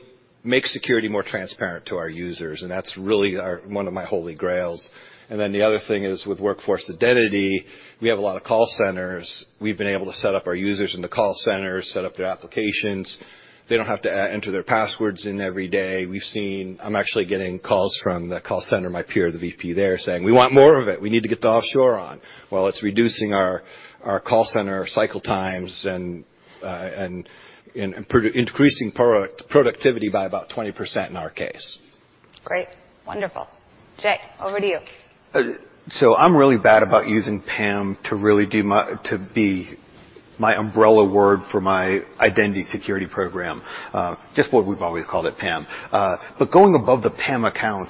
make security more transparent to our users, and that's really one of my holy grails. Then the other thing is, with Workforce Identity, we have a lot of call centers. We've been able to set up our users in the call centers, set up their applications. They don't have to enter their passwords in every day. We've seen. I'm actually getting calls from the call center, my peer, the VP there, saying, "We want more of it. We need to get the offshore on." Well, it's reducing our call center cycle times and increasing productivity by about 20% in our case. Great. Wonderful. Jay, over to you. I'm really bad about using PAM to really to be my umbrella word for my identity security program. Just what we've always called it, PAM. Going above the PAM account,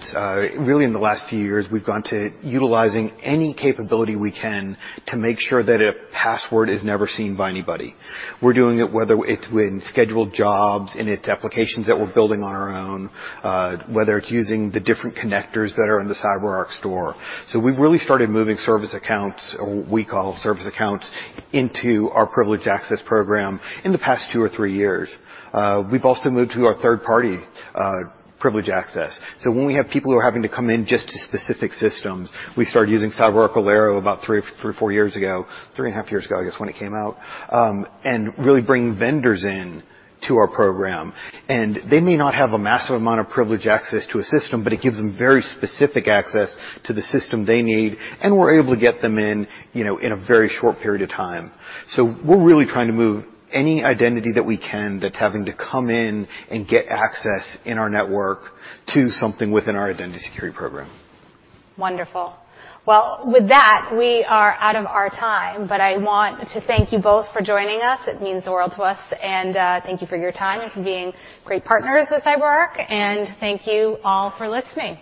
really in the last few years, we've gone to utilizing any capability we can to make sure that a password is never seen by anybody. We're doing it whether it's within scheduled jobs, in its applications that we're building on our own, whether it's using the different connectors that are in the CyberArk store. We've really started moving service accounts, or what we call service accounts, into our privileged access program in the past two or three years. We've also moved to our third-party, privileged access. When we have people who are having to come in just to specific systems, we started using CyberArk Alero about three to four years ago, three and a half years ago, I guess, when it came out, and really bring vendors in to our program. They may not have a massive amount of privileged access to a system, but it gives them very specific access to the system they need, and we're able to get them in, you know, in a very short period of time. We're really trying to move any identity that we can that's having to come in and get access in our network to something within our identity security program. Wonderful. Well, with that, we are out of our time, I want to thank you both for joining us. It means the world to us. Thank you for your time and for being great partners with CyberArk. Thank you all for listening.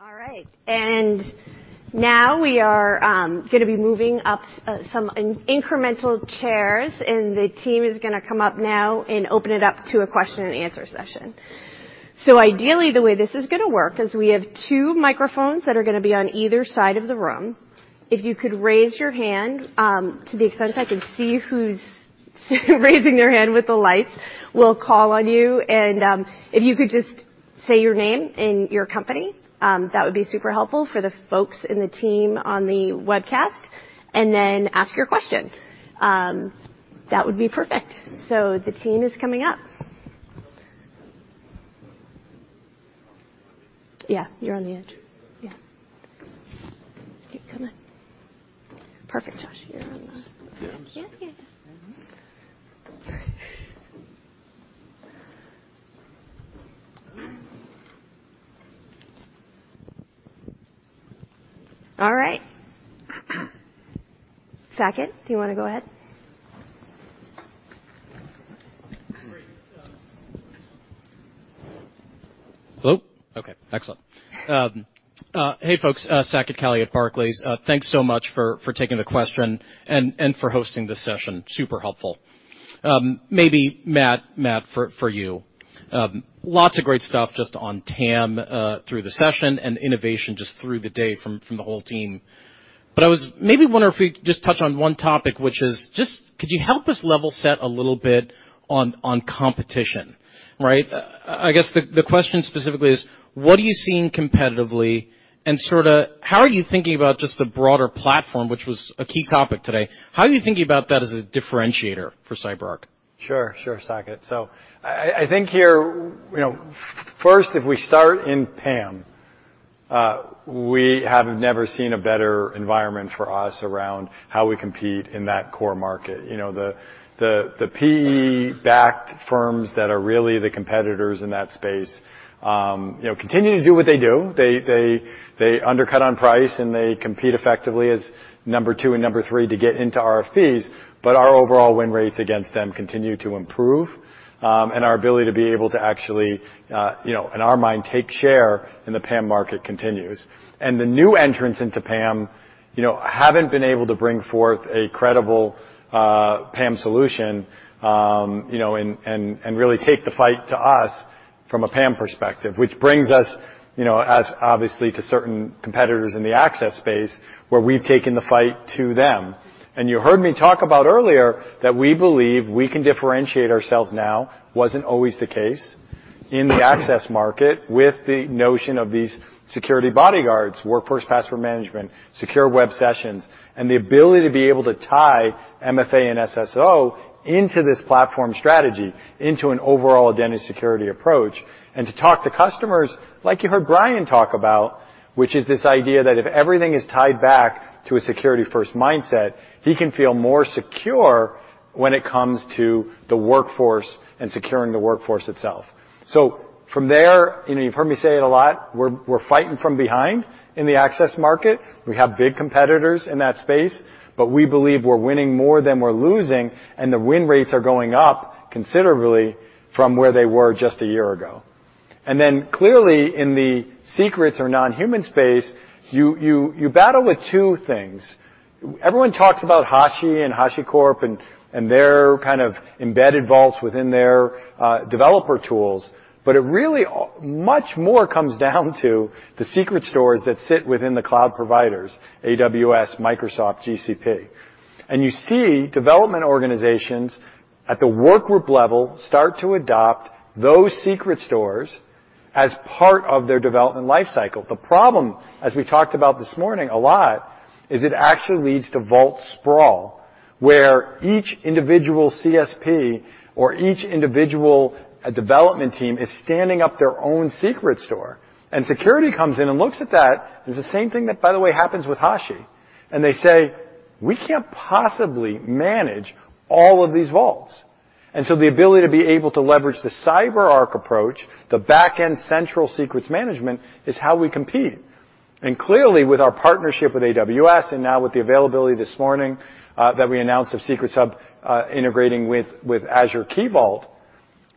All right. Now we are gonna be moving up some incremental chairs, and the team is gonna come up now and open it up to a question and answer session. Ideally, the way this is gonna work is we have two microphones that are gonna be on either side of the room. If you could raise your hand, to the extent I can see who's raising their hand with the lights, we'll call on you. If you could just say your name and your company, that would be super helpful for the folks in the team on the webcast, and then ask your question. That would be perfect. The team is coming up. Yeah. All right. Saket, do you wanna go ahead? Great. Hello? Okay, excellent. Hey, folks. Saket Kalia at Barclays. Thanks so much for taking the question and for hosting this session. Super helpful. Maybe Matt, for you. Lots of great stuff just on TAM through the session and innovation just through the day from the whole team. I was maybe wondering if we could just touch on one topic, which is just could you help us level set a little bit on competition, right? I guess the question specifically is: what are you seeing competitively, and sorta how are you thinking about just the broader platform, which was a key topic today, how are you thinking about that as a differentiator for CyberArk? Sure. Sure, Sacket. I think here, you know, first, if we start in PAM, we have never seen a better environment for us around how we compete in that core market. The PE-backed firms that are really the competitors in that space, you know, continue to do what they do. They undercut on price, and they compete effectively as number two and number three to get into RFPs, our overall win rates against them continue to improve, and our ability to be able to actually, you know, in our mind, take share in the PAM market continues. The new entrants into PAM, you know, haven't been able to bring forth a credible PAM solution, you know, and really take the fight to us from a PAM perspective, which brings us, you know, as obviously to certain competitors in the access space where we've taken the fight to them. You heard me talk about earlier that we believe we can differentiate ourselves now, wasn't always the case, in the access market with the notion of these security bodyguards, Workforce Password Management, Secure Web Sessions, and the ability to be able to tie MFA and SSO into this platform strategy, into an overall identity security approach, and to talk to customers like you heard Brian talk about, which is this idea that if everything is tied back to a security-first mindset, he can feel more secure when it comes to the workforce and securing the workforce itself. From there, you know, you've heard me say it a lot, we're fighting from behind in the access market. We have big competitors in that space, but we believe we're winning more than we're losing, and the win rates are going up considerably from where they were just a year ago. clearly in the secrets or non-human space, you battle with two things. Everyone talks about Hashi and HashiCorp and their kind of embedded vaults within their developer tools, it really much more comes down to the secret stores that sit within the cloud providers, AWS, Microsoft, GCP. you see development organizations at the workgroup level start to adopt those secret stores as part of their development lifecycle. The problem, as we talked about this morning a lot, is it actually leads to vault sprawl, where each individual CSP or each individual development team is standing up their own secret store. security comes in and looks at that. It's the same thing that, by the way, happens with Hashi. They say, "We can't possibly manage all of these vaults." The ability to be able to leverage the CyberArk approach, the back-end central secrets management, is how we compete. Clearly with our partnership with AWS and now with the availability this morning that we announced of Secrets Hub, integrating with Azure Key Vault,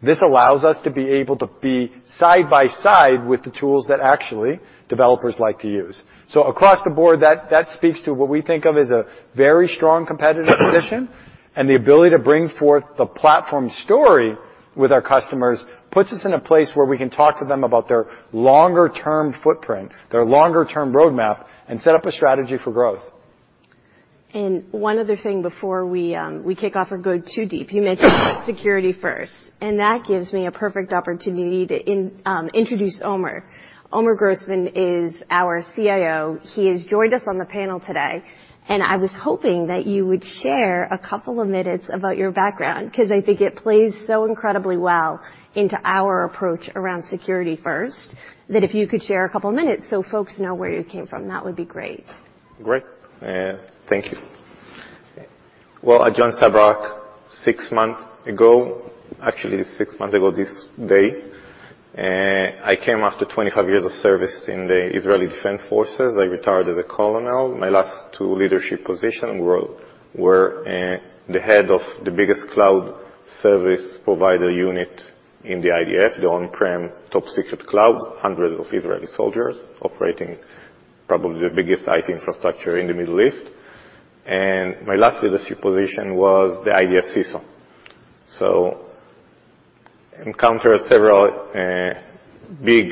this allows us to be able to be side by side with the tools that actually developers like to use. Across the board that speaks to what we think of as a very strong competitive position, and the ability to bring forth the platform story with our customers puts us in a place where we can talk to them about their longer-term footprint, their longer-term roadmap, and set up a strategy for growth. One other thing before we kick off or go too deep. You mentioned security first. That gives me a perfect opportunity to introduce Omer. Omer Grossman is our Chief Information Officer. He has joined us on the panel today. I was hoping that you would share a couple of minutes about your background, 'cause I think it plays so incredibly well into our approach around security first, that if you could share a couple minutes, so folks know where you came from, that would be great. Great. Thank you. Well, I joined CyberArk six months ago, actually six months ago this day. I came after 25 years of service in the Israel Defense Forces. I retired as a colonel. My last two leadership position were the head of the biggest cloud service provider unit in the IDF, the on-prem top secret cloud, hundreds of Israeli soldiers operating probably the biggest IT infrastructure in the Middle East. My last leadership position was the IDF CISO. Encountered several big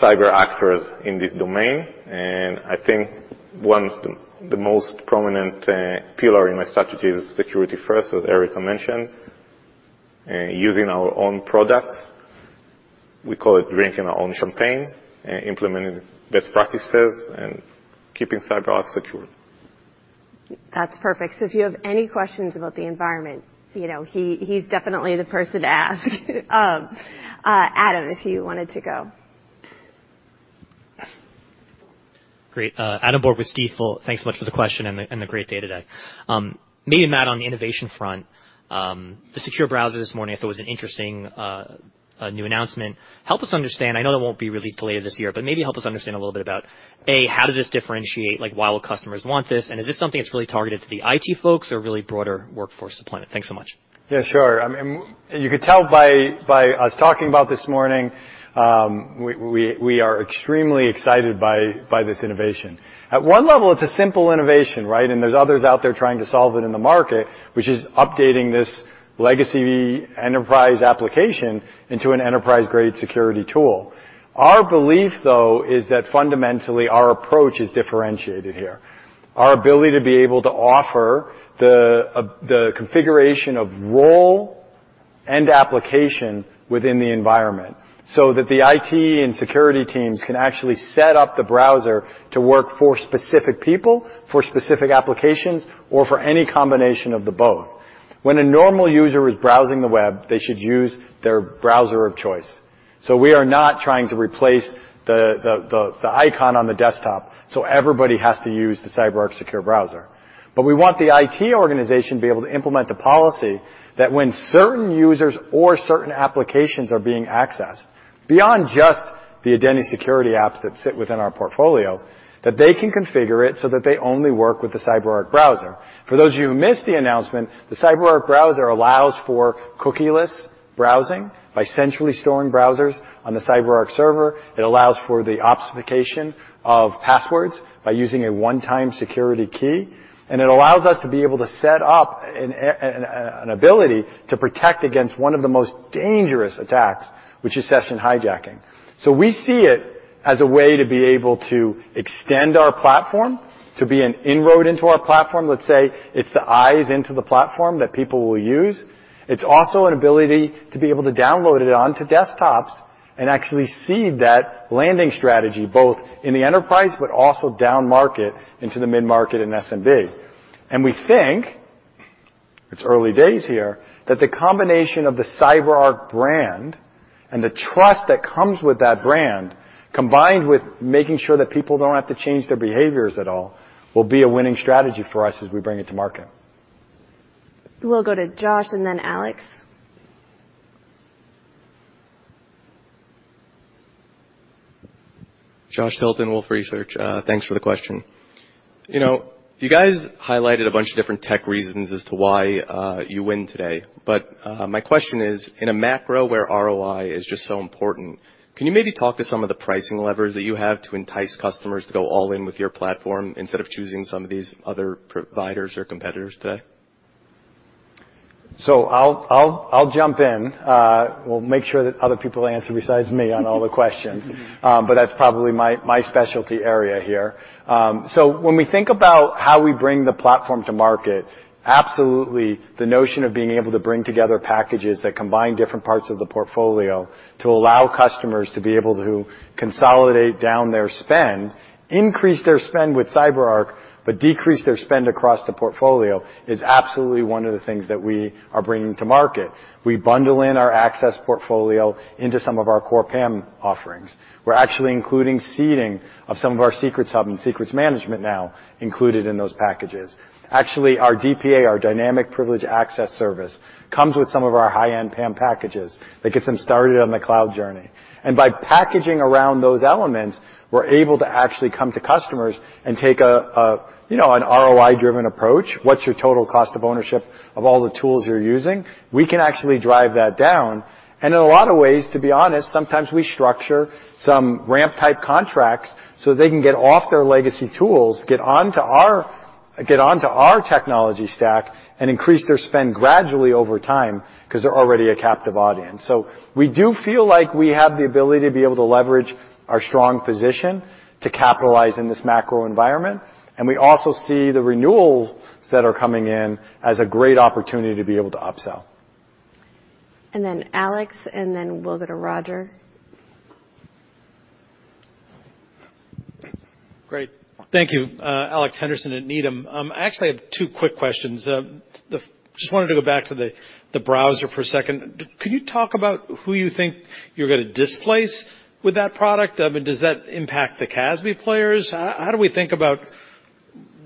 cyber actors in this domain, and I think one of the most prominent pillar in my strategy is security first, as Erica mentioned, using our own products. We call it drinking our own champagne, implementing best practices and keeping CyberArk secure. That's perfect. If you have any questions about the environment, you know, he's definitely the person to ask. Adam, if you wanted to go. Great. Adam Borg with Stifel. Thanks so much for the question and the great day today. Me and Matt on the innovation front, the CyberArk Secure Browser this morning, I thought was an interesting, a new announcement. Help us understand. I know that won't be released till later this year, but maybe help us understand a little bit about, A, how does this differentiate, like, why will customers want this? Is this something that's really targeted to the IT folks or really broader workforce deployment? Thanks so much. Yeah, sure. I mean, you could tell by us talking about this morning, we are extremely excited by this innovation. At one level, it's a simple innovation, right? There's others out there trying to solve it in the market, which is updating this legacy enterprise application into an enterprise-grade security tool. Our belief, though, is that fundamentally, our approach is differentiated here. Our ability to be able to offer the configuration of role and application within the environment, so that the IT and security teams can actually set up the browser to work for specific people, for specific applications, or for any combination of the both. When a normal user is browsing the web, they should use their browser of choice. We are not trying to replace the icon on the desktop, so everybody has to use the CyberArk Secure Browser. We want the IT organization to be able to implement the policy that when certain users or certain applications are being accessed, beyond just the identity security apps that sit within our portfolio, that they can configure it so that they only work with the CyberArk Secure Browser. For those of you who missed the announcement, the CyberArk Secure Browser allows for cookieless browsing by centrally storing browsers on the CyberArk server. It allows for the opsification of passwords by using a one-time security key. It allows us to be able to set up an ability to protect against one of the most dangerous attacks, which is session hijacking. We see it as a way to be able to extend our platform, to be an inroad into our platform. Let's say it's the eyes into the platform that people will use. It's also an ability to be able to download it onto desktops and actually see that landing strategy, both in the enterprise but also down market into the mid-market and SMB. We think, it's early days here, that the combination of the CyberArk brand and the trust that comes with that brand, combined with making sure that people don't have to change their behaviors at all, will be a winning strategy for us as we bring it to market. We'll go to Josh and then Alex. Thanks for the question. You know, you guys highlighted a bunch of different tech reasons as to why you win today. My question is, in a macro where ROI is just so important, can you maybe talk to some of the pricing levers that you have to entice customers to go all in with your platform instead of choosing some of these other providers or competitors today? I'll jump in. We'll make sure that other people answer besides me on all the questions. That's probably my specialty area here. When we think about how we bring the platform to market, absolutely, the notion of being able to bring together packages that combine different parts of the portfolio to allow customers to be able to consolidate down their spend, increase their spend with CyberArk, but decrease their spend across the portfolio, is absolutely one of the things that we are bringing to market. We bundle in our access portfolio into some of our core PAM offerings. We're actually including seeding of some of our Secret Hub and Secrets Management now included in those packages. Actually, our DPA, our Dynamic Privileged Access service, comes with some of our high-end PAM packages that gets them started on the cloud journey. By packaging around those elements, we're able to actually come to customers and take a, you know, an ROI-driven approach. What's your total cost of ownership of all the tools you're using? We can actually drive that down. In a lot of ways, to be honest, sometimes we structure some ramp-type contracts so they can get off their legacy tools, get onto our technology stack, and increase their spend gradually over time because they're already a captive audience. We do feel like we have the ability to be able to leverage our strong position to capitalize in this macro environment, and we also see the renewals that are coming in as a great opportunity to be able to upsell. Alex, and then we'll go to Roger. Great. Thank you. Alex Henderson at Needham. I actually have two quick questions. Just wanted to go back to the browser for a second. Can you talk about who you think you're gonna displace with that product? I mean, does that impact the CASB players? How do we think about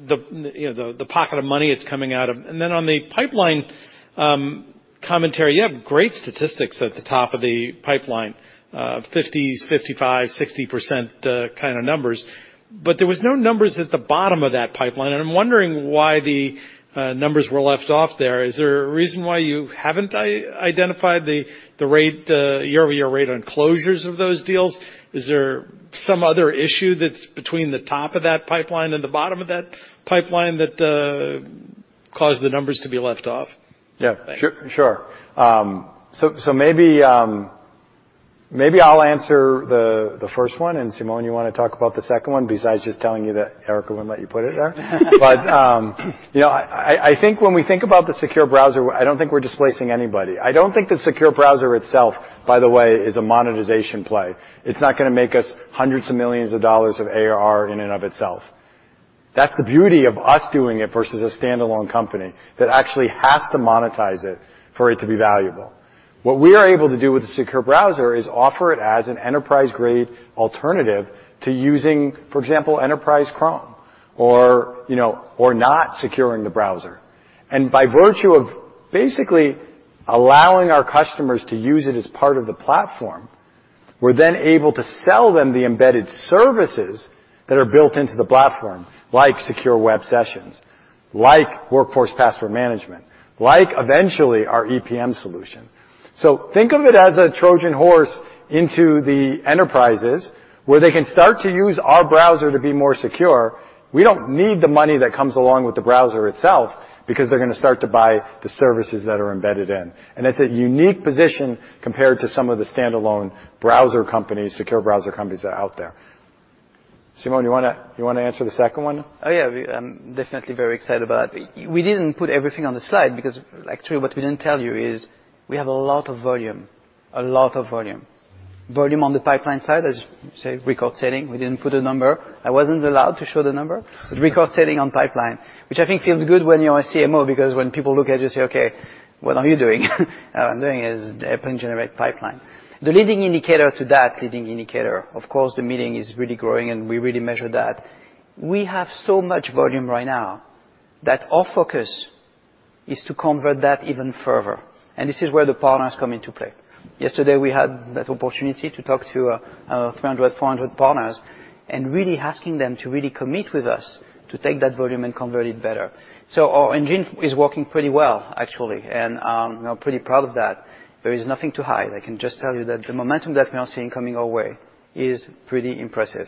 the, you know, the pocket of money it's coming out of? On the pipeline commentary, you have great statistics at the top of the pipeline, 50%, 55%, 60% kind of numbers. There was no numbers at the bottom of that pipeline, and I'm wondering why the numbers were left off there. Is there a reason why you haven't identified the year-over-year rate on closures of those deals? Is there some other issue that's between the top of that pipeline and the bottom of that pipeline that caused the numbers to be left off? Yeah. Thanks. Sure. maybe I'll answer the first one, and Simon, you wanna talk about the second one besides just telling you that Erica wouldn't let you put it there. You know, I think when we think about the secure browser, I don't think we're displacing anybody. I don't think the secure browser itself, by the way, is a monetization play. It's not gonna make us hundreds of millions of dollars of ARR in and of itself. That's the beauty of us doing it versus a standalone company that actually has to monetize it for it to be valuable. What we are able to do with the secure browser is offer it as an enterprise-grade alternative to using, for example, Chrome Enterprise or, you know, or not securing the browser. By virtue of basically allowing our customers to use it as part of the platform, we're then able to sell them the embedded services that are built into the platform, like Secure Web Sessions, like Workforce Password Management, like eventually our EPM solution. Think of it as a Trojan horse into the enterprises where they can start to use our browser to be more secure. We don't need the money that comes along with the browser itself because they're gonna start to buy the services that are embedded in. That's a unique position compared to some of the standalone browser companies, secure browser companies that are out there. Simon, you wanna answer the second one? Oh, yeah. We definitely very excited about. We didn't put everything on the slide because actually what we didn't tell you is we have a lot of volume, a lot of volume. Volume on the pipeline side, as you say, record-setting. We didn't put a number. I wasn't allowed to show the number. Record-setting on pipeline, which I think feels good when you're a CMO because when people look at you and say, "Okay, what are you doing?" All I'm doing is helping generate pipeline. The leading indicator to that leading indicator, of course, the meeting is really growing, and we really measure that. We have so much volume right now that our focus is to convert that even further, and this is where the partners come into play. Yesterday, we had that opportunity to talk to, 300, 400 partners and really asking them to really commit with us to take that volume and convert it better. Our engine is working pretty well, actually. I'm pretty proud of that. There is nothing to hide. I can just tell you that the momentum that we are seeing coming our way is pretty impressive.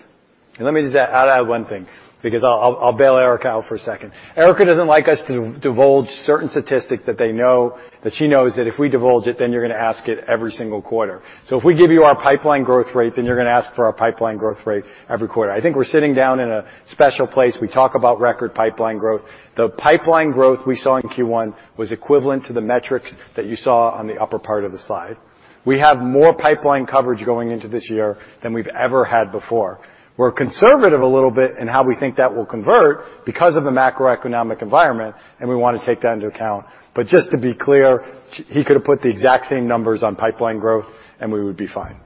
Let me just add one thing because I'll bail Erica out for a second. Erica doesn't like us to divulge certain statistics that they know, that she knows that if we divulge it, then you're gonna ask it every single quarter. If we give you our pipeline growth rate, then you're gonna ask for our pipeline growth rate every quarter. I think we're sitting down in a special place. We talk about record pipeline growth. The pipeline growth we saw in Q1 was equivalent to the metrics that you saw on the upper part of the slide. We have more pipeline coverage going into this year than we've ever had before. We're conservative a little bit in how we think that will convert because of the macroeconomic environment, and we wanna take that into account. Just to be clear, he could have put the exact same numbers on pipeline growth, and we would be fine.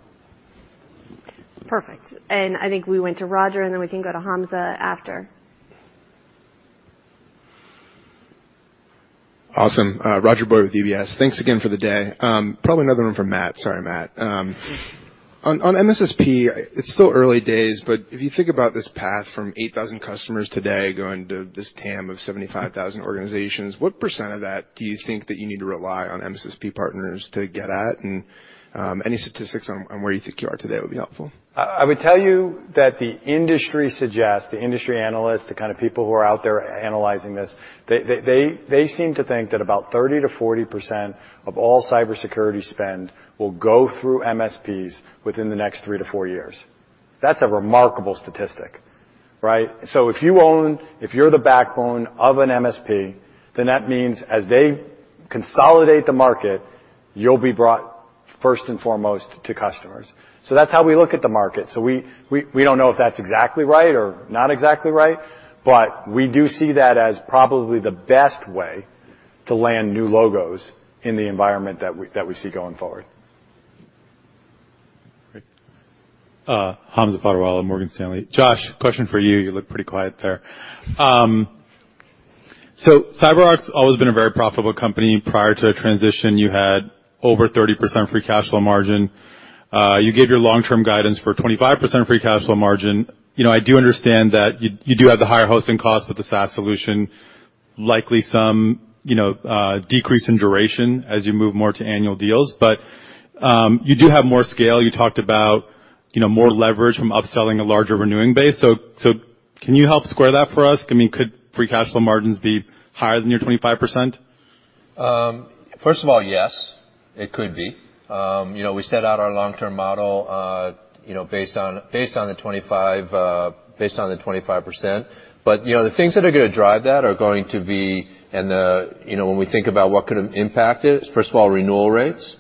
Perfect. I think we went to Roger, and then we can go to Hamza after. Awesome. Roger Boyd with UBS. Thanks again for the day. Probably another one from Matt. Sorry, Matt. On, on MSSP, it's still early days, but if you think about this path from 8,000 customers today going to this TAM of 75,000 organizations, what % of that do you think that you need to rely on MSSP partners to get at? Any statistics on where you think you are today would be helpful. I would tell you that the industry suggests, the industry analysts, the kind of people who are out there analyzing this, they seem to think that about 30%-40% of all cybersecurity spend will go through MSPs within the next three to four years. That's a remarkable statistic, right? If you're the backbone of an MSP, that means as they consolidate the market, you'll be brought first and foremost to customers. That's how we look at the market. We don't know if that's exactly right or not exactly right, but we do see that as probably the best way to land new logos in the environment that we see going forward. Great. Hamza Fodderwala, Morgan Stanley. Josh, question for you. You look pretty quiet there. CyberArk's always been a very profitable company. Prior to transition, you had over 30% free cash flow margin. You gave your long-term guidance for 25% free cash flow margin. You know, I do understand that you do have the higher hosting costs with the SaaS solution, likely some, you know, decrease in duration as you move more to annual deals. You do have more scale. You talked about, you know, more leverage from upselling a larger renewing base. Can you help square that for us? I mean, could free cash flow margins be higher than your 25%? First of all, yes, it could be. You know, we set out our long-term model, you know, based on the 25%. You know, the things that are gonna drive that are going to be in the... You know, when we think about what could impact it, first of all, renewal rates.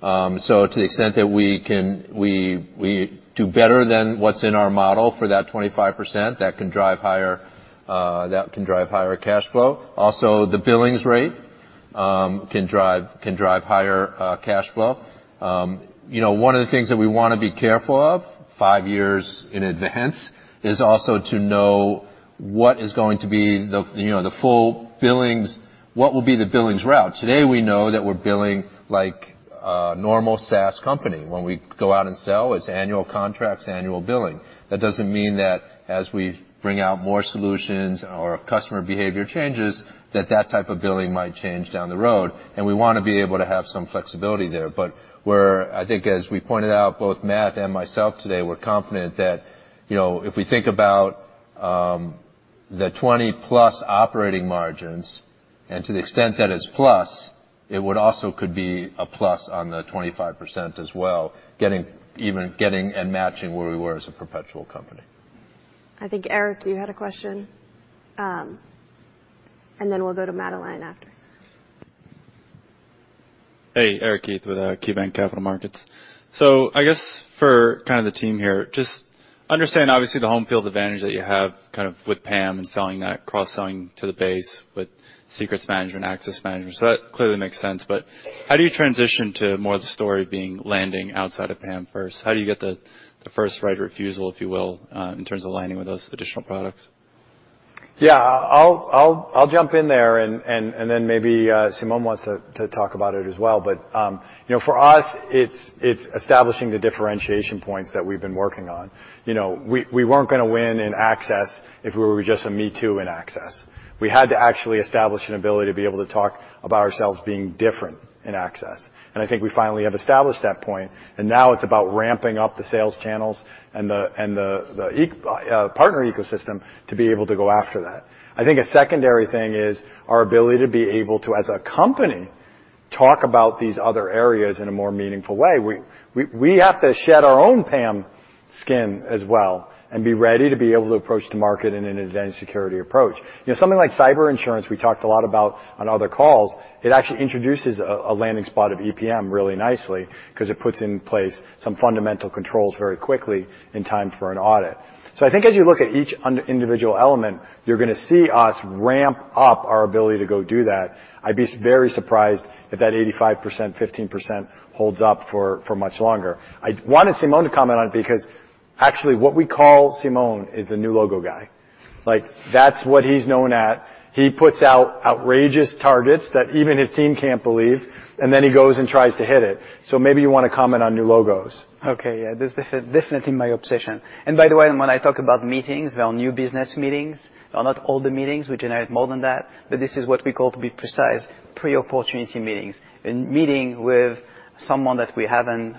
So to the extent that we do better than what's in our model for that 25%, that can drive higher, that can drive higher cash flow. The billings rate can drive higher cash flow. You know, one of the things that we wanna be careful of five years in advance is also to know what is going to be the, you know, the full billings. What will be the billings route? Today, we know that we're billing like a normal SaaS company. When we go out and sell, it's annual contracts, annual billing. That doesn't mean that as we bring out more solutions or customer behavior changes, that that type of billing might change down the road, and we wanna be able to have some flexibility there. We're I think as we pointed out, both Matt and myself today, we're confident that, you know, if we think about the 20+ operating margins, and to the extent that it's plus, it would also could be a plus on the 25% as well, getting and matching where we were as a perpetual company. I think, Erik, you had a question. Then we'll go to Madeline after. Erik Keith with KeyBanc Capital Markets. I guess for kind of the team here, just understand, obviously, the home field advantage that you have kind of with PAM and selling that cross-selling to the base with secrets management and access management. That clearly makes sense. How do you transition to more of the story being landing outside of PAM first? How do you get the first right of refusal, if you will, in terms of aligning with those additional products? Yeah. I'll jump in there and then maybe Simon wants to talk about it as well. You know, for us, it's establishing the differentiation points that we've been working on. You know, we weren't gonna win in access if we were just a me too in access. We had to actually establish an ability to be able to talk about ourselves being different in access. I think we finally have established that point, and now it's about ramping up the sales channels and the, and the partner ecosystem to be able to go after that. I think a secondary thing is our ability to be able to, as a company, talk about these other areas in a more meaningful way. We have to shed our own PAM skin as well and be ready to be able to approach the market in an identity security approach. You know, something like cyber insurance, we talked a lot about on other calls, it actually introduces a landing spot of EPM really nicely 'cause it puts in place some fundamental controls very quickly in time for an audit. I think as you look at each individual element, you're gonna see us ramp up our ability to go do that. I'd be very surprised if that 85%, 15% holds up for much longer. I wanted Simon to comment on it because actually what we call Simon is the new logo guy. Like, that's what he's known at. He puts out outrageous targets that even his team can't believe, he goes and tries to hit it. Maybe you wanna comment on new logos. Okay, yeah. This is definitely my obsession. By the way, when I talk about meetings, they are new business meetings. They are not all the meetings. We generate more than that. This is what we call, to be precise, pre-opportunity meetings, and meeting with someone that we haven't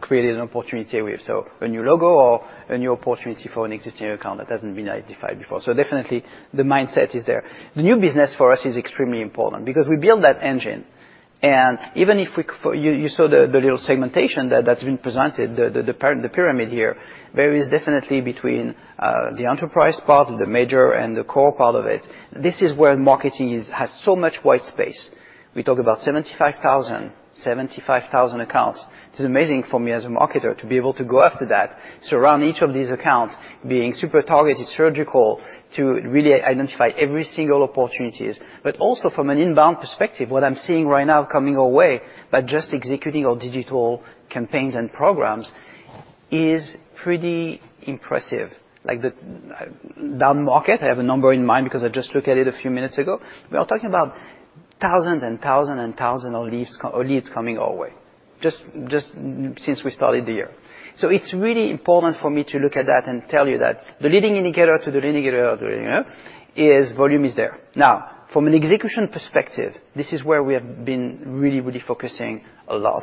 created an opportunity with. A new logo or a new opportunity for an existing account that hasn't been identified before. Definitely the mindset is there. The new business for us is extremely important because we build that engine. Even if we for you saw the little segmentation that that's been presented, the pyramid here, varies definitely between the enterprise part, the major and the core part of it. This is where marketing has so much white space. We talk about 75,000 accounts. It's amazing for me as a marketer to be able to go after that, surround each of these accounts, being super targeted, surgical, to really identify every single opportunities. Also from an inbound perspective, what I'm seeing right now coming our way by just executing our digital campaigns and programs is pretty impressive. Like the down market, I have a number in mind because I just looked at it a few minutes ago. We are talking about thousands and thousands and thousands of leads of leads coming our way just since we started the year. It's really important for me to look at that and tell you that the leading indicator to the leading indicator of the leading indicator is volume is there. From an execution perspective, this is where we have been really, really focusing a lot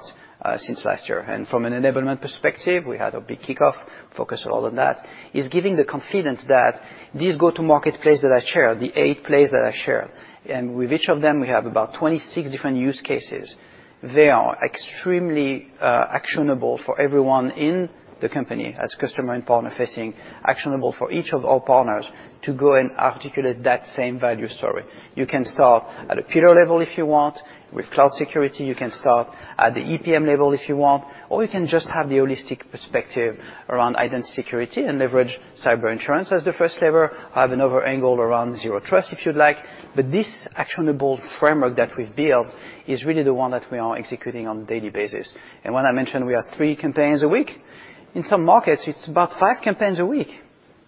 since last year. From an enablement perspective, we had a big kickoff, focus all on that, is giving the confidence that these go-to-market plays that I shared, the 8 plays that I shared, and with each of them, we have about 26 different use cases. They are extremely actionable for everyone in the company as customer and partner facing, actionable for each of our partners to go and articulate that same value story. You can start at a pure level if you want. With cloud security, you can start at the EPM level if you want, or you can just have the holistic perspective around identity security and leverage cyber insurance as the first lever, have another angle around Zero Trust, if you'd like. This actionable framework that we've built is really the one that we are executing on a daily basis. When I mention we have three campaigns a week, in some markets, it's about five campaigns a week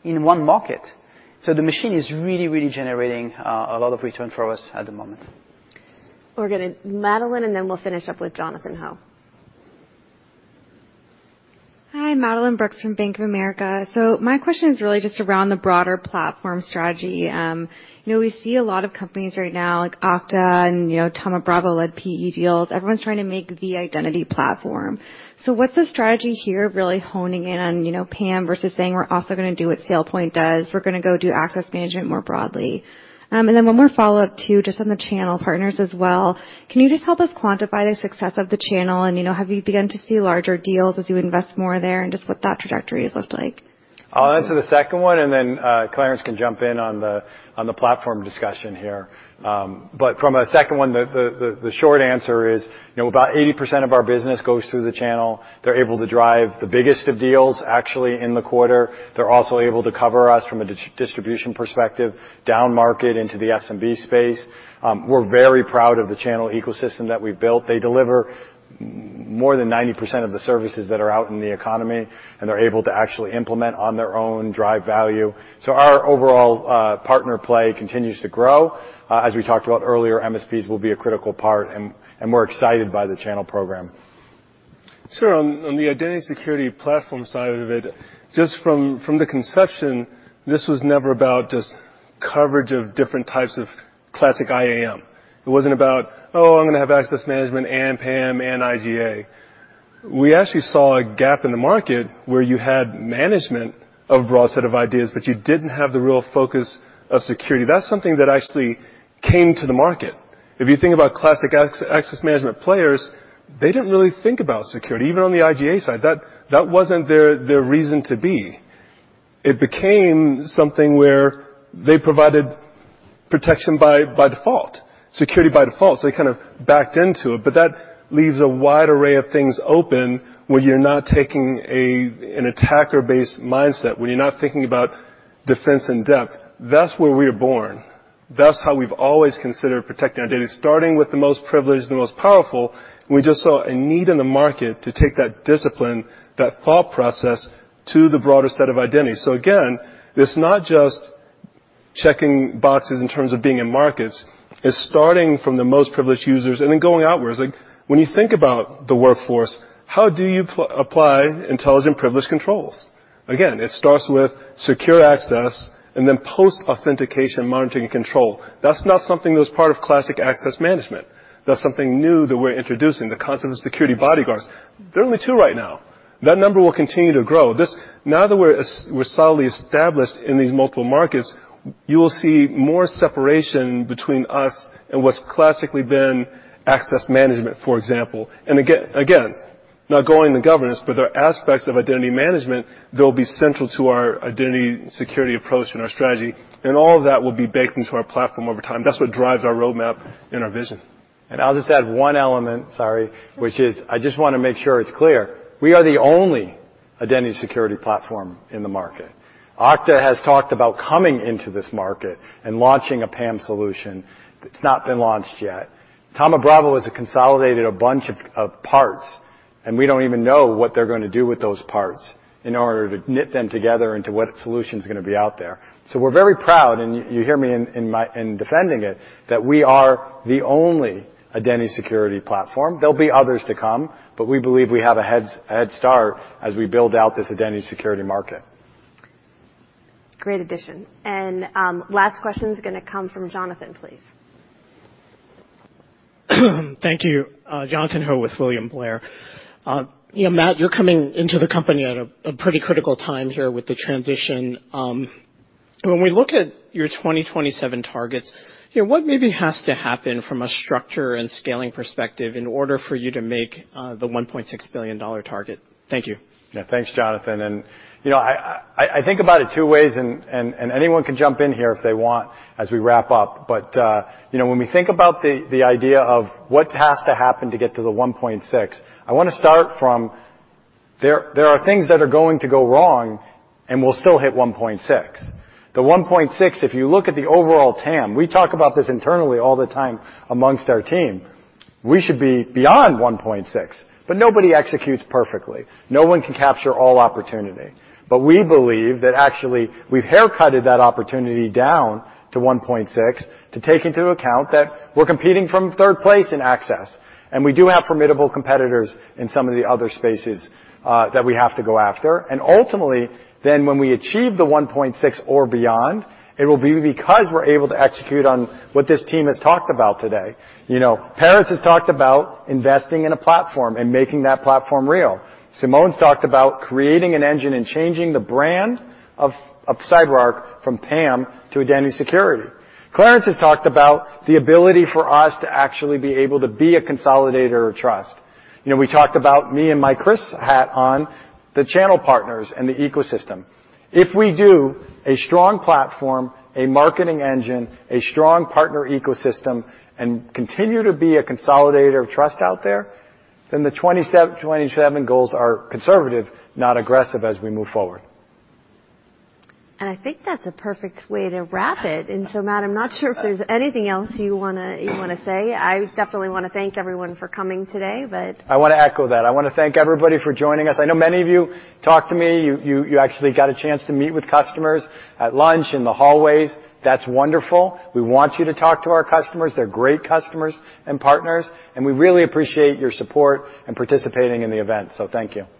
in one market. The machine is really generating a lot of return for us at the moment. Madeline, then we'll finish up with Jonathan Ho. Hi, Madeline Brooks from Bank of America. My question is really just around the broader platform strategy. you know, we see a lot of companies right now like Okta and, you know, Thoma Bravo-led PE deals. Everyone's trying to make the identity platform. What's the strategy here really honing in on, you know, PAM versus saying, we're also gonna do what SailPoint does, we're gonna go do access management more broadly? Then one more follow-up too, just on the channel partners as well. Can you just help us quantify the success of the channel and, you know, have you begun to see larger deals as you invest more there and just what that trajectory has looked like? I'll answer the second one, and then Clarence can jump in on the platform discussion here. From a second one, the short answer is, you know, about 80% of our business goes through the channel. They're able to drive the biggest of deals actually in the quarter. They're also able to cover us from a distribution perspective downmarket into the SMB space. We're very proud of the channel ecosystem that we've built. They deliver more than 90% of the services that are out in the economy, and they're able to actually implement on their own, drive value. Our overall partner play continues to grow. As we talked about earlier, MSPs will be a critical part, and we're excited by the channel program. Sure. On the Identity Security Platform side of it, just from the conception, this was never about just coverage of different types of classic IAM. It wasn't about, oh, I'm gonna have access management and PAM and IGA. We actually saw a gap in the market where you had management of a broad set of ideas, but you didn't have the real focus of security. That's something that actually came to the market. If you think about classic access management players, they didn't really think about security. Even on the IGA side, that wasn't their reason to be. It became something where they provided protection by default, security by default, so they kind of backed into it. That leaves a wide array of things open when you're not taking an attacker-based mindset, when you're not thinking about defense in depth. That's where we are born. That's how we've always considered protecting our data, starting with the most privileged and the most powerful. We just saw a need in the market to take that discipline, that thought process to the broader set of identities. Again, it's not just checking boxes in terms of being in markets. It's starting from the most privileged users and then going outwards. Like, when you think about the workforce, how do you apply intelligent privilege controls? Again, it starts with secure access and then post-authentication monitoring and control. That's not something that was part of classic access management. That's something new that we're introducing, the concept of security bodyguards. There are only two right now. That number will continue to grow. This. Now that we're solidly established in these multiple markets, you will see more separation between us and what's classically been access management, for example. Again, not going into governance, but there are aspects of identity management that will be central to our identity security approach and our strategy, and all of that will be baked into our platform over time. That's what drives our roadmap and our vision. I'll just add one element, sorry, which is I just wanna make sure it's clear, we are the only identity security platform in the market. Okta has talked about coming into this market and launching a PAM solution. It's not been launched yet. Thoma Bravo has consolidated a bunch of parts, and we don't even know what they're gonna do with those parts in order to knit them together into what solution's gonna be out there. We're very proud, and you hear me in my defending it, that we are the only identity security platform. There'll be others to come, we believe we have a head start as we build out this identity security market. Great addition. Last question's gonna come from Jonathan, please. Thank you. Jonathan Ho with William Blair. You know, Matt, you're coming into the company at a pretty critical time here with the transition. When we look at your 2027 targets, you know, what maybe has to happen from a structure and scaling perspective in order for you to make the $1.6 billion target? Thank you. Yeah. Thanks, Jonathan. You know, I think about it two ways and anyone can jump in here if they want as we wrap up. You know, when we think about the idea of what has to happen to get to the one point six I wanna start from there are things that are going to go wrong, and we'll still hit one point six. The one point six, if you look at the overall TAM, we talk about this internally all the time amongst our team. We should be beyond one point six, but nobody executes perfectly. No one can capture all opportunity. We believe that actually we've haircutted that opportunity down to one point six to take into account that we're competing from third place in access, and we do have formidable competitors in some of the other spaces that we have to go after. Ultimately, then when we achieve the one point six or beyond, it will be because we're able to execute on what this team has talked about today. You know, Paris has talked about investing in a platform and making that platform real. Simon's talked about creating an engine and changing the brand of CyberArk from PAM to Identity Security. Clarence has talked about the ability for us to actually be able to be a consolidator of trust. You know, we talked about me in my Chris hat on the channel partners and the ecosystem. If we do a strong platform, a marketing engine, a strong partner ecosystem, and continue to be a consolidator of trust out there, then the 2027 goals are conservative, not aggressive as we move forward. I think that's a perfect way to wrap it. Matt, I'm not sure if there's anything else you wanna say. I definitely wanna thank everyone for coming today. I wanna echo that. I wanna thank everybody for joining us. I know many of you talked to me. You actually got a chance to meet with customers at lunch, in the hallways. That's wonderful. We want you to talk to our customers. They're great customers and partners. We really appreciate your support in participating in the event. Thank you.